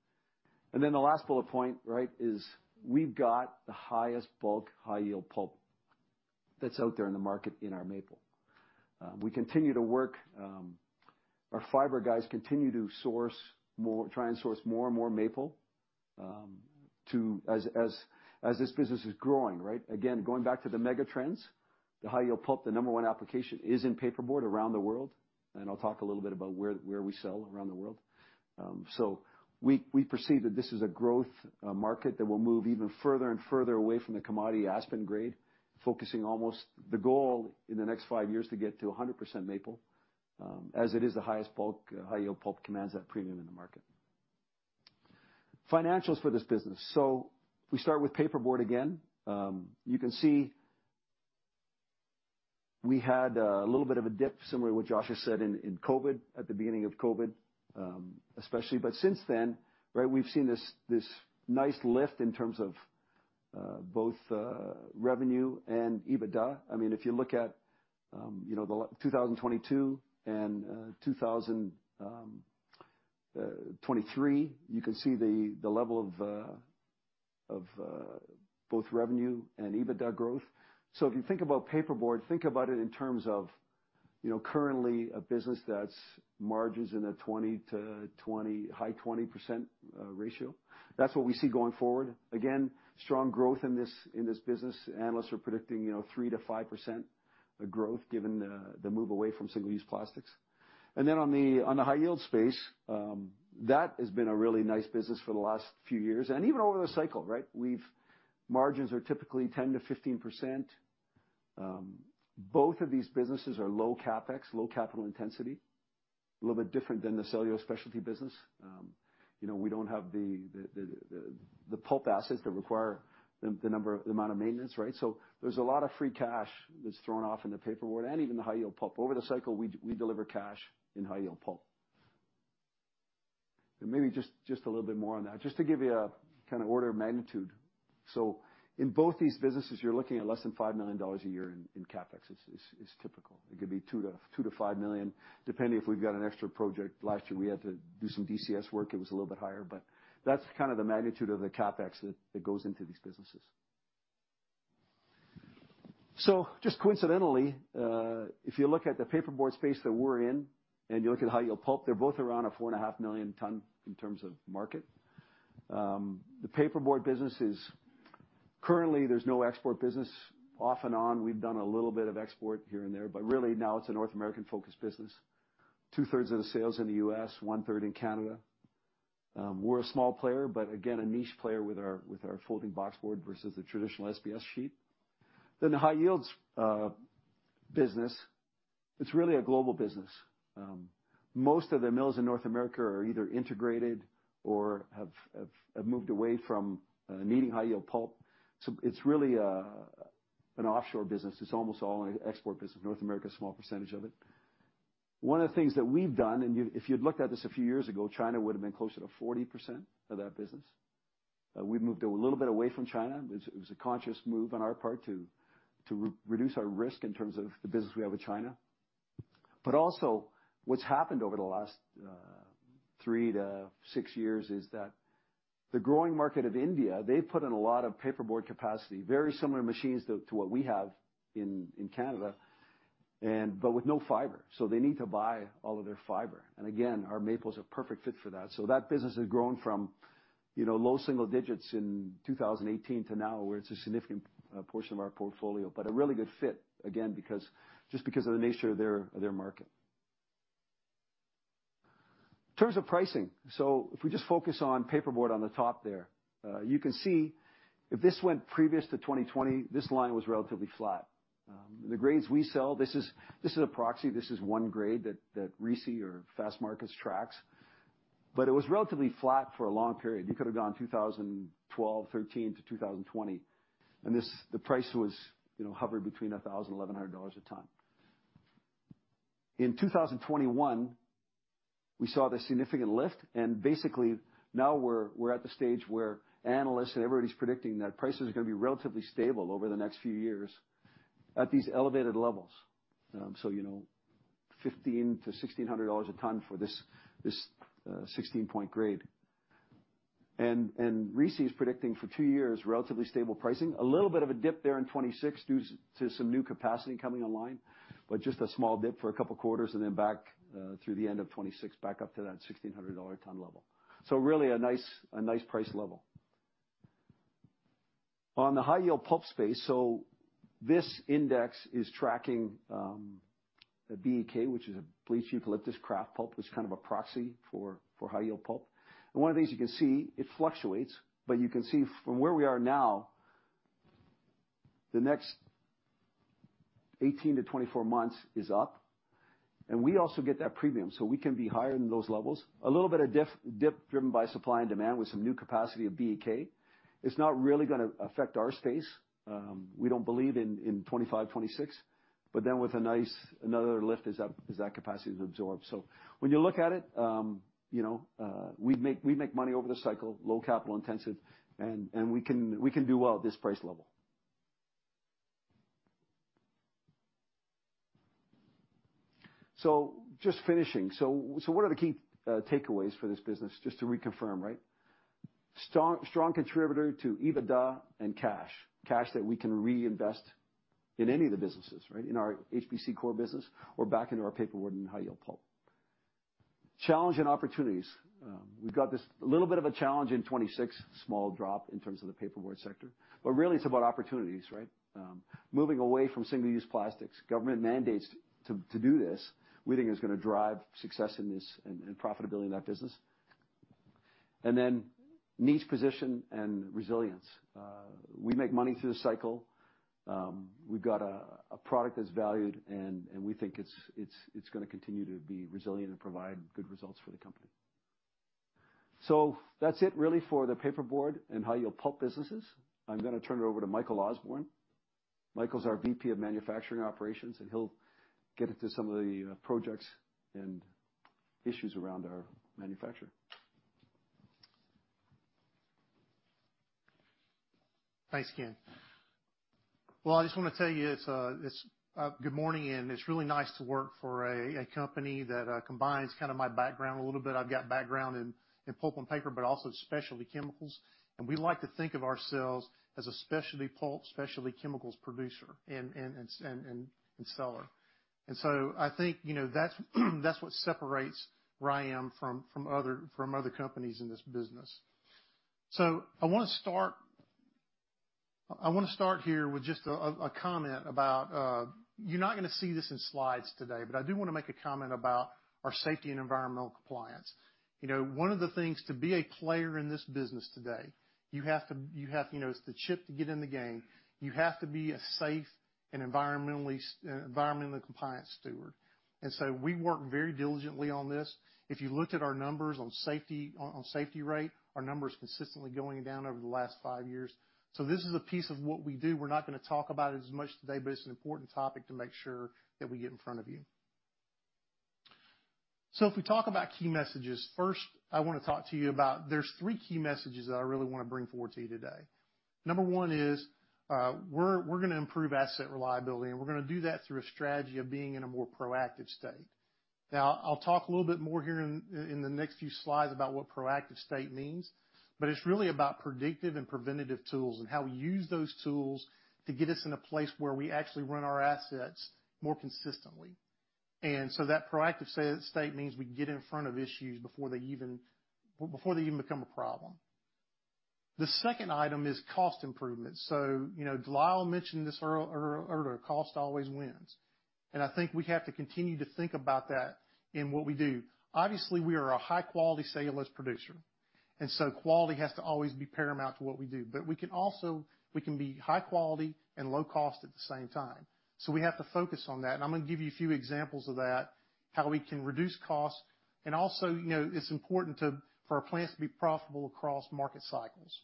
S5: And then the last bullet point, right, is we've got the highest bulk, high-yield pulp that's out there in the market in our maple. We continue to work... Our fiber guys continue to source more—try and source more and more maple, to, as this business is growing, right? Again, going back to the mega trends, the high-yield pulp, the number one application, is in paperboard around the world, and I'll talk a little bit about where we sell around the world. So we perceive that this is a growth market that will move even further and further away from the commodity aspen grade, focusing almost—the goal in the next five years, to get to 100% maple, as it is the highest bulk, high-yield pulp, commands that premium in the market. Financials for this business. So we start with paperboard again. You can see we had a little bit of a dip, similar to what Josh has said in, in COVID, at the beginning of COVID, especially. But since then, right, we've seen this, this nice lift in terms of, both, revenue and EBITDA. I mean, if you look at, you know, the 2022 and, 2023, you can see the, the level of, of, both revenue and EBITDA growth. So if you think about paperboard, think about it in terms of, you know, currently a business that's margins in a 20% to 20%, high 20% ratio. That's what we see going forward. Again, strong growth in this, in this business. Analysts are predicting, you know, 3% to 5% growth, given the, the move away from single-use plastics. Then on the high-yield space, that has been a really nice business for the last few years, and even over the cycle, right? We've. Margins are typically 10% to 15%. Both of these businesses are low CapEx, low capital intensity, a little bit different than the cellulose specialty business. You know, we don't have the pulp assets that require the amount of maintenance, right? So there's a lot of free cash that's thrown off in the paperboard and even the high-yield pulp. Over the cycle, we deliver cash in high-yield pulp. And maybe just a little bit more on that, just to give you a kind of order of magnitude. So in both these businesses, you're looking at less than $5 million a year in CapEx is typical. It could be $2 million to $5 million, depending if we've got an extra project. Last year, we had to do some DCS work, it was a little bit higher, but that's kind of the magnitude of the CapEx that goes into these businesses. Just coincidentally, if you look at the paperboard space that we're in, and you look at high-yield pulp, they're both around 4.5 million tons in terms of market. The paperboard business is ,currently, there's no export business. Off and on, we've done a little bit of export here and there, but really now it's a North American-focused business. Two-thirds of the sales in the U.S., one-third in Canada. We're a small player, but again, a niche player with our folding boxboard versus the traditional SBS sheet. Then the high-yield business, it's really a global business. Most of the mills in North America are either integrated or have moved away from needing high-yield pulp. So it's really an offshore business. It's almost all an export business. North America is a small percentage of it. One of the things that we've done, if you'd looked at this a few years ago, China would have been closer to 40% of that business. We've moved a little bit away from China. It was a conscious move on our part to reduce our risk in terms of the business we have with China. But also, what's happened over the last three to six years is that the growing market of India, they've put in a lot of paperboard capacity, very similar machines to what we have in Canada, and but with no fiber, so they need to buy all of their fiber. And again, our maple is a perfect fit for that. So that business has grown from, you know, low single digits in 2018 to now, where it's a significant portion of our portfolio. But a really good fit, again, because just because of the nature of their market. In terms of pricing, so if we just focus on paperboard on the top there, you can see if this went previous to 2020, this line was relatively flat. The grades we sell, this is a proxy. This is one grade that, that RISI or Fastmarkets tracks, but it was relatively flat for a long period. You could have gone 2012, 2013 to 2020, and this, the price was, you know, hovered between $1,000-$1,100 a ton. In 2021, we saw this significant lift, and basically now we're, we're at the stage where analysts and everybody's predicting that prices are gonna be relatively stable over the next few years at these elevated levels. You know, $1,500 to $1,600 a ton for this, this, sixteen-point grade. RISI is predicting for two years, relatively stable pricing, a little bit of a dip there in 2026 due to some new capacity coming online, but just a small dip for a couple quarters and then back, through the end of 2026, back up to that $1,600 a ton level. Really, a nice, a nice price level. On the high-yield pulp space, this index is tracking a BEK, which is a bleached eucalyptus kraft pulp, which is kind of a proxy for high-yield pulp. One of the things you can see, it fluctuates, but you can see from where we are now, the next 18 to 24 months is up, and we also get that premium, so we can be higher than those levels. A little bit of dip driven by supply and demand with some new capacity of BEK. It's not really gonna affect our space, we don't believe, in 2025, 2026, but then with a nice, another lift as that capacity is absorbed. So when you look at it, you know, we make, we make money over the cycle, low capital intensive, and we can, we can do well at this price level. So just finishing. So what are the key takeaways for this business? Just to reconfirm, right? Strong, strong contributor to EBITDA and cash, cash that we can reinvest in any of the businesses, right? In our HPC core business or back into our paperboard and high-yield pulp. Challenge and opportunities; We've got this little bit of a challenge in 2026, small drop in terms of the paperboard sector, but really it's about opportunities, right? Moving away from single-use plastics, government mandates to do this, we think is gonna drive success in this and profitability in that business. And then niche position and resilience. We make money through the cycle. We've got a product that's valued and we think it's gonna continue to be resilient and provide good results for the company. So that's it, really, for the paperboard and high-yield pulp businesses. I'm gonna turn it over to Michael Osborne. Michael's our VP of manufacturing operations, and he'll get into some of the projects and issues around our manufacture.
S6: Thanks, Ken. Well, I just wanna tell you, it's, Good morning, and it's really nice to work for a company that combines kind of my background a little bit. I've got background in pulp and paper, but also specialty chemicals, and we like to think of ourselves as a specialty pulp, specialty chemicals producer and seller. And so I think, you know, that's what separates RYAM from other companies in this business. So I wanna start here with just a comment about, you're not gonna see this in slides today, but I do wanna make a comment about our safety and environmental compliance. You know, one of the things, to be a player in this business today, you have to—you know, it's the chip to get in the game. You have to be a safe and environmentally compliant steward. And so we work very diligently on this. If you looked at our numbers on safety, safety rate, our number is consistently going down over the last five years. So this is a piece of what we do. We're not gonna talk about it as much today, but it's an important topic to make sure that we get in front of you. So if we talk about key messages, first, I wanna talk to you about, there's three key messages that I really wanna bring forward to you today. Number one is, we're gonna improve asset reliability, and we're gonna do that through a strategy of being in a more proactive state. Now, I'll talk a little bit more here in the next few slides about what proactive state means, but it's really about predictive and preventative tools and how we use those tools to get us in a place where we actually run our assets more consistently. And so that proactive state means we can get in front of issues before they even become a problem. The second item is cost improvements. So, you know, De Lyle mentioned this earlier, cost always wins, and I think we have to continue to think about that in what we do. Obviously, we are a high-quality cellulose producer, and so quality has to always be paramount to what we do. But we can also, we can be high quality and low cost at the same time, so we have to focus on that. And I'm gonna give you a few examples of that, how we can reduce costs. And also, you know, it's important to, for our plants to be profitable across market cycles,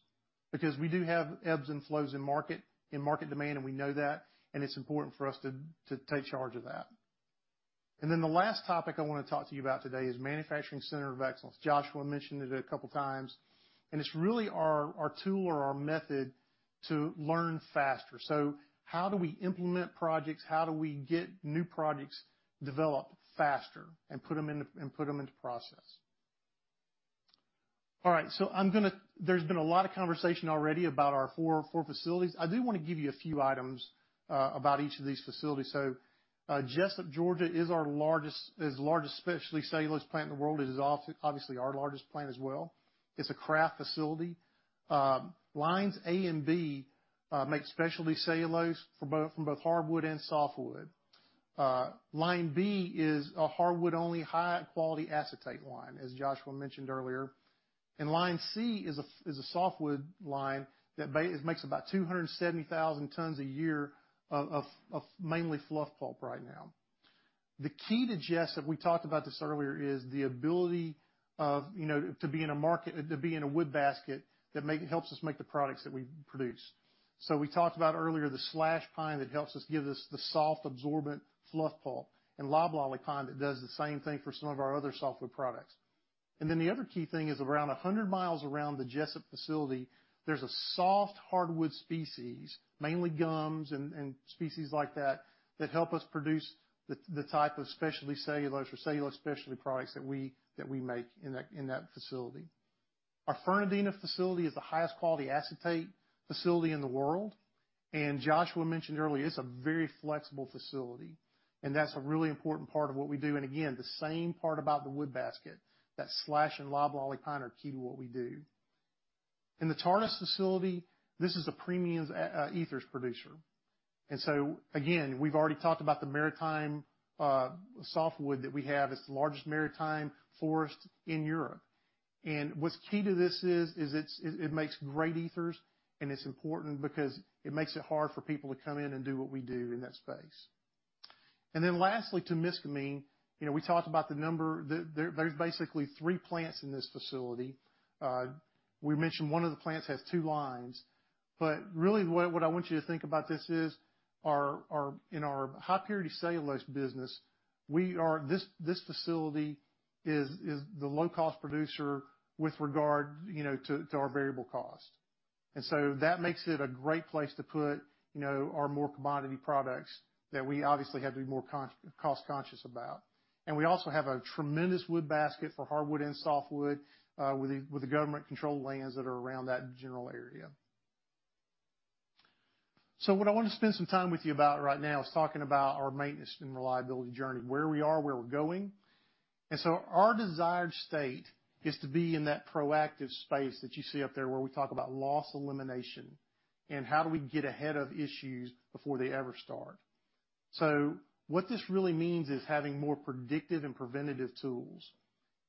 S6: because we do have ebbs and flows in market, in market demand, and we know that, and it's important for us to, to take charge of that. And then the last topic I wanna talk to you about today is Manufacturing Center of Excellence. Joshua mentioned it a couple times, and it's really our, our tool or our method to learn faster. So how do we implement projects? How do we get new projects developed faster and put them into, and put them into process? All right, so I'm gonna—there's been a lot of conversation already about our four facilities. I do wanna give you a few items about each of these facilities. So, Jesup, Georgia, is our largest, is the largest specialty cellulose plant in the world. It is also obviously our largest plant as well. It's a kraft facility. Lines A and B make specialty cellulose from both hardwood and softwood. Line B is a hardwood-only, high-quality acetate line, as Joshua mentioned earlier. And line C is a softwood line that makes about 270,000 tons a year of mainly fluff pulp right now. The key to Jesup, we talked about this earlier, is the ability of, you know, to be in a market, to be in a wood basket that helps us make the products that we produce. So we talked about earlier, the slash pine that helps us give us the soft, absorbent fluff pulp, and loblolly pine that does the same thing for some of our other softwood products. And then the other key thing is around 100 miles around the Jesup facility, there's a soft hardwood species, mainly gums and species like that, that help us produce the type of specialty cellulose or cellulose specialty products that we make in that facility. Our Fernandina facility is the highest quality acetate facility in the world, and Joshua mentioned earlier, it's a very flexible facility, and that's a really important part of what we do. Again, the same part about the wood basket, that slash and loblolly pine are key to what we do. In the Tartas facility, this is a premium ethers producer. And so again, we've already talked about the maritime softwood that we have. It's the largest maritime forest in Europe. And what's key to this is it makes great ethers, and it's important because it makes it hard for people to come in and do what we do in that space. And then lastly, to Matane, you know, we talked about the number, there, there's basically three plants in this facility. We mentioned one of the plants has two lines, but really, what I want you to think about is, in our high-purity cellulose business, this facility is the low-cost producer with regard, you know, to our variable cost. That makes it a great place to put our more commodity products that we obviously have to be more cost conscious about. We also have a tremendous wood basket for hardwood and softwood, with the government-controlled lands that are around that general area. What I want to spend some time with you about right now is talking about our maintenance and reliability journey, where we are, where we're going. Our desired state is to be in that proactive space that you see up there, where we talk about loss elimination and how do we get ahead of issues before they ever start. What this really means is having more predictive and preventative tools.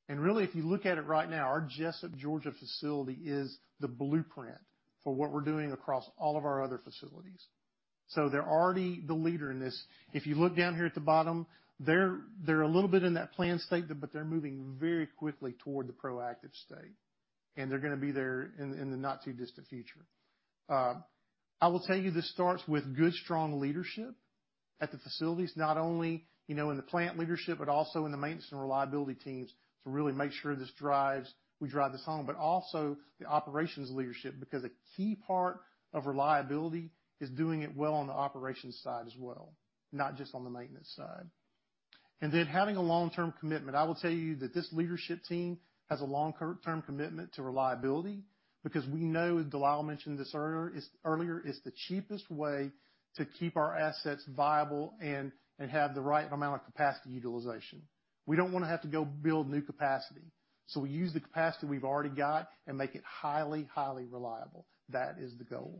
S6: Really, if you look at it right now, our Jesup, Georgia, facility is the blueprint for what we're doing across all of our other facilities. They're already the leader in this. If you look down here at the bottom, they're a little bit in that planned state, but they're moving very quickly toward the proactive state, and they're gonna be there in the not-too-distant future. I will tell you this starts with good, strong leadership at the facilities, not only, you know, in the plant leadership, but also in the maintenance and reliability teams to really make sure this drives—we drive this home, but also the operations leadership, because a key part of reliability is doing it well on the operations side as well, not just on the maintenance side. And then having a long-term commitment. I will tell you that this leadership team has a long-term commitment to reliability because we know, Dalal mentioned this earlier, it's the cheapest way to keep our assets viable and, and have the right amount of capacity utilization. We don't wanna have to go build new capacity, so we use the capacity we've already got and make it highly, highly reliable. That is the goal.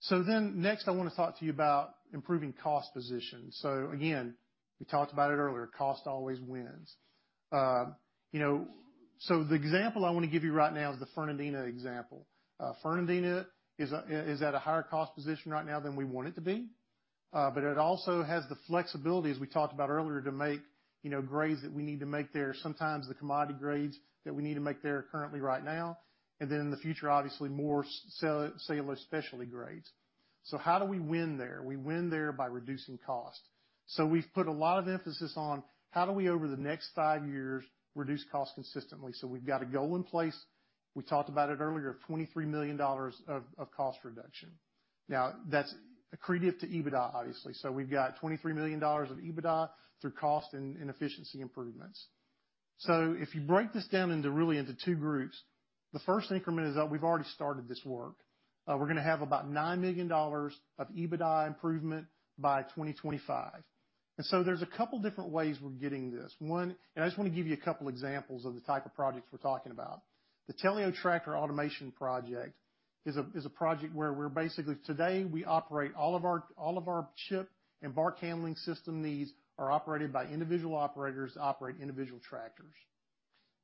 S6: So then, next, I wanna talk to you about improving cost position. So again, we talked about it earlier: cost always wins. You know, so the example I wanna give you right now is the Fernandina example. Fernandina is at a higher cost position right now than we want it to be, but it also has the flexibility, as we talked about earlier, to make, you know, grades that we need to make there. Sometimes the commodity grades that we need to make there currently right now, and then in the future, obviously, more cellulose specialty grades. So how do we win there? We win there by reducing cost. So we've put a lot of emphasis on how do we, over the next five years, reduce cost consistently? So we've got a goal in place, we talked about it earlier, of $23 million of cost reduction. Now, that's accretive to EBITDA, obviously. So we've got $23 million of EBITDA through cost and efficiency improvements. So if you break this down into really into two groups, the first increment is that we've already started this work. We're gonna have about $9 million of EBITDA improvement by 2025. And so there's a couple different ways we're getting this. One, and I just wanna give you a couple examples of the type of projects we're talking about. The Teleo tractor Automation project is a project where we're basically today we operate all of our chip and bark handling system needs are operated by individual operators that operate individual tractors.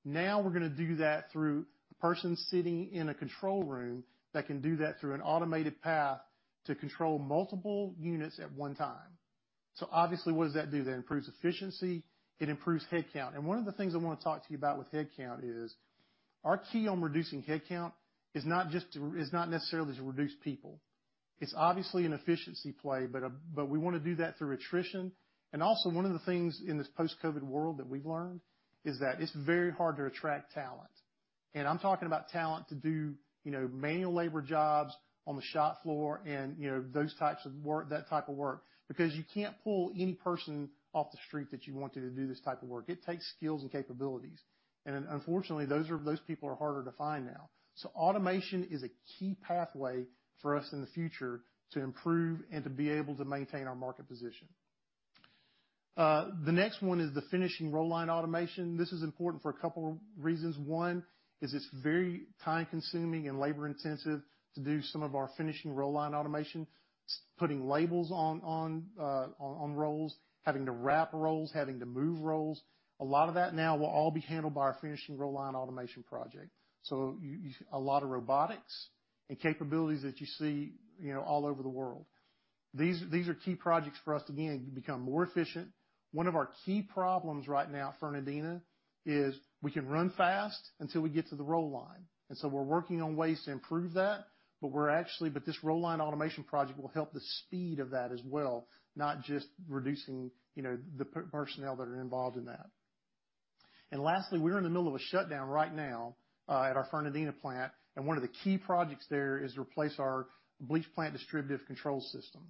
S6: Now, we're gonna do that through a person sitting in a control room that can do that through an automated path to control multiple units at one time. So obviously, what does that do? That improves efficiency, it improves headcount. And one of the things I wanna talk to you about with headcount is: our key on reducing headcount is not just to, is not necessarily to reduce people. It's obviously an efficiency play, but, but we wanna do that through attrition. And also, one of the things in this post-COVID world that we've learned is that it's very hard to attract talent. And I'm talking about talent to do, you know, manual labor jobs on the shop floor and, you know, those types of work, that type of work, because you can't pull any person off the street that you want to, to do this type of work. It takes skills and capabilities, and unfortunately, those are, those people are harder to find now. So automation is a key pathway for us in the future to improve and to be able to maintain our market position. The next one is the finishing roll line automation. This is important for a couple reasons. One, is it's very time-consuming and labor-intensive to do some of our finishing roll line automation. Putting labels on, on, on, on rolls, having to wrap rolls, having to move rolls. A lot of that now will all be handled by our finishing roll line automation project. So you-- a lot of robotics and capabilities that you see, you know, all over the world. These are key projects for us, again, to become more efficient. One of our key problems right now at Fernandina is we can run fast until we get to the roll line, and so we're working on ways to improve that, but we're actually but this roll line automation project will help the speed of that as well, not just reducing, you know, the personnel that are involved in that. Lastly, we're in the middle of a shutdown right now at our Fernandina plant, and one of the key projects there is to replace our bleach plant distributed control system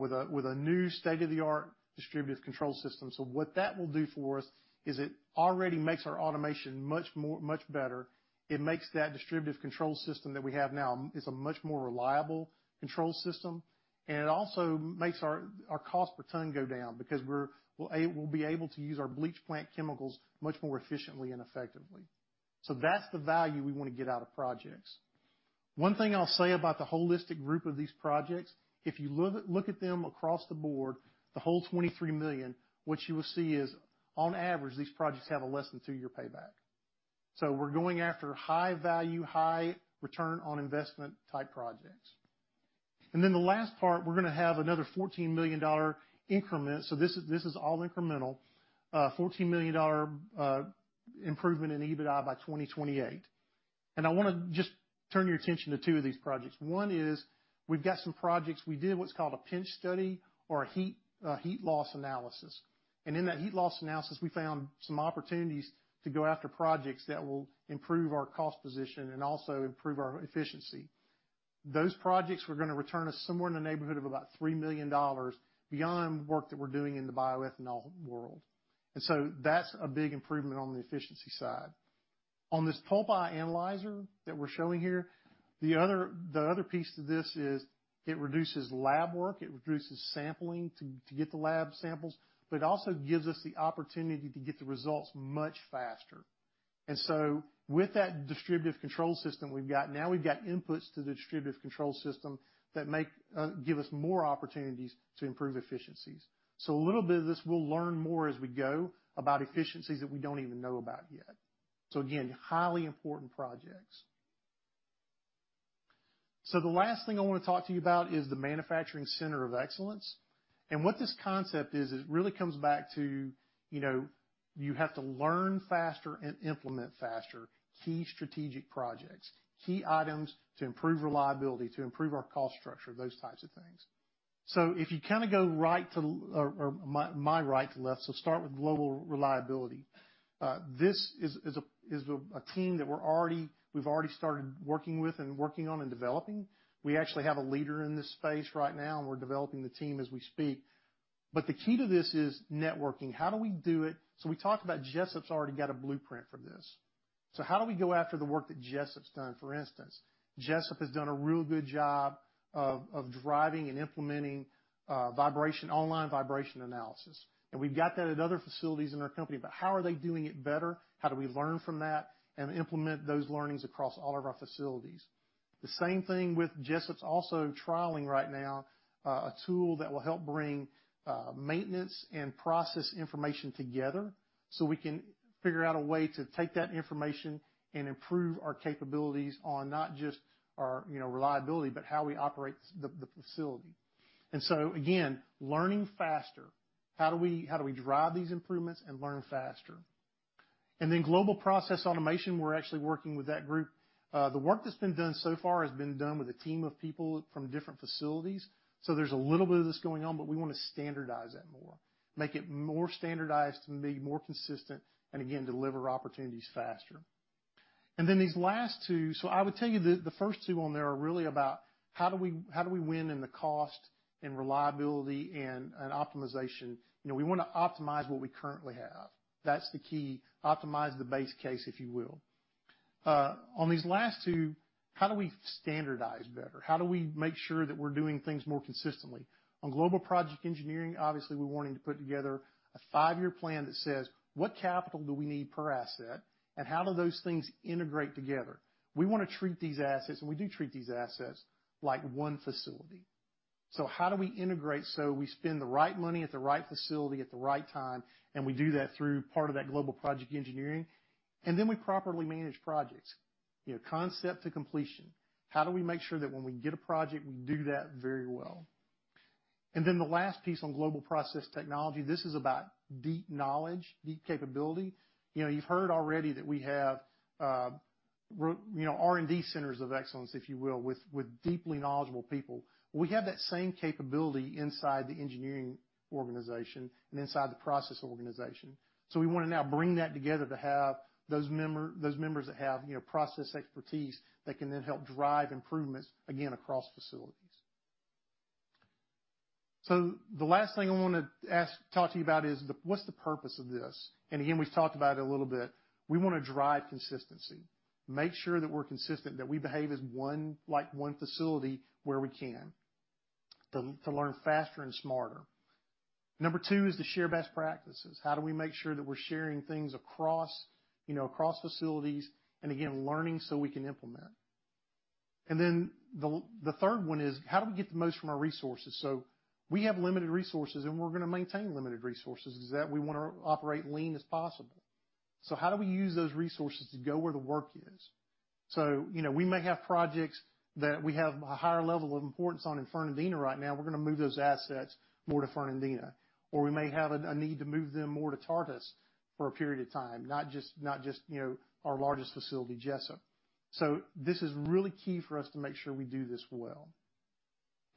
S6: with a new state of the art distributed control system. So what that will do for us is it already makes our automation much more much better. It makes that distributed control system that we have now a much more reliable control system. It also makes our cost per ton go down because we'll be able to use our bleach plant chemicals much more efficiently and effectively. That's the value we wanna get out of projects. One thing I'll say about the holistic group of these projects, if you look at them across the board, the whole $23 million, what you will see is, on average, these projects have a less than two-year payback. We're going after high value, high return on investment type projects. The last part, we're gonna have another $14 million increment. This is all incremental, $14 million improvement in EBITDA by 2028. I wanna just turn your attention to two of these projects. One is, we've got some projects: we did what's called a pinch study or a heat, heat loss analysis. In that heat loss analysis, we found some opportunities to go after projects that will improve our cost position and also improve our efficiency. Those projects were gonna return us somewhere in the neighborhood of about $3 million beyond the work that we're doing in the bioethanol world. So that's a big improvement on the efficiency side. On this PulpEye analyzer that we're showing here, the other piece to this is it reduces lab work, it reduces sampling to get the lab samples, but it also gives us the opportunity to get the results much faster. With that distributed control system we've got, now we've got inputs to the distributed control system that make, you know, give us more opportunities to improve efficiencies. A little bit of this, we'll learn more as we go about efficiencies that we don't even know about yet. Again, highly important projects. The last thing I wanna talk to you about is the manufacturing center of excellence. What this concept is, it really comes back to, you know, you have to learn faster and implement faster, key strategic projects, key items to improve reliability, to improve our cost structure, those types of things. If you kind of go right to, or, or my, my right to left, start with global reliability. This is, is a, is a team that we're already—we've already started working with and working on and developing. We actually have a leader in this space right now, and we're developing the team as we speak. But the key to this is networking. How do we do it? So we talked about Jesup's already got a blueprint for this. So how do we go after the work that Jesup's done, for instance? Jesup has done a real good job of driving and implementing vibration, online vibration analysis. And we've got that at other facilities in our company, but how are they doing it better? How do we learn from that and implement those learnings across all of our facilities? The same thing with Jesup's also trialing right now, a tool that will help bring maintenance and process information together, so we can figure out a way to take that information and improve our capabilities on not just our, you know, reliability, but how we operate the facility. And so again, learning faster, how do we drive these improvements and learn faster? And then global process automation, we're actually working with that group. The work that's been done so far has been done with a team of people from different facilities. So there's a little bit of this going on, but we wanna standardize that more, make it more standardized and be more consistent, and again, deliver opportunities faster. Then these last two, so I would tell you the first two on there are really about: how do we, how do we win in the cost, and reliability, and, and optimization? You know, we wanna optimize what we currently have. That's the key, optimize the base case, if you will. On these last two, how do we standardize better? How do we make sure that we're doing things more consistently? On global project engineering, obviously, we're wanting to put together a five-year plan that says: what capital do we need per asset, and how do those things integrate together? We wanna treat these assets, and we do treat these assets, like one facility. So how do we integrate so we spend the right money at the right facility at the right time, and we do that through part of that global project engineering. We properly manage projects, you know, concept to completion. How do we make sure that when we get a project, we do that very well? Then the last piece on global process technology, this is about deep knowledge, deep capability. You know, you've heard already that we have, you know, R&D centers of excellence, if you will, with deeply knowledgeable people. We have that same capability inside the engineering organization and inside the process organization. So we wanna now bring that together to have those member, those members that have, you know, process expertise that can then help drive improvements, again, across facilities. So the last thing I wanna ask, talk to you about is what's the purpose of this? And again, we've talked about it a little bit. We wanna drive consistency, make sure that we're consistent, that we behave as one, like one facility where we can, to learn faster and smarter. Number two is to share best practices. How do we make sure that we're sharing things across, you know, across facilities, and again, learning so we can implement? And then the third one is: how do we get the most from our resources? So we have limited resources, and we're gonna maintain limited resources, is that we wanna operate lean as possible. So how do we use those resources to go where the work is? So, you know, we may have projects that we have a higher level of importance on in Fernandina right now. We're gonna move those assets more to Fernandina. Or we may have a need to move them more to Tartas for a period of time, not just, not just, you know, our largest facility, Jesup. So this is really key for us to make sure we do this well.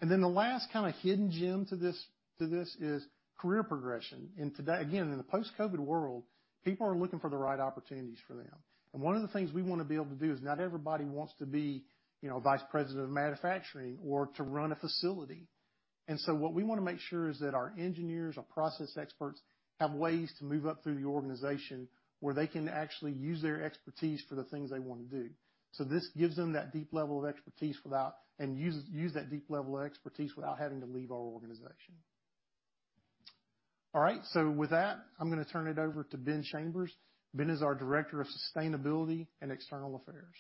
S6: And then the last kind of hidden gem to this, to this is career progression. And today, again, in the post-COVID world, people are looking for the right opportunities for them. And one of the things we wanna be able to do is not everybody wants to be, you know, Vice President of Manufacturing or to run a facility. And so what we wanna make sure is that our engineers, our process experts, have ways to move up through the organization, where they can actually use their expertise for the things they wanna do. So this gives them that deep level of expertise without, and use that deep level of expertise without having to leave our organization. All right. So with that, I'm gonna turn it over to Ben Chambers. Ben is our Director of Sustainability and External Affairs.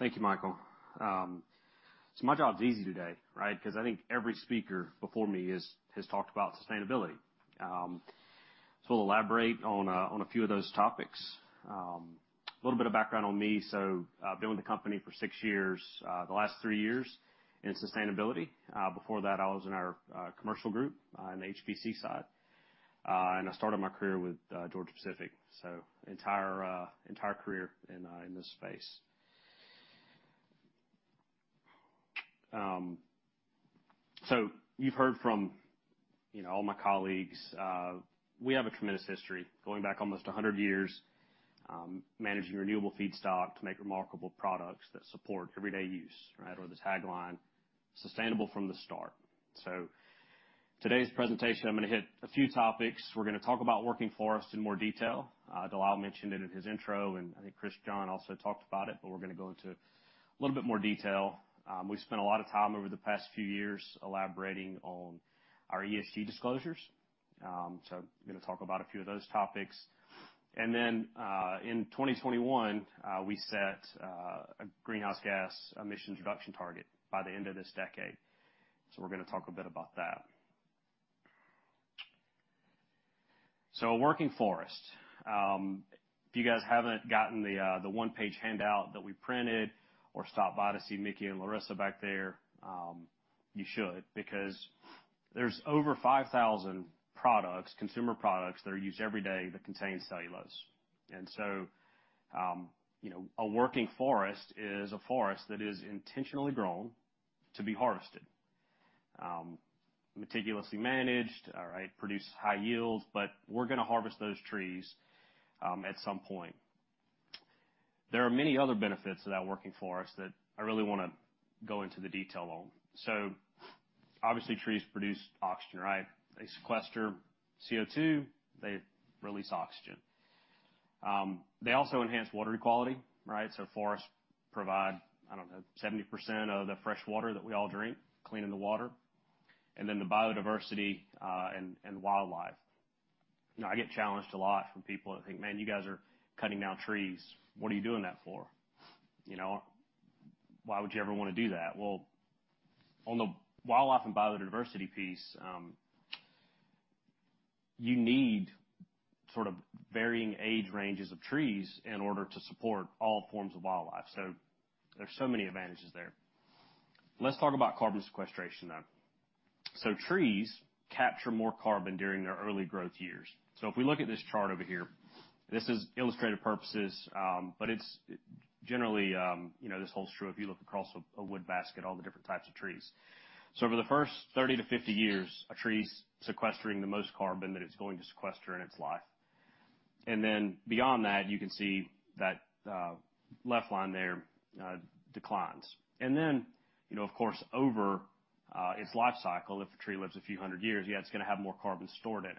S7: Thank you, Michael. So my job's easy today, right? Because I think every speaker before me is, has talked about sustainability. So I'll elaborate on, on a few of those topics. A little bit of background on me. So I've been with the company for six years, the last three years in sustainability. Before that, I was in our, commercial group, on the HBC side. And I started my career with, Georgia-Pacific, so entire, entire career in, in this space. So you've heard from, you know, all my colleagues, we have a tremendous history going back almost 100 years, managing renewable feedstock to make remarkable products that support everyday use, right? Or the tagline, "Sustainable from the start." So today's presentation, I'm gonna hit a few topics. We're gonna talk about working forests in more detail. Dalal mentioned it in his intro, and I think Chris John also talked about it, but we're gonna go into a little bit more detail. We've spent a lot of time over the past few years elaborating on our ESG disclosures, so I'm gonna talk about a few of those topics. And then, in 2021, we set a greenhouse gas emissions reduction target by the end of this decade, so we're gonna talk a bit about that. So a working forest. If you guys haven't gotten the one-page handout that we printed or stopped by to see Mickey and Larissa back there, you should, because there's over 5,000 products, consumer products, that are used every day that contain cellulose and so, You know, a working forest is a forest that is intentionally grown to be harvested, meticulously managed, all right, produces high yields, but we're gonna harvest those trees at some point. There are many other benefits of that working forest that I really wanna go into the detail on. Obviously, trees produce oxygen, right? They sequester CO2, right? They release oxygen. They also enhance water quality, right? Forests provide, I don't know, 70% of the fresh water that we all drink, cleaning the water, and then the biodiversity, and wildlife. You know, I get challenged a lot from people that think, "Man, you guys are cutting down trees. What are you doing that for?" You know, "Why would you ever wanna do that?" Well, on the wildlife and biodiversity piece, you need sort of varying age ranges of trees in order to support all forms of wildlife, so there's so many advantages there. Let's talk about carbon sequestration, then. So trees capture more carbon during their early growth years. So if we look at this chart over here, this is illustrated purposes, but it's generally, you know, this holds true if you look across a, a wood basket, all the different types of trees. So over the first 30 to 50 years, a tree's sequestering the most carbon that it's going to sequester in its life. And then, beyond that, you can see that, left line there, declines. And then, you know, of course, over its life cycle, if a tree lives a few hundred years, yeah, it's gonna have more carbon stored in it.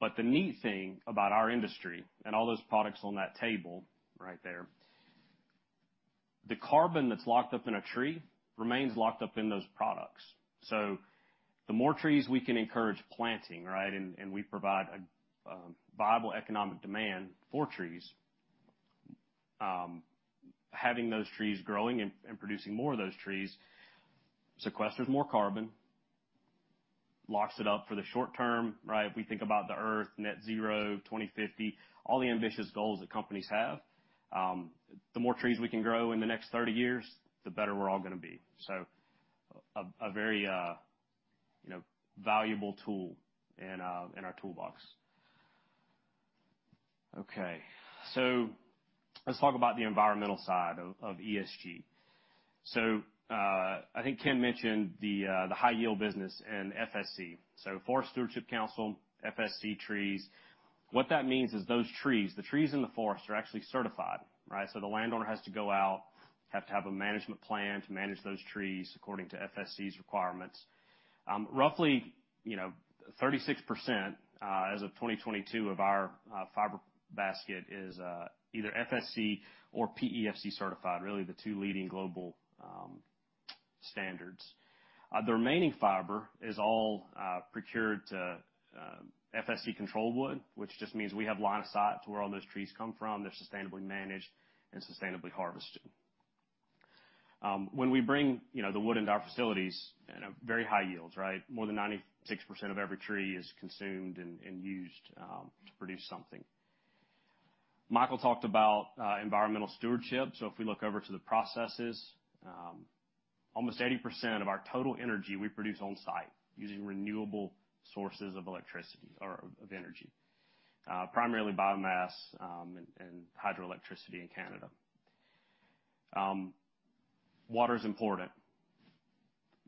S7: But the neat thing about our industry and all those products on that table right there, the carbon that's locked up in a tree remains locked up in those products. So the more trees we can encourage planting, right, and we provide a viable economic demand for trees, having those trees growing and producing more of those trees, sequesters more carbon, locks it up for the short term, right? If we think about the earth, net zero, 2050, all the ambitious goals that companies have, the more trees we can grow in the next 30 years, the better we're all gonna be. So a very, you know, valuable tool in our toolbox. Okay, so let's talk about the environmental side of ESG. So, I think Ken mentioned the high-yield business and FSC, so Forest Stewardship Council, FSC trees. What that means is those trees, the trees in the forest, are actually certified, right? So the landowner has to go out, have to have a management plan to manage those trees according to FSC's requirements. Roughly, you know, 36%, as of 2022, of our fiber basket is either FSC or PEFC certified, really the two leading global standards. The remaining fiber is all procured to FSC-controlled wood, which just means we have line of sight to where all those trees come from. They're sustainably managed and sustainably harvested. When we bring, you know, the wood into our facilities at a very high yields, right? More than 96% of every tree is consumed and, and used to produce something. Michael talked about environmental stewardship. So if we look over to the processes, almost 80% of our total energy, we produce on-site using renewable sources of electricity or of energy, primarily biomass, and, and hydroelectricity in Canada. Water is important.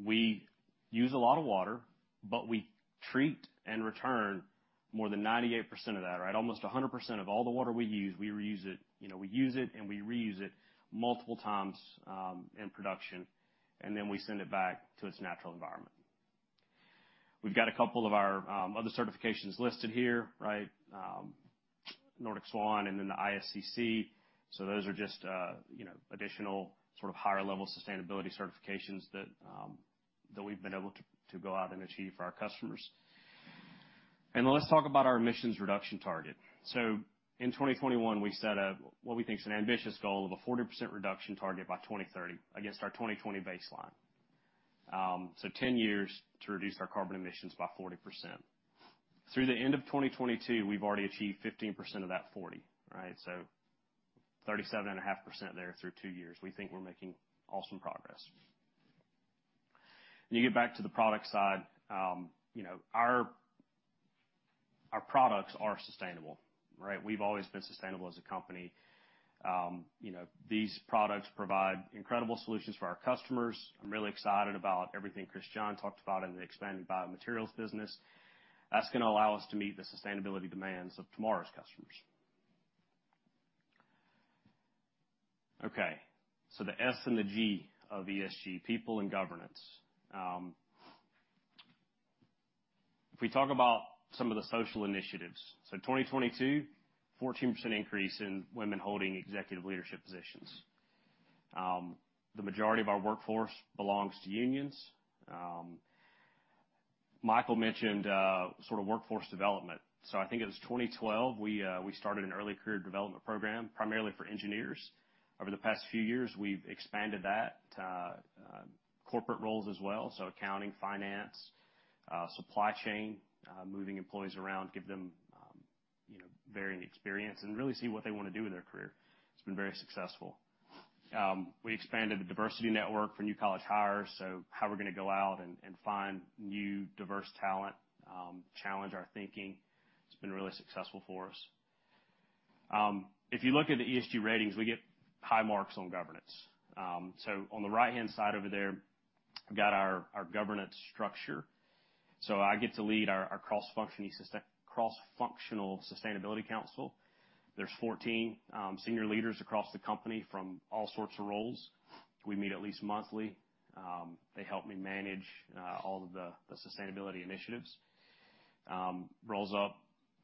S7: We use a lot of water, but we treat and return more than 98% of that, right? Almost 100% of all the water we use, we reuse it. You know, we use it, and we reuse it multiple times in production, and then we send it back to its natural environment. We've got a couple of our other certifications listed here, right? Nordic Swan and then the ISCC. So those are just, you know, additional sort of higher-level sustainability certifications that we've been able to go out and achieve for our customers. Let's talk about our emissions reduction target. So, in 2021, we set a, what we think is an ambitious goal of a 40% reduction target by 2030 against our 2020 baseline. 10 years to reduce our carbon emissions by 40%. Through the end of 2022, we've already achieved 15% of that 40, right? 37.5% there through two years. We think we're making awesome progress. When you get back to the product side, you know, our products are sustainable, right? We've always been sustainable as a company. You know, these products provide incredible solutions for our customers. I'm really excited about everything Christian talked about in the expanded biomaterials business. That's gonna allow us to meet the sustainability demands of tomorrow's customers. Okay, so the S and the G of ESG, people and governance. If we talk about some of the social initiatives, so 2022, 14% increase in women holding executive leadership positions. The majority of our workforce belongs to unions. Michael mentioned, sort of workforce development. So I think it was 2012, we started an early career development program, primarily for engineers. Over the past few years, we've expanded that to corporate roles as well, so accounting, finance, supply chain, moving employees around, give them you know, varying experience and really see what they wanna do with their career. It's been very successful. We expanded the diversity network for new college hires, so how we're gonna go out and find new diverse talent, challenge our thinking. It's been really successful for us. If you look at the ESG ratings, we get high marks on governance. So on the right-hand side over there, we've got our governance structure. So I get to lead our cross-functional sustainability council. There's 14 senior leaders across the company from all sorts of roles. We meet at least monthly. They help me manage all of the sustainability initiatives. Rolls up,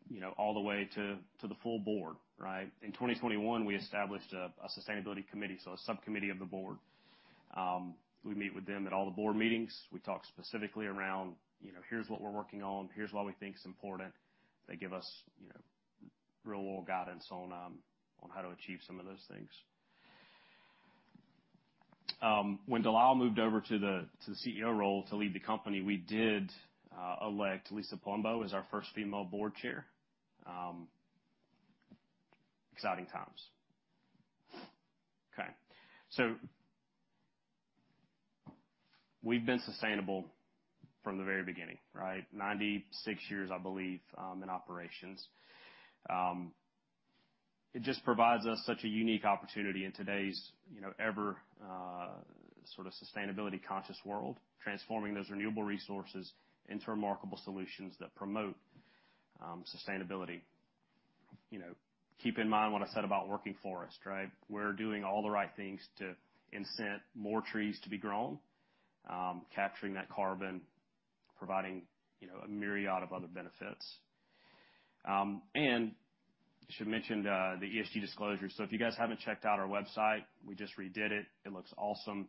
S7: you know, all the way to the full board, right? In 2021, we established a sustainability committee, so a subcommittee of the board. We meet with them at all the board meetings. We talk specifically around, you know, "Here's what we're working on. Here's why we think it's important." They give us, you know, real world guidance on, on how to achieve some of those things. When De Lyle moved over to the, to the CEO role to lead the company, we did, elect Lisa Palumbo as our first female board chair. Exciting times. Okay, so we've been sustainable from the very beginning, right? 96 years, I believe, in operations. It just provides us such a unique opportunity in today's, you know, ever, sort of sustainability-conscious world, transforming those renewable resources into remarkable solutions that promote, sustainability. You know, keep in mind what I said about working forest, right? We're doing all the right things to incent more trees to be grown, capturing that carbon, providing, you know, a myriad of other benefits. And I should mention the ESG disclosure. So if you guys haven't checked out our website, we just redid it. It looks awesome.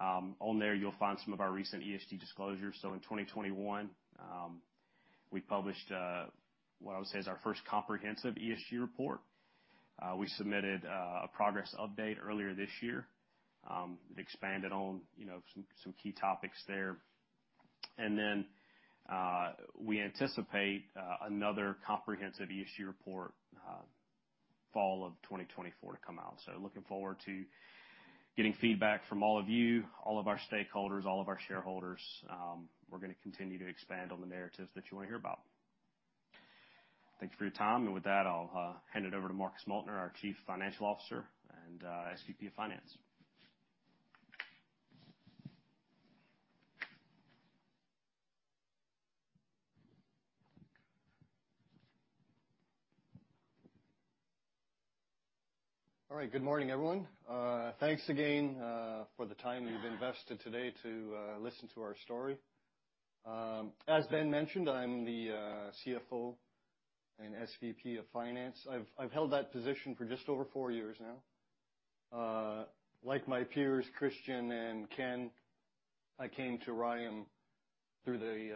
S7: On there, you'll find some of our recent ESG disclosures. So in 2021, we published what I would say is our first comprehensive ESG report. We submitted a progress update earlier this year. It expanded on, you know, some, some key topics there. And then, we anticipate another comprehensive ESG report fall of 2024 to come out. So looking forward to getting feedback from all of you, all of our stakeholders, all of our shareholders. We're gonna continue to expand on the narratives that you wanna hear about. Thank you for your time, and with that, I'll hand it over to Marcus Moeltner, our Chief Financial Officer and SVP of Finance.
S8: All right. Good morning, everyone. Thanks again for the time you've invested today to listen to our story. As Ben mentioned, I'm the CFO and SVP of Finance. I've held that position for just over four years now. Like my peers, Christian and Ken, I came to RYAM through the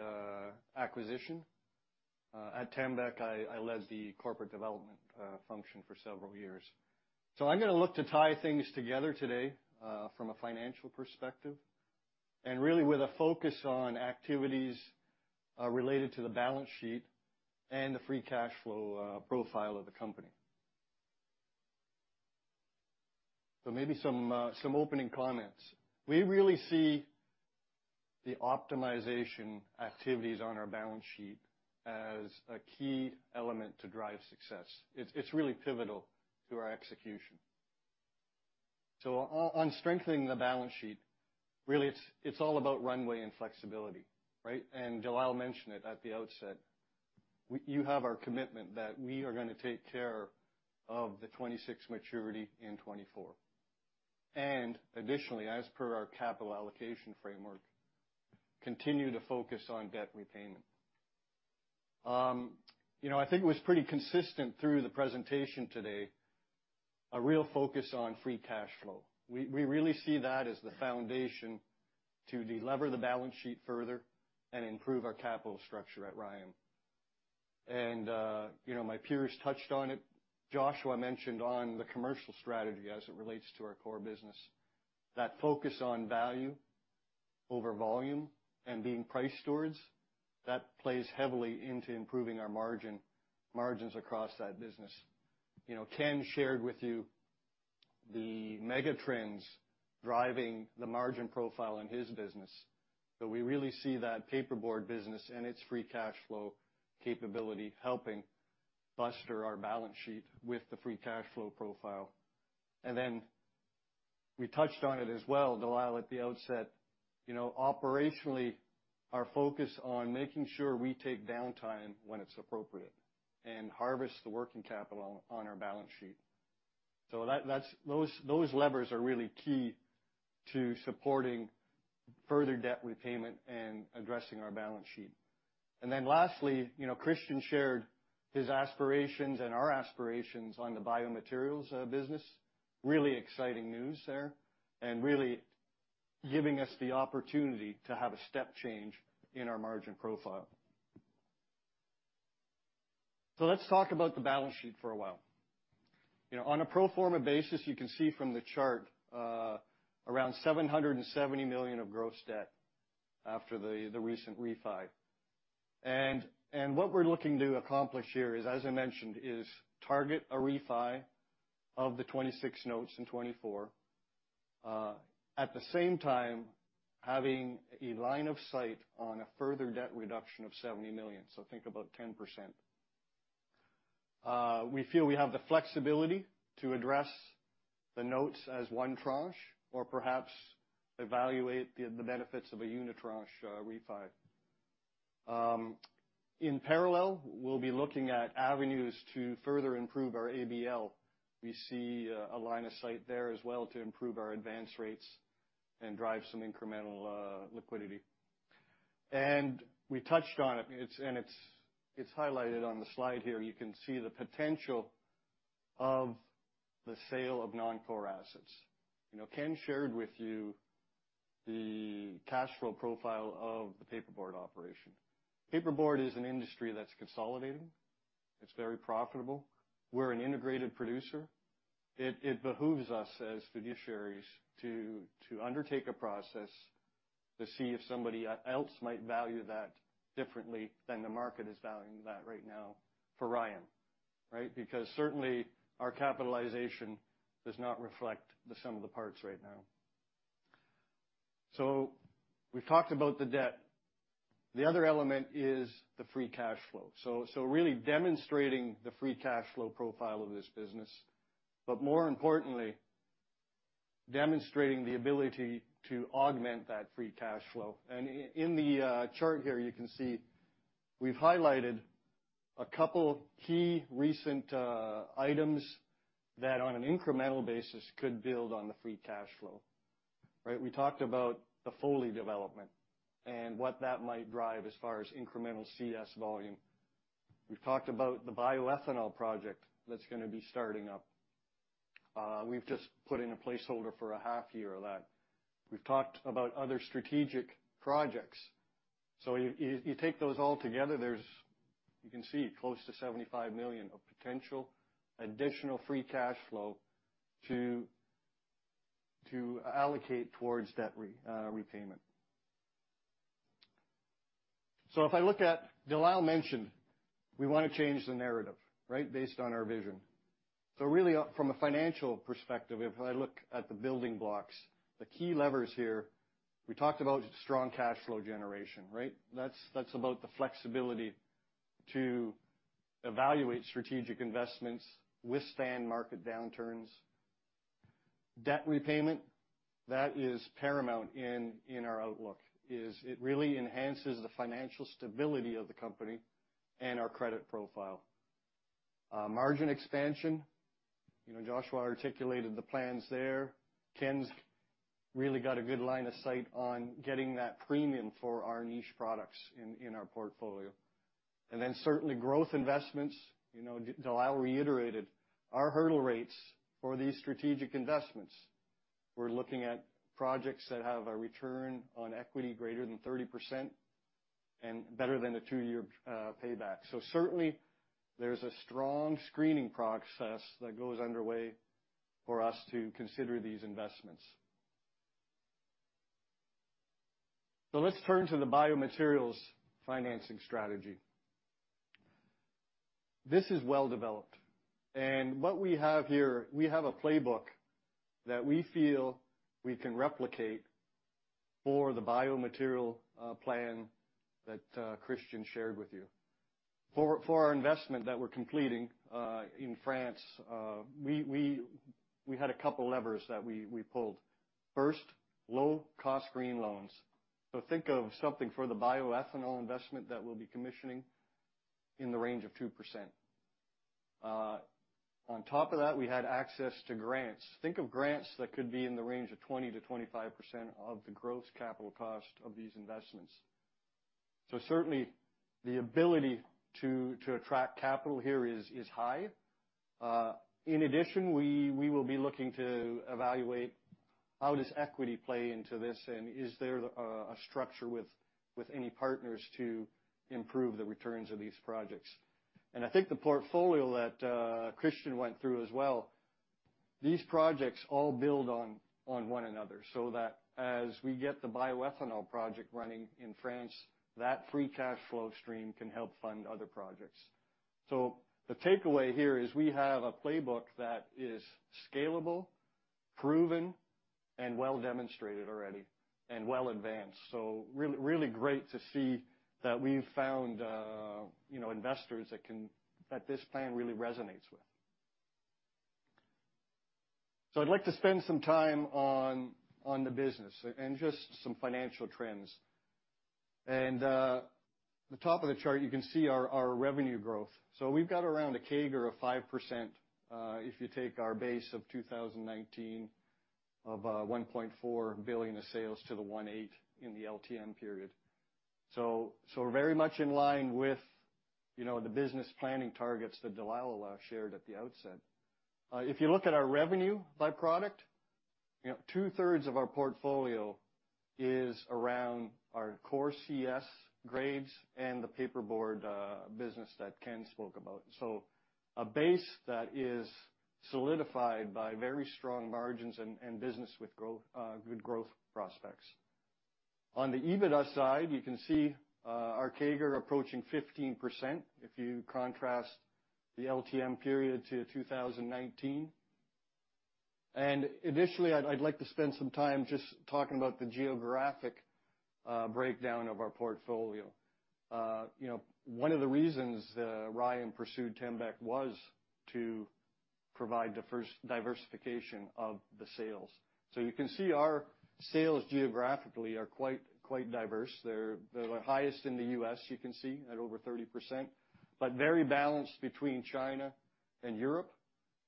S8: acquisition. At Tembec, I led the corporate development function for several years. So I'm gonna look to tie things together today from a financial perspective, and really with a focus on activities related to the balance sheet and the free cash flow profile of the company. So maybe some opening comments. We really see the optimization activities on our balance sheet as a key element to drive success. It's really pivotal to our execution. On strengthening the balance sheet, really, it's all about runway and flexibility, right? De Lyle mentioned it at the outset. You have our commitment that we are gonna take care of the 2026 maturity in 2024. Additionally, as per our capital allocation framework, continue to focus on debt repayment. You know, I think it was pretty consistent through the presentation today, a real focus on free cash flow. We really see that as the foundation to delever the balance sheet further and improve our capital structure at RYAM. You know, my peers touched on it. Joshua mentioned on the commercial strategy as it relates to our core business, that focus on value over volume and being price stewards, that plays heavily into improving our margin, margins across that business. You know, Ken shared with you the mega trends driving the margin profile in his business, that we really see that paperboard business and its free cash flow capability helping bolster our balance sheet with the free cash flow profile. And then we touched on it as well, De Lyle, at the outset, you know, operationally, our focus on making sure we take downtime when it's appropriate and harvest the working capital on our balance sheet. So that, that's—those, those levers are really key to supporting further debt repayment and addressing our balance sheet. And then lastly, you know, Christian shared his aspirations and our aspirations on the biomaterials business. Really exciting news there, and really giving us the opportunity to have a step change in our margin profile. So let's talk about the balance sheet for a while. You know, on a pro forma basis, you can see from the chart, around $770 million of gross debt after the recent refi. What we're looking to accomplish here is, as I mentioned, target a refi of the 2026 notes in 2024. At the same time, having a line of sight on a further debt reduction of $70 million, so think about 10%. We feel we have the flexibility to address the notes as one tranche or perhaps evaluate the benefits of a unitranche refi. In parallel, we'll be looking at avenues to further improve our ABL. We see a line of sight there as well to improve our advance rates and drive some incremental liquidity. We touched on it, it's—and it's highlighted on the slide here. You can see the potential of the sale of non-core assets. You know, Ken shared with you the cash flow profile of the paperboard operation. Paperboard is an industry that's consolidating. It's very profitable. We're an integrated producer. It behooves us as fiduciaries to undertake a process to see if somebody else might value that differently than the market is valuing that right now for RYAM, right? Because certainly, our capitalization does not reflect the sum of the parts right now. So we've talked about the debt. The other element is the free cash flow. So really demonstrating the free cash flow profile of this business, but more importantly, demonstrating the ability to augment that free cash flow. In the chart here, you can see we've highlighted a couple of key recent items that on an incremental basis could build on the free cash flow, right? We talked about the Foley development and what that might drive as far as incremental CS volume. We've talked about the bioethanol project that's gonna be starting up. We've just put in a placeholder for a half year of that. We've talked about other strategic projects. So you take those all together, you can see close to $75 million of potential additional free cash flow to allocate towards debt repayment. So if I look at, De Lyle mentioned, we wanna change the narrative, right? Based on our vision. So really, from a financial perspective, if I look at the building blocks, the key levers here, we talked about strong cash flow generation, right? That's about the flexibility to evaluate strategic investments, withstand market downturns. Debt repayment, that is paramount in our outlook, it really enhances the financial stability of the company and our credit profile. Margin expansion, you know, Joshua articulated the plans there. Ken's really got a good line of sight on getting that premium for our niche products in our portfolio. And then certainly, growth investments, you know, De Lyle reiterated, our hurdle rates for these strategic investments, we're looking at projects that have a return on equity greater than 30% and better than a two year payback. So certainly, there's a strong screening process that goes underway for us to consider these investments. Let's turn to the biomaterials financing strategy. This is well developed, and what we have here, we have a playbook that we feel we can replicate for the biomaterial plan that Christian shared with you. For our investment that we're completing in France, we had a couple levers that we pulled. First, low-cost green loans. Think of something for the bioethanol investment that we'll be commissioning in the range of 2%. On top of that, we had access to grants. Think of grants that could be in the range of 20%-25% of the gross capital cost of these investments. Certainly, the ability to attract capital here is high. In addition, we will be looking to evaluate how does equity play into this, and is there a structure with any partners to improve the returns of these projects? I think the portfolio that Christian went through as well, these projects all build on one another, so that as we get the bioethanol project running in France, that free cash flow stream can help fund other projects. The takeaway here is we have a playbook that is scalable, proven, and well-demonstrated already and well advanced. Really, really great to see that we've found, you know, investors that this plan really resonates with. I'd like to spend some time on the business and just some financial trends. At the top of the chart, you can see our revenue growth. So we've got around a CAGR of 5%, if you take our base of 2019, of $1.4 billion of sales to the $1.8 billion in the LTM period. So we're very much in line with, you know, the business planning targets that Dalila shared at the outset. If you look at our revenue by product, you know, 2/3 of our portfolio is around our core CS grades and the paperboard business that Ken spoke about. So a base that is solidified by very strong margins and business with growth, good growth prospects. On the EBITDA side, you can see our CAGR approaching 15% if you contrast the LTM period to 2019. And initially, I'd like to spend some time just talking about the geographic breakdown of our portfolio. You know, one of the reasons RYAM pursued Tembec was to provide diversification of the sales. So you can see our sales geographically are quite, quite diverse. They're the highest in the U.S., you can see, at over 30%, but very balanced between China and Europe.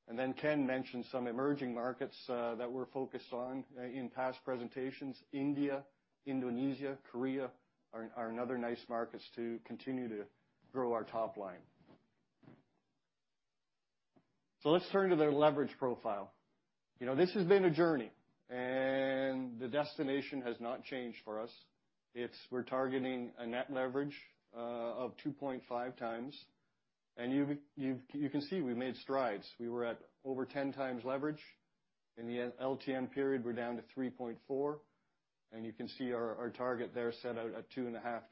S8: And then Ken mentioned some emerging markets that we're focused on in past presentations. India, Indonesia, Korea are another nice markets to continue to grow our top line. So let's turn to the leverage profile. You know, this has been a journey, and the destination has not changed for us. It's we're targeting a net leverage of 2.5x, and you've you can see we've made strides. We were at over 10x leverage. In the LTM period, we're down to 3.4, and you can see our, our target there set out at 2.5x.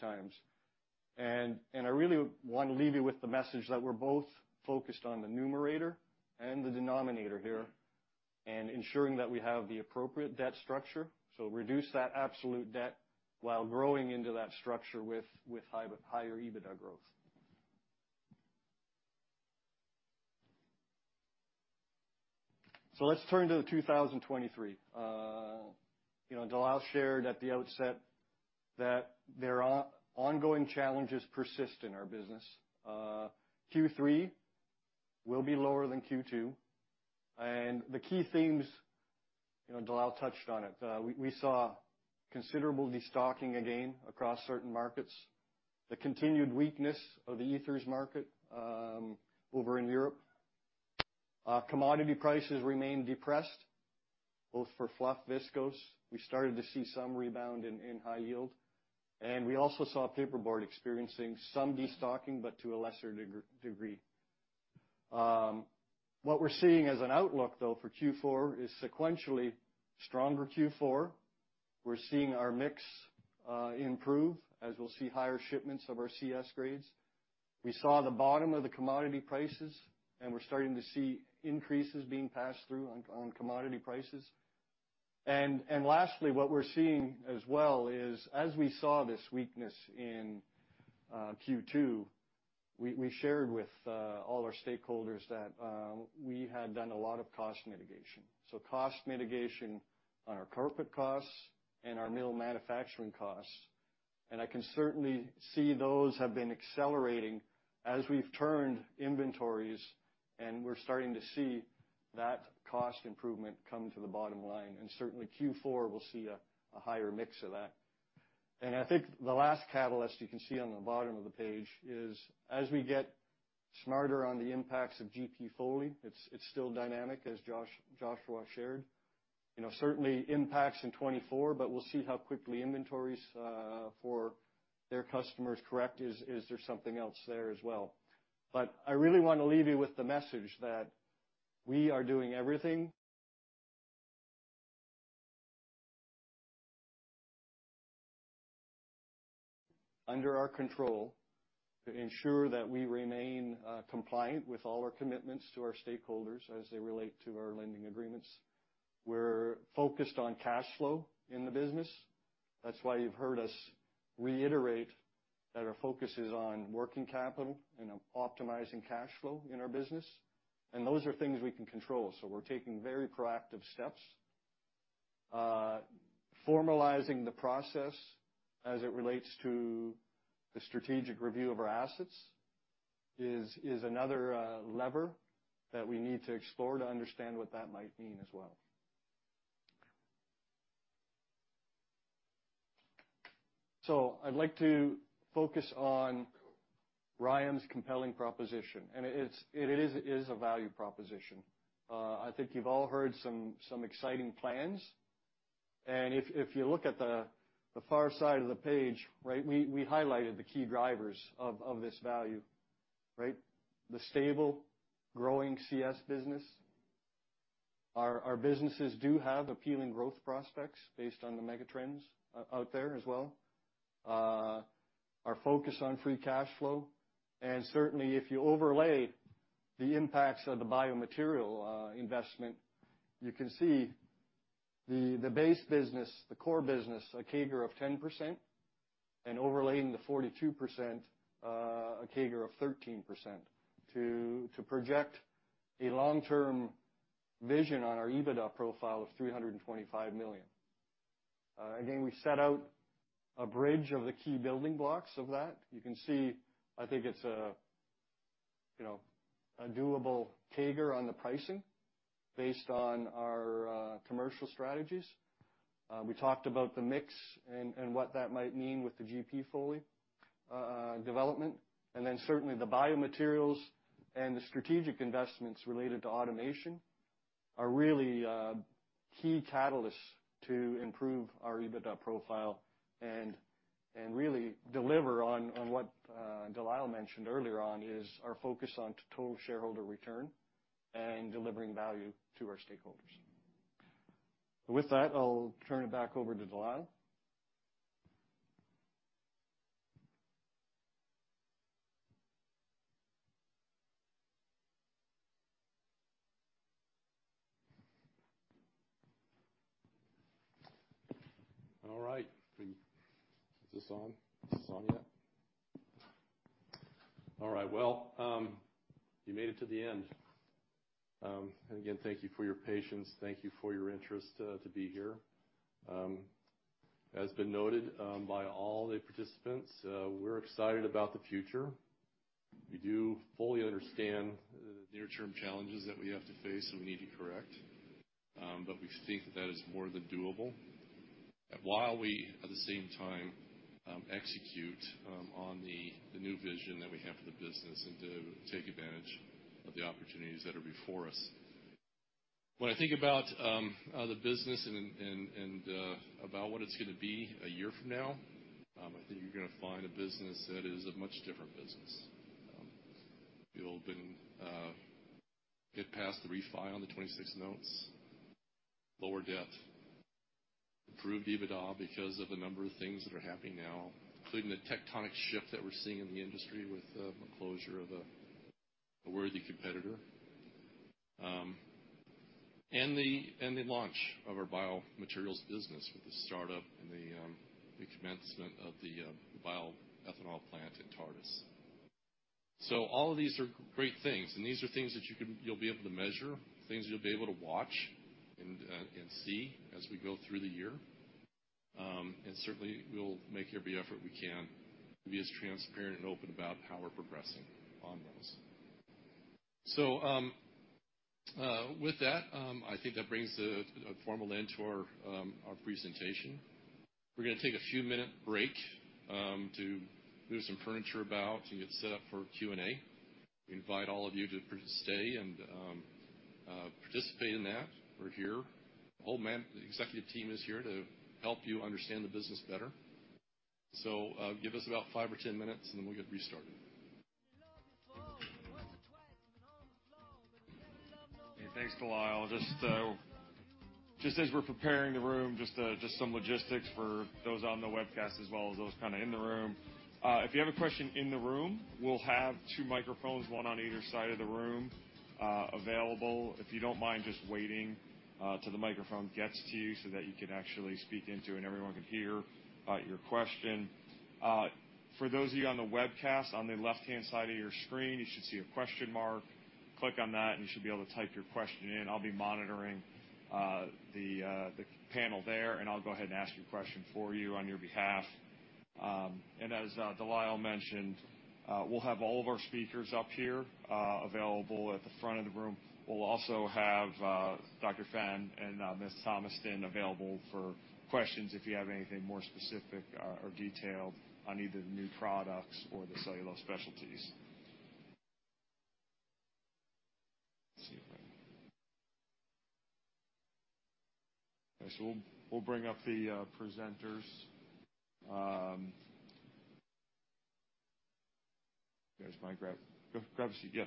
S8: And I really want to leave you with the message that we're both focused on the numerator and the denominator here, and ensuring that we have the appropriate debt structure. So reduce that absolute debt while growing into that structure with, with high, higher EBITDA growth. So let's turn to 2023. You know, the last shared at the outset that there are ongoing challenges persist in our business. Q3 will be lower than Q2, and the key themes, you know, Dalila touched on it. We saw considerable destocking again across certain markets, the continued weakness of the ethers market over in Europe. Commodity prices remain depressed, both for fluff viscose. We started to see some rebound in high yield, and we also saw paperboard experiencing some destocking, but to a lesser degree. What we're seeing as an outlook, though, for Q4 is sequentially stronger Q4. We're seeing our mix improve as we'll see higher shipments of our CS grades. We saw the bottom of the commodity prices, and we're starting to see increases being passed through on commodity prices. Lastly, what we're seeing as well is, as we saw this weakness in Q2, we shared with all our stakeholders that we had done a lot of cost mitigation. So cost mitigation on our kraft costs and our mill manufacturing costs, and I can certainly see those have been accelerating as we've turned inventories, and we're starting to see that cost improvement come to the bottom line. Certainly, Q4 will see a higher mix of that. And I think the last catalyst you can see on the bottom of the page is, as we get smarter on the impacts of GP Foley. It's still dynamic, as Joshua shared. You know, certainly impacts in 2024, but we'll see how quickly inventories for their customers correct. Is there something else there as well? But I really wanna leave you with the message that we are doing everything under our control to ensure that we remain compliant with all our commitments to our stakeholders as they relate to our lending agreements. We're focused on cash flow in the business. That's why you've heard us reiterate that our focus is on working capital and on optimizing cash flow in our business, and those are things we can control. So we're taking very proactive steps. Formalizing the process as it relates to the strategic review of our assets is another lever that we need to explore to understand what that might mean as well. So I'd like to focus on RYAM's compelling proposition, and it is a value proposition. I think you've all heard some exciting plans, and if you look at the far side of the page, right, we highlighted the key drivers of this value, right? The stable, growing CS business. Our businesses do have appealing growth prospects based on the mega trends out there as well. Our focus on free cash flow, and certainly, if you overlay the impacts of the biomaterial investment, you can see the base business, the core business, a CAGR of 10%, and overlaying the 42%, a CAGR of 13%, to project a long-term vision on our EBITDA profile of $325 million. Again, we set out a bridge of the key building blocks of that. You can see, I think it's, you know, a doable CAGR on the pricing based on our commercial strategies. We talked about the mix and what that might mean with the GP Foley development. And then certainly, the biomaterials and the strategic investments related to automation are really key catalysts to improve our EBITDA profile and really deliver on what DeLyle mentioned earlier on, is our focus on total shareholder return and delivering value to our stakeholders. With that, I'll turn it back over to DeLyle.
S2: All right. Is this on? Is this on yet? All right. Well, you made it to the end. Again, thank you for your patience. Thank you for your interest to be here. As been noted by all the participants, we're excited about the future. We do fully understand the near-term challenges that we have to face, and we need to correct, but we think that is more than doable. While we, at the same time, execute on the new vision that we have for the business and to take advantage of the opportunities that are before us. When I think about the business and about what it's gonna be a year from now, I think you're gonna find a business that is a much different business. have been able to get past the refi on the 2026 notes, lower debt, improved EBITDA because of the number of things that are happening now, including the tectonic shift that we're seeing in the industry with the closure of a worthy competitor, and the launch of our biomaterials business with the startup and the commencement of the bioethanol plant in Tartas. So all of these are great things, and these are things that you can—you'll be able to measure, things you'll be able to watch and see as we go through the year. And certainly, we'll make every effort we can to be as transparent and open about how we're progressing on those. So, with that, I think that brings a formal end to our presentation. We're gonna take a few minute break to move some furniture about, to get set up for Q&A. We invite all of you to stay and participate in that. We're here. The whole executive team is here to help you understand the business better. So, give us about five or 10 minutes, and then we'll get restarted.
S1: Thanks, De Lyle. Just as we're preparing the room, just some logistics for those on the webcast, as well as those kind of in the room. If you have a question in the room, we'll have two microphones, one on either side of the room, available. If you don't mind just waiting till the microphone gets to you so that you can actually speak into and everyone can hear your question. For those of you on the webcast, on the left-hand side of your screen, you should see a question mark. Click on that, and you should be able to type your question in. I'll be monitoring the panel there, and I'll go ahead and ask your question for you on your behalf. As De Lyle mentioned, we'll have all of our speakers up here available at the front of the room. We'll also have Dr. Fenn and Ms. Thomaston available for questions if you have anything more specific or detailed on either the new products or the cellulose specialties. So we'll bring up the presenters. There's Mike. Grab, go grab a seat. Yeah.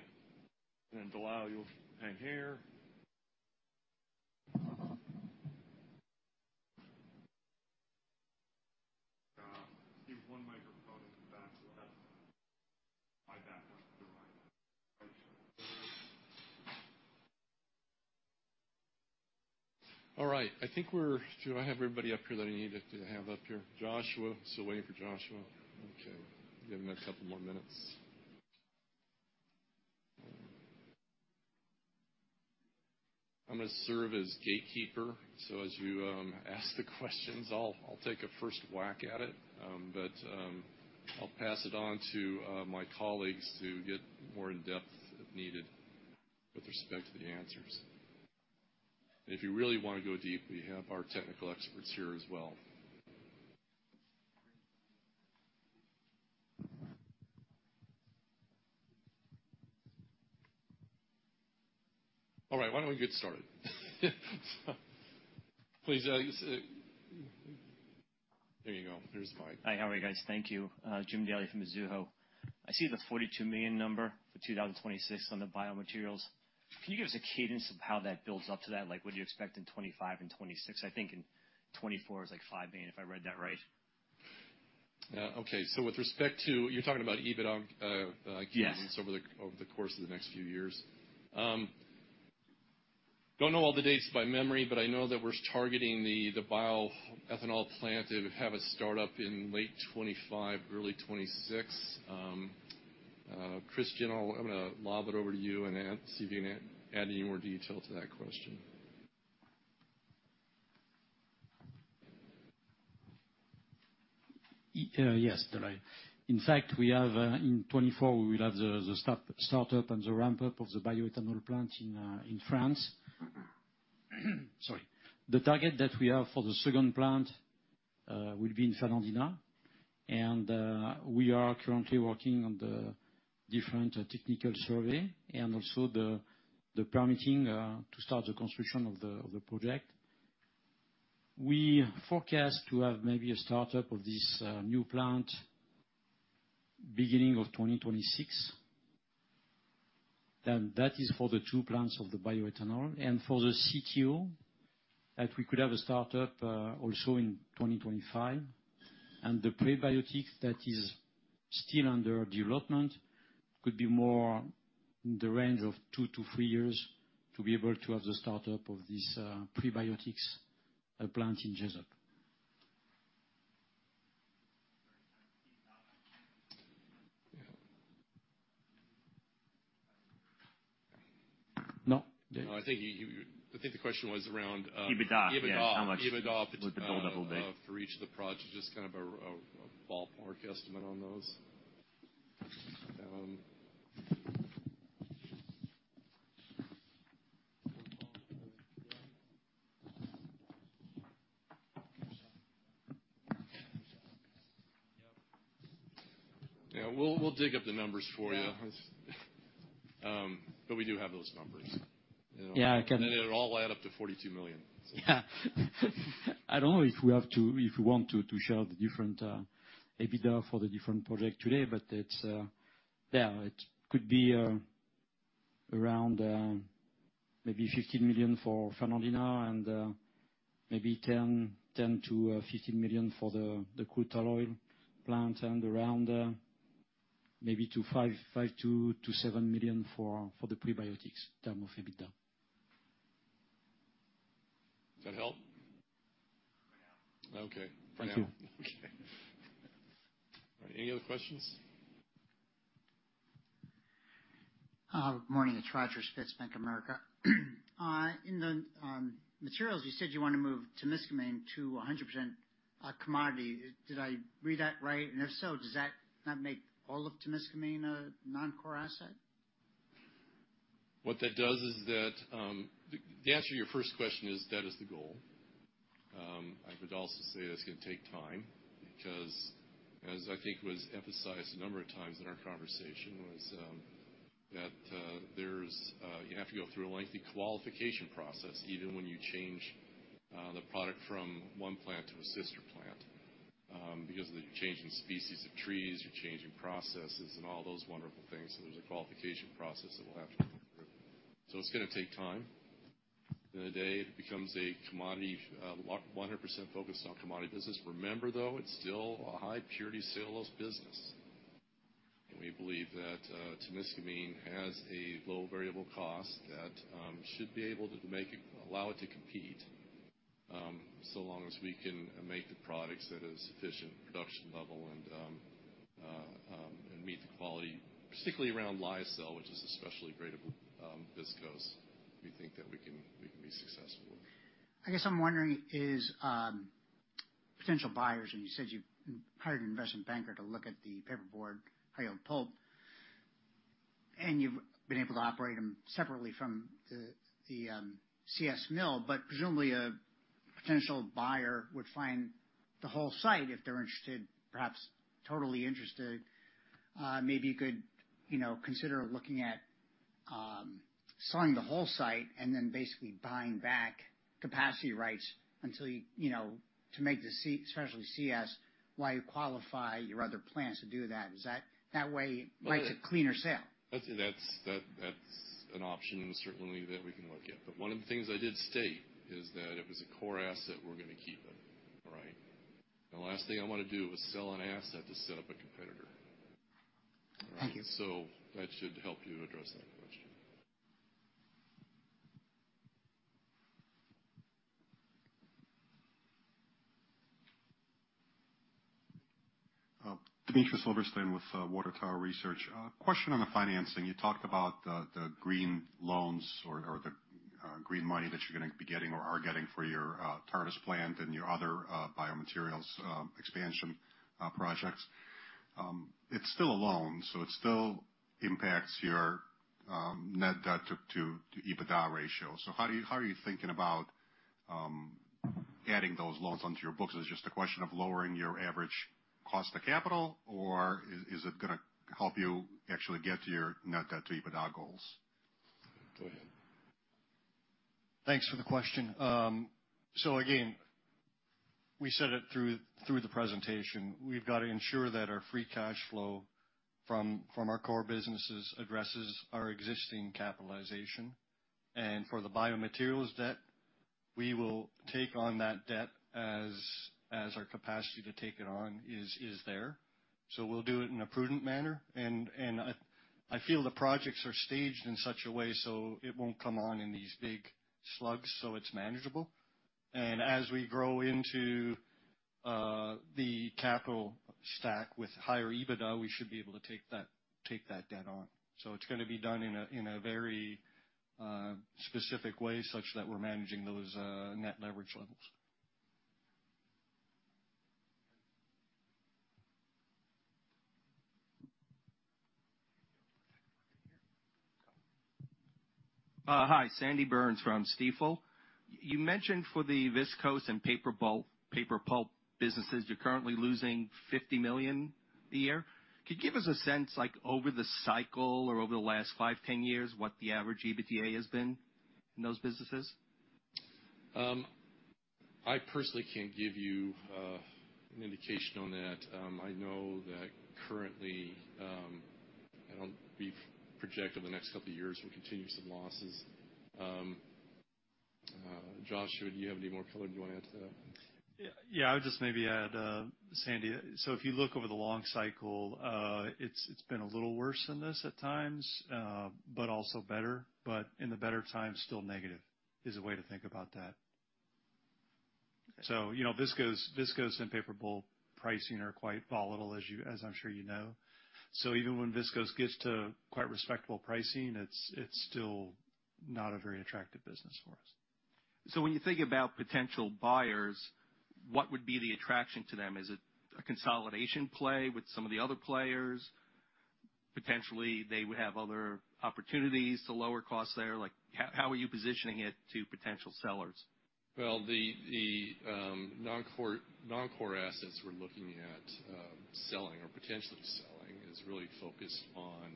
S1: And then, Dalal, you'll hang here. Give one microphone in the back so that's my back. All right, I think we're. Do I have everybody up here that I needed to have up here? Joshua, still waiting for Joshua. Okay, give him a couple more minutes. I'm gonna serve as gatekeeper, so as you ask the questions, I'll take a first whack at it. But I'll pass it on to my colleagues to get more in depth, if needed, with respect to the answers. And if you really wanna go deep, we have our technical experts here as well. All right, why don't we get started? Please, there you go. Here's the mic.
S9: Hi, how are you guys? Thank you. Jim Daley from Mizuho. I see the $42 million number for 2026 on the biomaterials. Can you give us a cadence of how that builds up to that? Like, what do you expect in 2025 and 2026? I think in 2024 is, like, $5 million, if I read that right.
S2: Okay. So with respect to... You're talking about EBITDA.
S9: Yes.
S2: Cadence over the course of the next few years. Don't know all the dates by memory, but I know that we're targeting the bioethanol plant to have a startup in late 2025, early 2026. Christian, I'm gonna lob it over to you and see if you can add any more detail to that question.
S4: Yes. In fact, we have, in 2024, we will have the startup and the ramp-up of the bioethanol plant in France. Sorry. The target that we have for the second plant will be in Fernandina, and we are currently working on the different technical survey and also the permitting to start the construction of the project. We forecast to have maybe a startup of this new plant beginning of 2026, then that is for the two plants of the bioethanol. And for the CTO, that we could have a startup also in 2025, and the prebiotic that is still under development, could be more in the range of two-three years to be able to have the startup of this prebiotics plant in Jesup. No?
S2: No, I think he—I think the question was around,
S9: EBITDA, yes.
S2: EBITDA.
S9: How much-
S2: EBITDA-
S9: Would the build up will be....
S2: for each of the projects, just kind of a ballpark estimate on those. Yeah, we'll dig up the numbers for you.
S9: Yeah.
S2: But we do have those numbers.
S4: Yeah, I can-
S2: It'll all add up to $42 million.
S4: Yeah. I don't know if we have to, if we want to, to share the different, EBITDA for the different project today, but it's, yeah, it could be, around, maybe $15 million for Fernandina and, maybe $10 million to $15 million for the, the crude tall oil plant and around, maybe $5 million-$7 million for, for the prebiotics term of EBITDA.
S2: Does that help?
S9: For now.
S2: Okay. For now. Okay. Any other questions?
S10: Good morning, it's Roger Spitz, Bank of America. In the materials, you said you want to move to Temiscaming to 100% commodity. Did I read that right? And if so, does that not make all of Temiscaming a non-core asset?
S2: What that does is that. The answer to your first question is, that is the goal. I would also say that's gonna take time, because as I think was emphasized a number of times in our conversation, that there's. You have to go through a lengthy qualification process, even when you change the product from one plant to a sister plant, because of the changing species of trees, you're changing processes and all those wonderful things. So there's a qualification process that we'll have to go through. So it's gonna take time. The other day, it becomes a commodity, 100% focused on commodity business. Remember, though, it's still a high purity cellulose business, and we believe that Temiscaming has a low variable cost that should be able to make it, allow it to compete, so long as we can make the products at a sufficient production level and meet the quality, particularly around lyocell, which is especially gradeable, viscose. We think that we can, we can be successful.
S10: I guess I'm wondering is potential buyers, and you said you've hired an investment banker to look at the paperboard high yield pulp, and you've been able to operate them separately from the, the, CS mill, but presumably potential buyer would find the whole site if they're interested, perhaps totally interested, maybe you could, you know, consider looking at selling the whole site and then basically buying back capacity rights until you, you know, to make the especially CS, while you qualify your other plants to do that. Is that way, it's a cleaner sale?
S2: I'd say that's an option certainly that we can look at. But one of the things I did state is that it was a core asset we're gonna keep it, all right? The last thing I wanna do is sell an asset to set up a competitor.
S10: Thank you.
S2: So that should help you address that question.
S11: Dmitry Silversteyn with Water Tower Research. Question on the financing. You talked about the green loans or the green money that you're gonna be getting or are getting for your Tartas plant and your other biomaterials expansion projects. It's still a loan, so it still impacts your net debt to EBITDA ratio. So how are you thinking about adding those loans onto your books? Is it just a question of lowering your average cost of capital, or is it gonna help you actually get to your net debt to EBITDA goals?
S2: Go ahead.
S8: Thanks for the question. So again, we said it through the presentation. We've got to ensure that our free cash flow from our core businesses addresses our existing capitalization. And for the biomaterials debt, we will take on that debt as our capacity to take it on is there. So we'll do it in a prudent manner, and I feel the projects are staged in such a way so it won't come on in these big slugs, so it's manageable. And as we grow into the capital stack with higher EBITDA, we should be able to take that debt on. So it's gonna be done in a very specific way such that we're managing those net leverage levels.
S12: Hi, Sandy Burns from Stifel. You mentioned for the viscose and paper pulp, paper pulp businesses, you're currently losing $50 million a year. Could you give us a sense, like over the cycle or over the last five-ten years, what the average EBITDA has been in those businesses?
S2: I personally can't give you an indication on that. I know that currently, we've projected the next couple of years, we continue some losses. Joshua, do you have any more color you wanna add to that?
S3: Yeah, I would just maybe add, Sandy, so if you look over the long cycle, it's been a little worse than this at times, but also better, but in the better times, still negative is a way to think about that. So, you know, viscose and paper pulp pricing are quite volatile, as I'm sure you know. So even when viscose gets to quite respectable pricing, it's still not a very attractive business for us.
S12: So when you think about potential buyers, what would be the attraction to them? Is it a consolidation play with some of the other players? Potentially, they would have other opportunities to lower costs there. Like, how are you positioning it to potential sellers?
S2: Well, noncore assets we're looking at selling or potentially selling is really focused on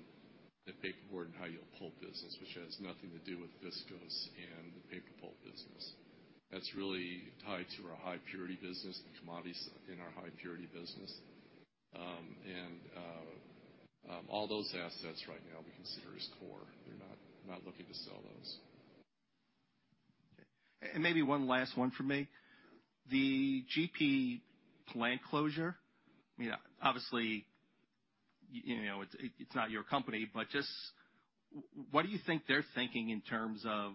S2: the paperboard and high-yield pulp business, which has nothing to do with viscose and the paper pulp business. That's really tied to our high-purity business and commodities in our high-purity business. All those assets right now we consider as core. We're not looking to sell those.
S12: Maybe one last one from me. The GP plant closure, I mean, obviously, you know, it's not your company, but just what do you think they're thinking in terms of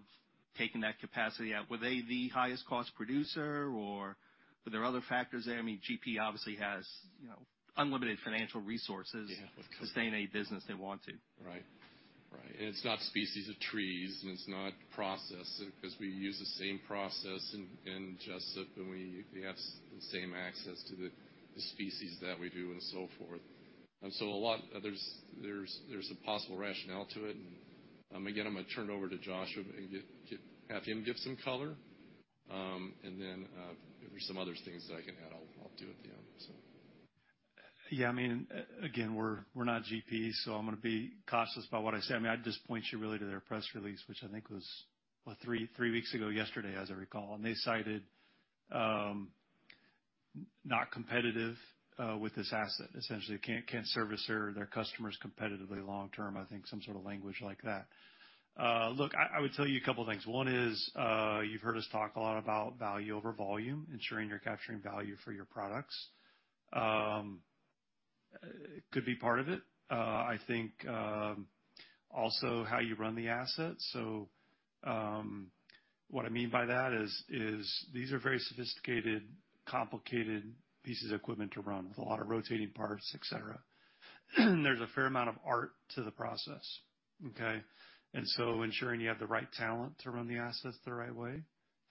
S12: taking that capacity out? Were they the highest cost producer, or were there other factors there? I mean, GP obviously has, you know, unlimited financial resources.
S2: Yeah.
S12: to stay in any business they want to.
S2: Right. Right, and it's not species of trees, and it's not process, because we use the same process in Jesup, and we have the same access to the species that we do and so forth. And so there's a possible rationale to it. And again, I'm gonna turn it over to Joshua and get him to give some color. And then, if there's some other things that I can add, I'll do at the end, so.
S3: Yeah, I mean, again, we're not GP, so I'm gonna be cautious about what I say. I mean, I'd just point you really to their press release, which I think was, what, three weeks ago yesterday, as I recall, and they cited not competitive with this asset. Essentially, can't service their customers competitively long term, I think some sort of language like that. Look, I would tell you a couple of things. One is, you've heard us talk a lot about value over volume, ensuring you're capturing value for your products. Could be part of it. I think also how you run the asset. So, what I mean by that is these are very sophisticated, complicated pieces of equipment to run with a lot of rotating parts, et cetera. There's a fair amount of art to the process, okay? Ensuring you have the right talent to run the assets the right way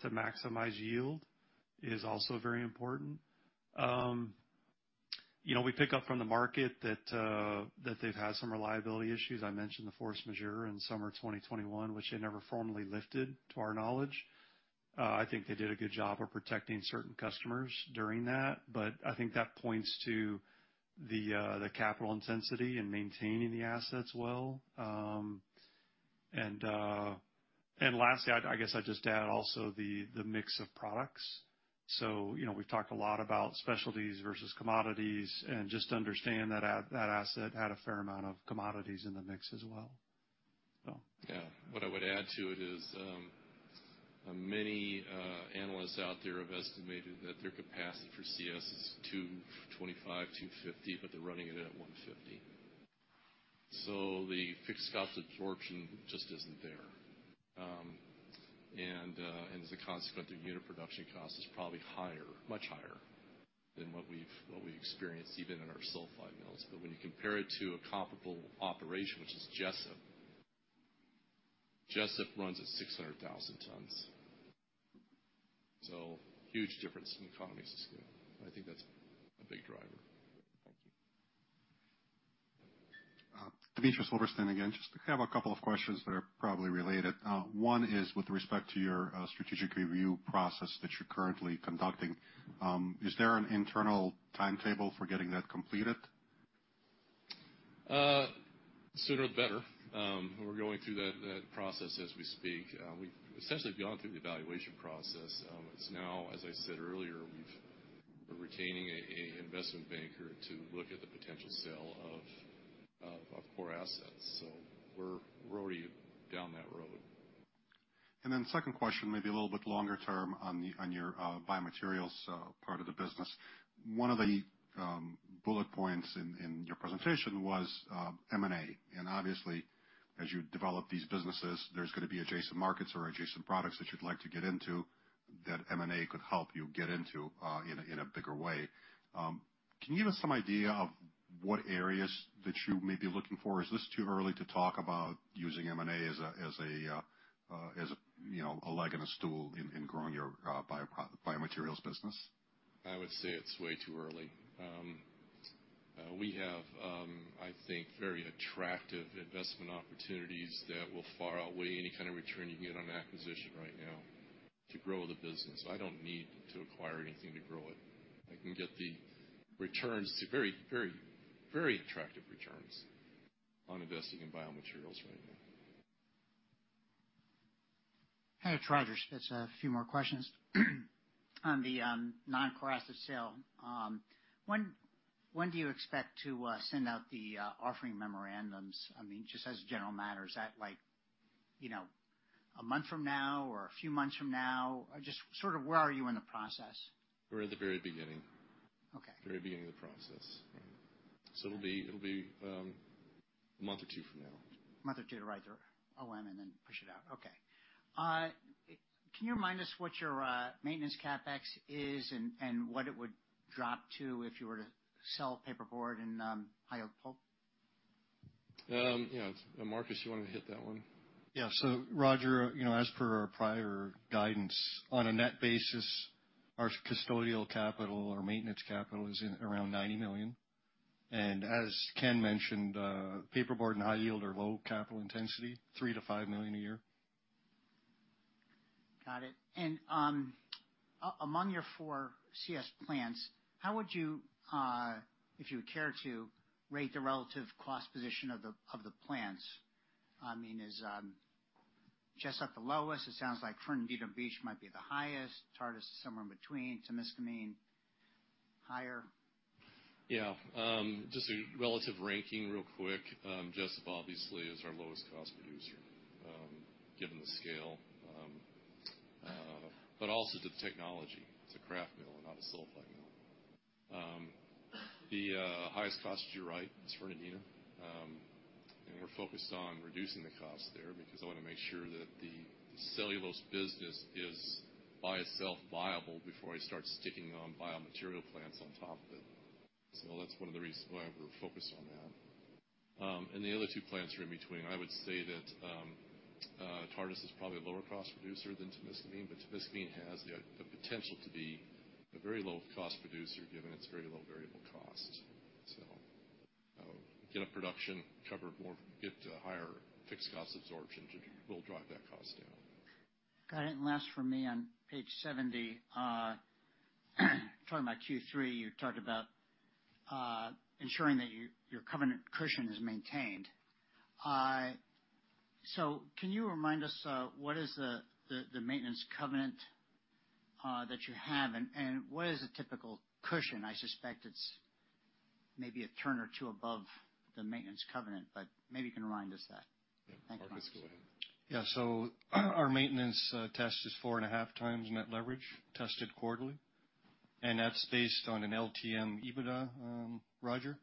S3: to maximize yield is also very important. You know, we pick up from the market that they've had some reliability issues. I mentioned the force majeure in summer 2021, which they never formally lifted, to our knowledge. I think they did a good job of protecting certain customers during that, but I think that points to the capital intensity in maintaining the assets well. And lastly, I guess I'd just add also the mix of products. You know, we've talked a lot about specialties versus commodities, and just understand that that asset had a fair amount of commodities in the mix as well.
S2: Yeah. What I would add to it is, many analysts out there have estimated that their capacity for CS is 225, 250, but they're running it at 150. So the fixed cost absorption just isn't there. And as a consequence, their unit production cost is probably higher, much higher than what we've, what we experienced even in our sulfite mills. But when you compare it to a comparable operation, which is Jesup, Jesup runs at 600,000 tons. So huge difference in economies of scale. I think that's a big driver.
S11: Thank you. Dimitris Silverstein again. Just have a couple of questions that are probably related. One is with respect to your strategic review process that you're currently conducting. Is there an internal timetable for getting that completed?
S2: Sooner, the better. We're going through that process as we speak. We've essentially gone through the evaluation process. It's now, as I said earlier, we're retaining a investment banker to look at the potential sale of core assets, so we're already down that road.
S11: And then second question, maybe a little bit longer term on the, on your, biomaterials, part of the business. One of the, bullet points in, in your presentation was, M&A, and obviously, as you develop these businesses, there's gonna be adjacent markets or adjacent products that you'd like to get into, that M&A could help you get into, in a, in a bigger way. Can you give us some idea of what areas that you may be looking for? Is this too early to talk about using M&A as a, as a, as a, you know, a leg and a stool in, in growing your, bio- biomaterials business?
S2: I would say it's way too early. We have, I think, very attractive investment opportunities that will far outweigh any kind of return you can get on an acquisition right now to grow the business. I don't need to acquire anything to grow it. I can get the returns to very, very, very attractive returns on investing in biomaterials right now.
S10: Hi, Roger, just a few more questions. On the non-core asset sale, when, when do you expect to send out the offering memorandums? I mean, just as a general matter, is that like, you know, a month from now or a few months from now, or just sort of where are you in the process?
S2: We're at the very beginning.
S10: Okay.
S2: Very beginning of the process. So it'll be, it'll be, a month or two from now.
S10: A month or two to write the OM and then push it out. Okay. Can you remind us what your maintenance CapEx is and what it would drop to if you were to sell paperboard and higher pulp?
S2: Yeah. Marcus, you want to hit that one?
S8: Yeah. So, Roger, you know, as per our prior guidance, on a net basis, our custodial capital or maintenance capital is in around $90 million. And as Ken mentioned, paperboard and high yield are low capital intensity, $3 million to $5 million a year.
S10: Got it. Among your four CS plants, how would you, if you would care to, rate the relative cost position of the plants? I mean, is Jesup the lowest? It sounds like Fernandina Beach might be the highest. Tartas is somewhere in between. Temiscaming, higher.
S8: Yeah. Just a relative ranking real quick. Jesup, obviously, is our lowest cost producer, given the scale, but also the technology. It's a kraft mill, not a sulfite mill. The highest cost, you're right, is Fernandina. And we're focused on reducing the cost there, because I want to make sure that the cellulose business is by itself viable before I start sticking on biomaterial plants on top of it. So that's one of the reasons why we're focused on that. And the other two plants are in between. I would say that Tartas is probably a lower-cost producer than Temiscaming, but Temiscaming has the potential to be a very low-cost producer, given its very low variable cost. So, get to a higher fixed cost absorption will drive that cost down.
S10: Got it. And last for me, on page 70, talking about Q3, you talked about ensuring that your, your covenant cushion is maintained. So can you remind us, what is the, the, the maintenance covenant that you have, and, and what is a typical cushion? I suspect it's maybe a turn or two above the maintenance covenant, but maybe you can remind us that.
S2: Yeah.
S10: Thank you.
S2: Marcus, go ahead.
S8: Yeah, so our maintenance test is 4.5x net leverage, tested quarterly, and that's based on an LTM EBITDA, Roger.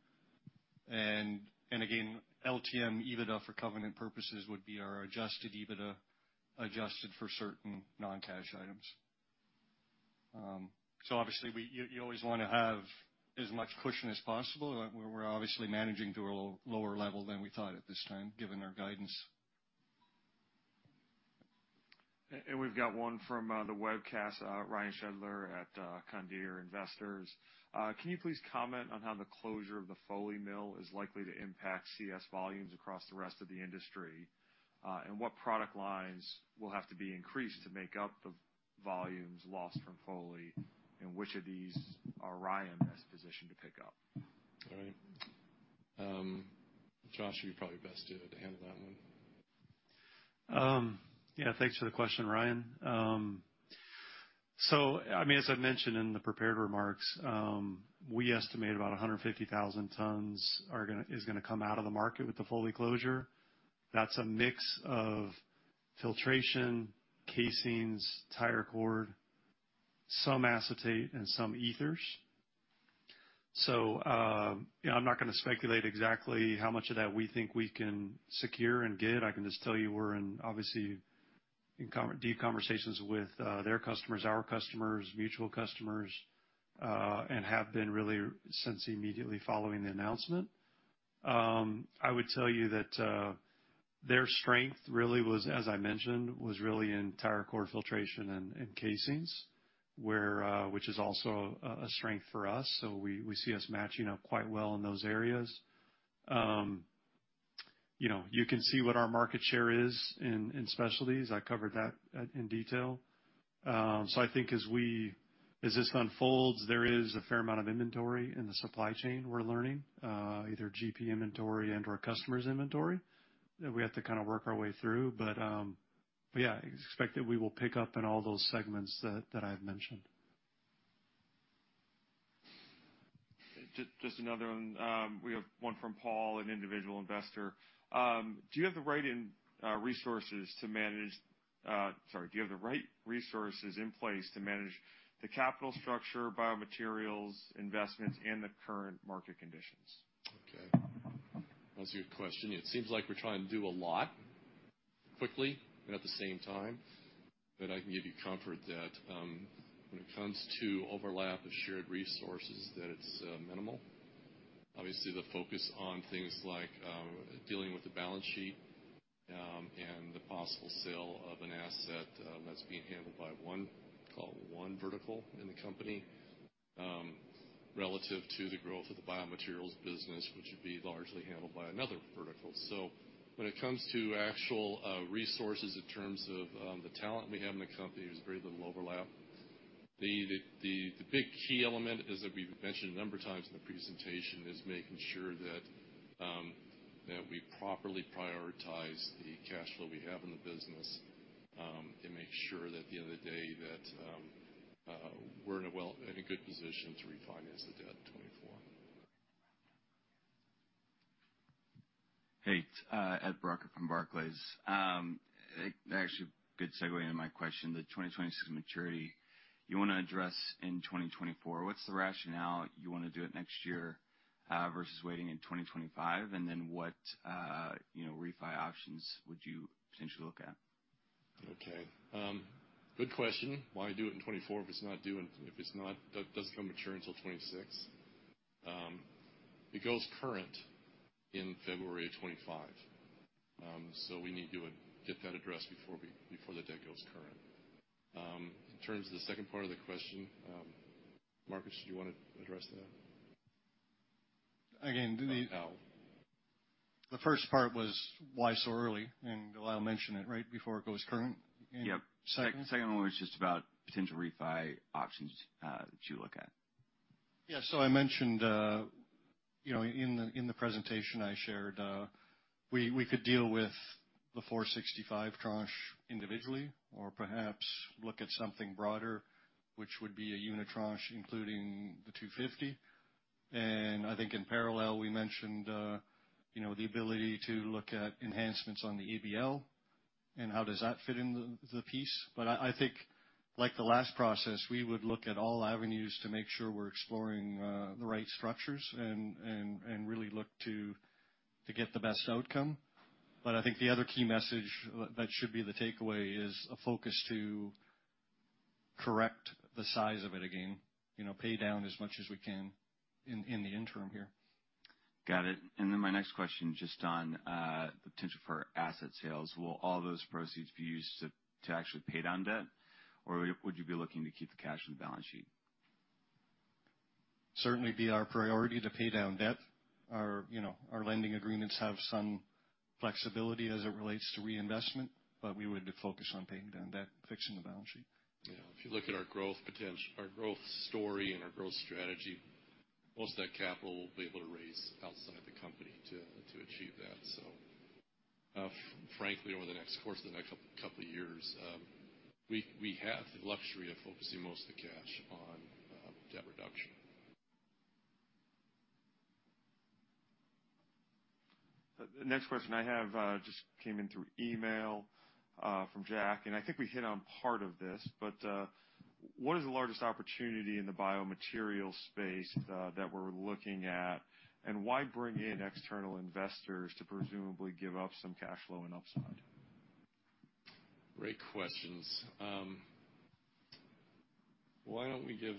S8: LTM EBITDA for covenant purposes would be our adjusted EBITDA, adjusted for certain non-cash items. So, obviously, you always wanna have as much cushion as possible. We're obviously managing to a lower level than we thought at this time, given our guidance.
S1: And we've got one from the webcast, Ryan Schedler at Condire Investors. Can you please comment on how the closure of the Foley mill is likely to impact CS volumes across the rest of the industry? And what product lines will have to be increased to make up the volumes lost from Foley, and which of these are RYAM best positioned to pick up?
S2: All right. Josh, you're probably best to handle that one.
S3: Yeah, thanks for the question, Ryan. So, I mean, as I mentioned in the prepared remarks, we estimate about 150,000 tons are gonna come out of the market with the Foley closure. That's a mix of filtration, casings, tire cord, some acetate, and some ethers. So, you know, I'm not gonna speculate exactly how much of that we think we can secure and get. I can just tell you we're in, obviously, in deep conversations with their customers, our customers, mutual customers, and have been really since immediately following the announcement. I would tell you that their strength really was, as I mentioned, was really in tire cord filtration and casings, where which is also a strength for us, so we see us matching up quite well in those areas. You know, you can see what our market share is in specialties. I covered that in detail. So I think as this unfolds, there is a fair amount of inventory in the supply chain we're learning, either GP inventory and/or customers' inventory, that we have to kind of work our way through. But yeah, expect that we will pick up in all those segments that I've mentioned.
S1: Just another one. We have one from Paul, an individual investor. Do you have the right resources in place to manage the capital structure, biomaterials, investments, and the current market conditions?
S2: Okay. That's a good question. It seems like we're trying to do a lot quickly and at the same time, but I can give you comfort that, when it comes to overlap of shared resources, that it's, minimal. Obviously, the focus on things like, dealing with the balance sheet, and the possible sale of an asset, that's being handled by one, call it one vertical in the company, relative to the growth of the biomaterials business, which would be largely handled by another vertical. So when it comes to actual, resources in terms of, the talent we have in the company, there's very little overlap. The big key element is that we've mentioned a number of times in the presentation, is making sure that that we properly prioritize the cash flow we have in the business, and make sure that the other day that we're in a good position to refinance the debt in 2024.
S13: Hey, its Ed Brucker from Barclays. Actually, a good segue into my question, the 2026 maturity you wanna address in 2024. What's the rationale you wanna do it next year, versus waiting in 2025? And then what, you know, refi options would you potentially look at?
S2: Okay, good question. Why do it in 2024 if it's not due until 2026? Doesn't come mature until 2026? So we need to get that addressed before we, before the debt goes current. In terms of the second part of the question, Marcus, do you wanna address that?
S8: Again, the-
S2: About how-
S8: The first part was, why so early? And Lyle mentioned it, right, before it goes current.
S13: Yep.
S8: Second-
S13: Second one was just about potential refi options that you look at.
S8: Yeah, so I mentioned, you know, in the presentation I shared, we could deal with the $465 tranche individually, or perhaps look at something broader, which would be a unitranche, including the $250. And I think in parallel, we mentioned, you know, the ability to look at enhancements on the ABL, and how does that fit into the piece. But I think, like the last process, we would look at all avenues to make sure we're exploring the right structures and really look to get the best outcome. But I think the other key message that should be the takeaway is a focus to correct the size of it again, you know, pay down as much as we can in the interim here.
S13: Got it. My next question, just on the potential for asset sales. Will all those proceeds be used to actually pay down debt, or would you be looking to keep the cash on the balance sheet?
S8: Certainly be our priority to pay down debt. Our, you know, our lending agreements have some flexibility as it relates to reinvestment, but we would focus on paying down debt, fixing the balance sheet.
S2: Yeah. If you look at our growth story and our growth strategy, most of that capital we'll be able to raise outside the company to achieve that. So, frankly, over the course of the next couple of years, we have the luxury of focusing most of the cash on debt reduction.
S1: The next question I have, just came in through email, from Jack, and I think we hit on part of this, but, what is the largest opportunity in the biomaterials space, that we're looking at, and why bring in external investors to presumably give up some cash flow and upside?
S2: Great questions. Why don't we give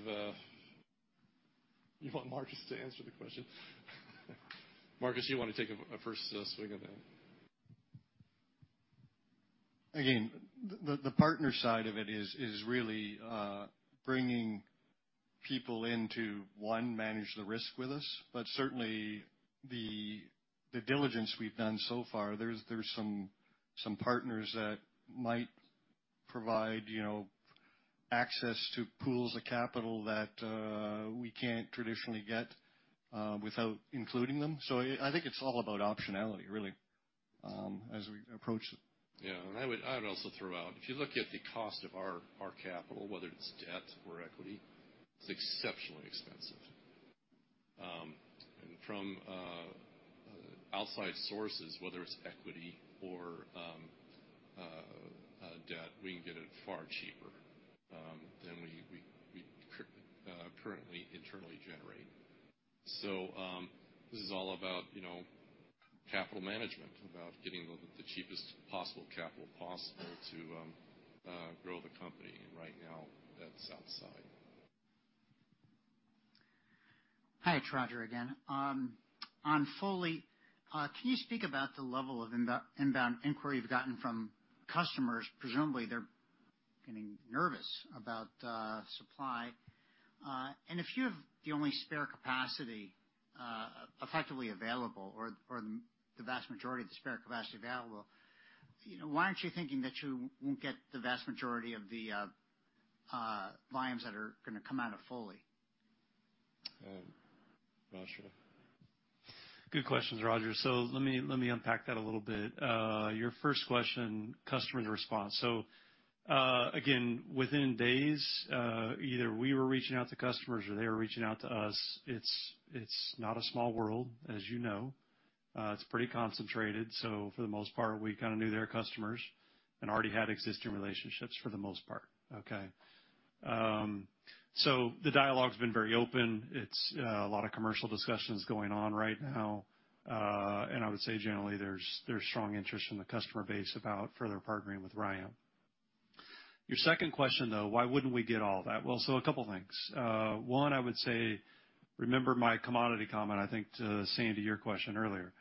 S2: you want Marcus to answer the question? Marcus, you want to take a first swing at that.
S8: Again, the partner side of it is really bringing people in to one, manage the risk with us, but certainly the diligence we've done so far, there's some partners that might provide, you know, access to pools of capital that we can't traditionally get without including them. So I think it's all about optionality, really, as we approach it.
S2: Yeah. And I would also throw out, if you look at the cost of our capital, whether it's debt or equity, it's exceptionally expensive. And from outside sources, whether it's equity or debt, we can get it far cheaper than we currently internally generate. So, this is all about, you know, capital management, about getting the cheapest possible capital possible to grow the company. And right now, that's outside.
S10: Hi, it's Roger again. On Foley, can you speak about the level of inbound inquiry you've gotten from customers? Presumably, they're getting nervous about supply. And if you have the only spare capacity, effectively available or the vast majority of the spare capacity available, you know, why aren't you thinking that you won't get the vast majority of the volumes that are gonna come out of Foley?
S2: Uh, Roger.
S8: Good questions, Roger. So let me, let me unpack that a little bit. Your first question, customer response. So, again, within days, either we were reaching out to customers or they were reaching out to us. It's, it's not a small world, as you know. It's pretty concentrated, so for the most part, we kind of knew their customers and already had existing relationships for the most part, okay? So the dialogue's been very open. It's, a lot of commercial discussions going on right now, and I would say generally, there's, there's strong interest in the customer base about further partnering with RYAM. Your second question, though, why wouldn't we get all that? Well, so a couple things. One, I would say, remember my commodity comment, I think, to Sandy, your question earlier.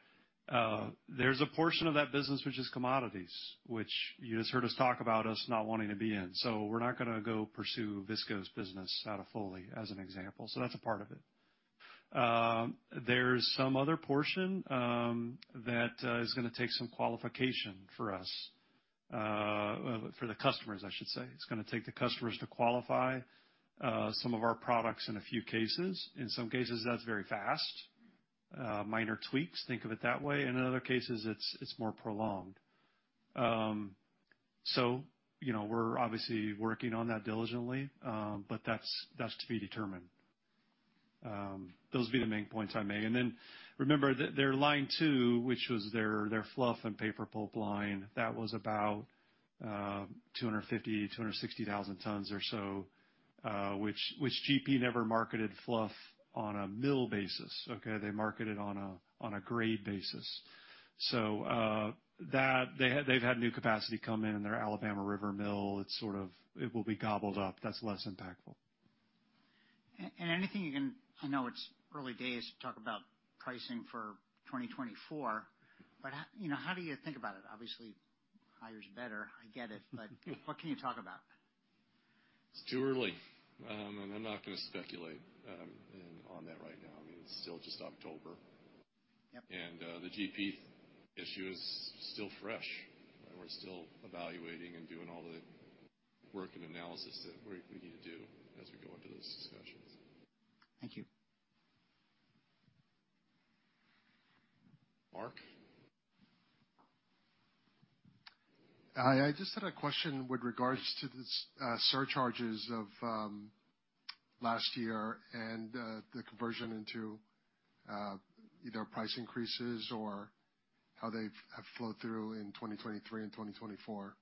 S8: There's a portion of that business which is commodities, which you just heard us talk about us not wanting to be in, so we're not gonna go pursue viscose business out of Foley, as an example. So that's a part of it. There's some other portion that is gonna take some qualification for us, for the customers, I should say. It's gonna take the customers to qualify some of our products in a few cases. In some cases, that's very fast, minor tweaks, think of it that way, and in other cases, it's more prolonged. So, you know, we're obviously working on that diligently, but that's to be determined. Those would be the main points I make. Then remember that their line two, which was their fluff and paper pulp line, that was about 250-260,000 tons or so, which GP never marketed fluff on a mill basis, okay? They marketed on a grade basis. So, that they had, they've had new capacity come in, and their Alabama River mill, it's sort of it will be gobbled up. That's less impactful.
S10: Anything you can, I know it's early days to talk about pricing for 2024, but how, you know, how do you think about it? Obviously, higher is better, I get it, but what can you talk about?
S2: It's too early, and I'm not gonna speculate on that right now. I mean, it's still just October.
S10: Yep.
S2: The GP issue is still fresh, and we're still evaluating and doing all the work and analysis that we need to do as we go into those discussions.
S10: Thank you.
S2: Mickey?
S14: Hi, I just had a question with regards to the surcharges of last year and the conversion into either price increases or how they've have flowed through in 2023 and 2024.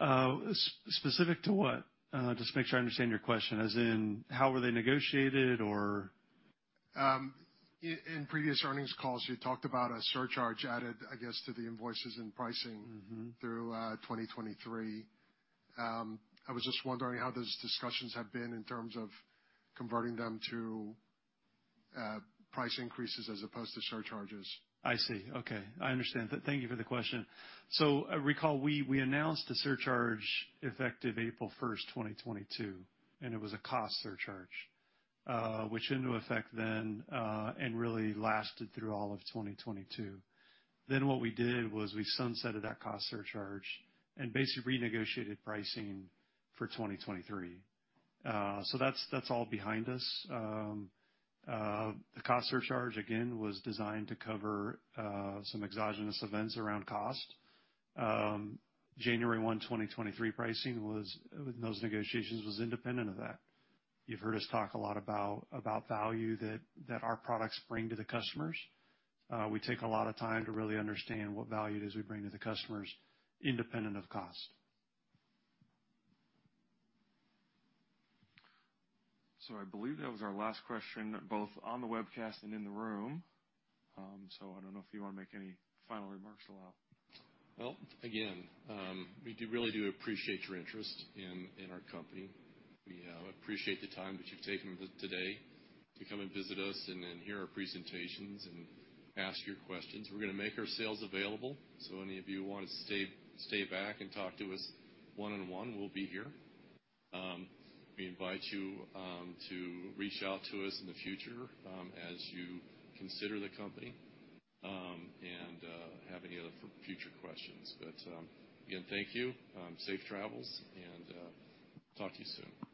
S2: Go ahead.
S8: Specific to what? Just make sure I understand your question. As in, how were they negotiated, or...?
S14: In previous earnings calls, you talked about a surcharge added, I guess, to the invoices and pricing-
S8: Mm-hmm.
S14: - through 2023. I was just wondering how those discussions have been in terms of converting them to price increases as opposed to surcharges?
S8: I see. Okay, I understand. Thank you for the question. Recall, we announced a surcharge effective April 1, 2022, and it was a cost surcharge, which went into effect then and really lasted through all of 2022. What we did was we sunsetted that cost surcharge and basically renegotiated pricing for 2023. That's all behind us. The cost surcharge, again, was designed to cover some exogenous events around cost. January 1, 2023, pricing with those negotiations was independent of that. You've heard us talk a lot about value that our products bring to the customers. We take a lot of time to really understand what value it is we bring to the customers independent of cost.
S1: So I believe that was our last question, both on the webcast and in the room. So I don't know if you wanna make any final remarks, Lyle.
S2: Well, again, we do, really do appreciate your interest in our company. We appreciate the time that you've taken today to come and visit us and then hear our presentations and ask your questions. We're gonna make our sales available, so any of you who want to stay, stay back and talk to us one-on-one, we'll be here. We invite you to reach out to us in the future, as you consider the company, and have any other future questions. But, again, thank you. Safe travels, and talk to you soon.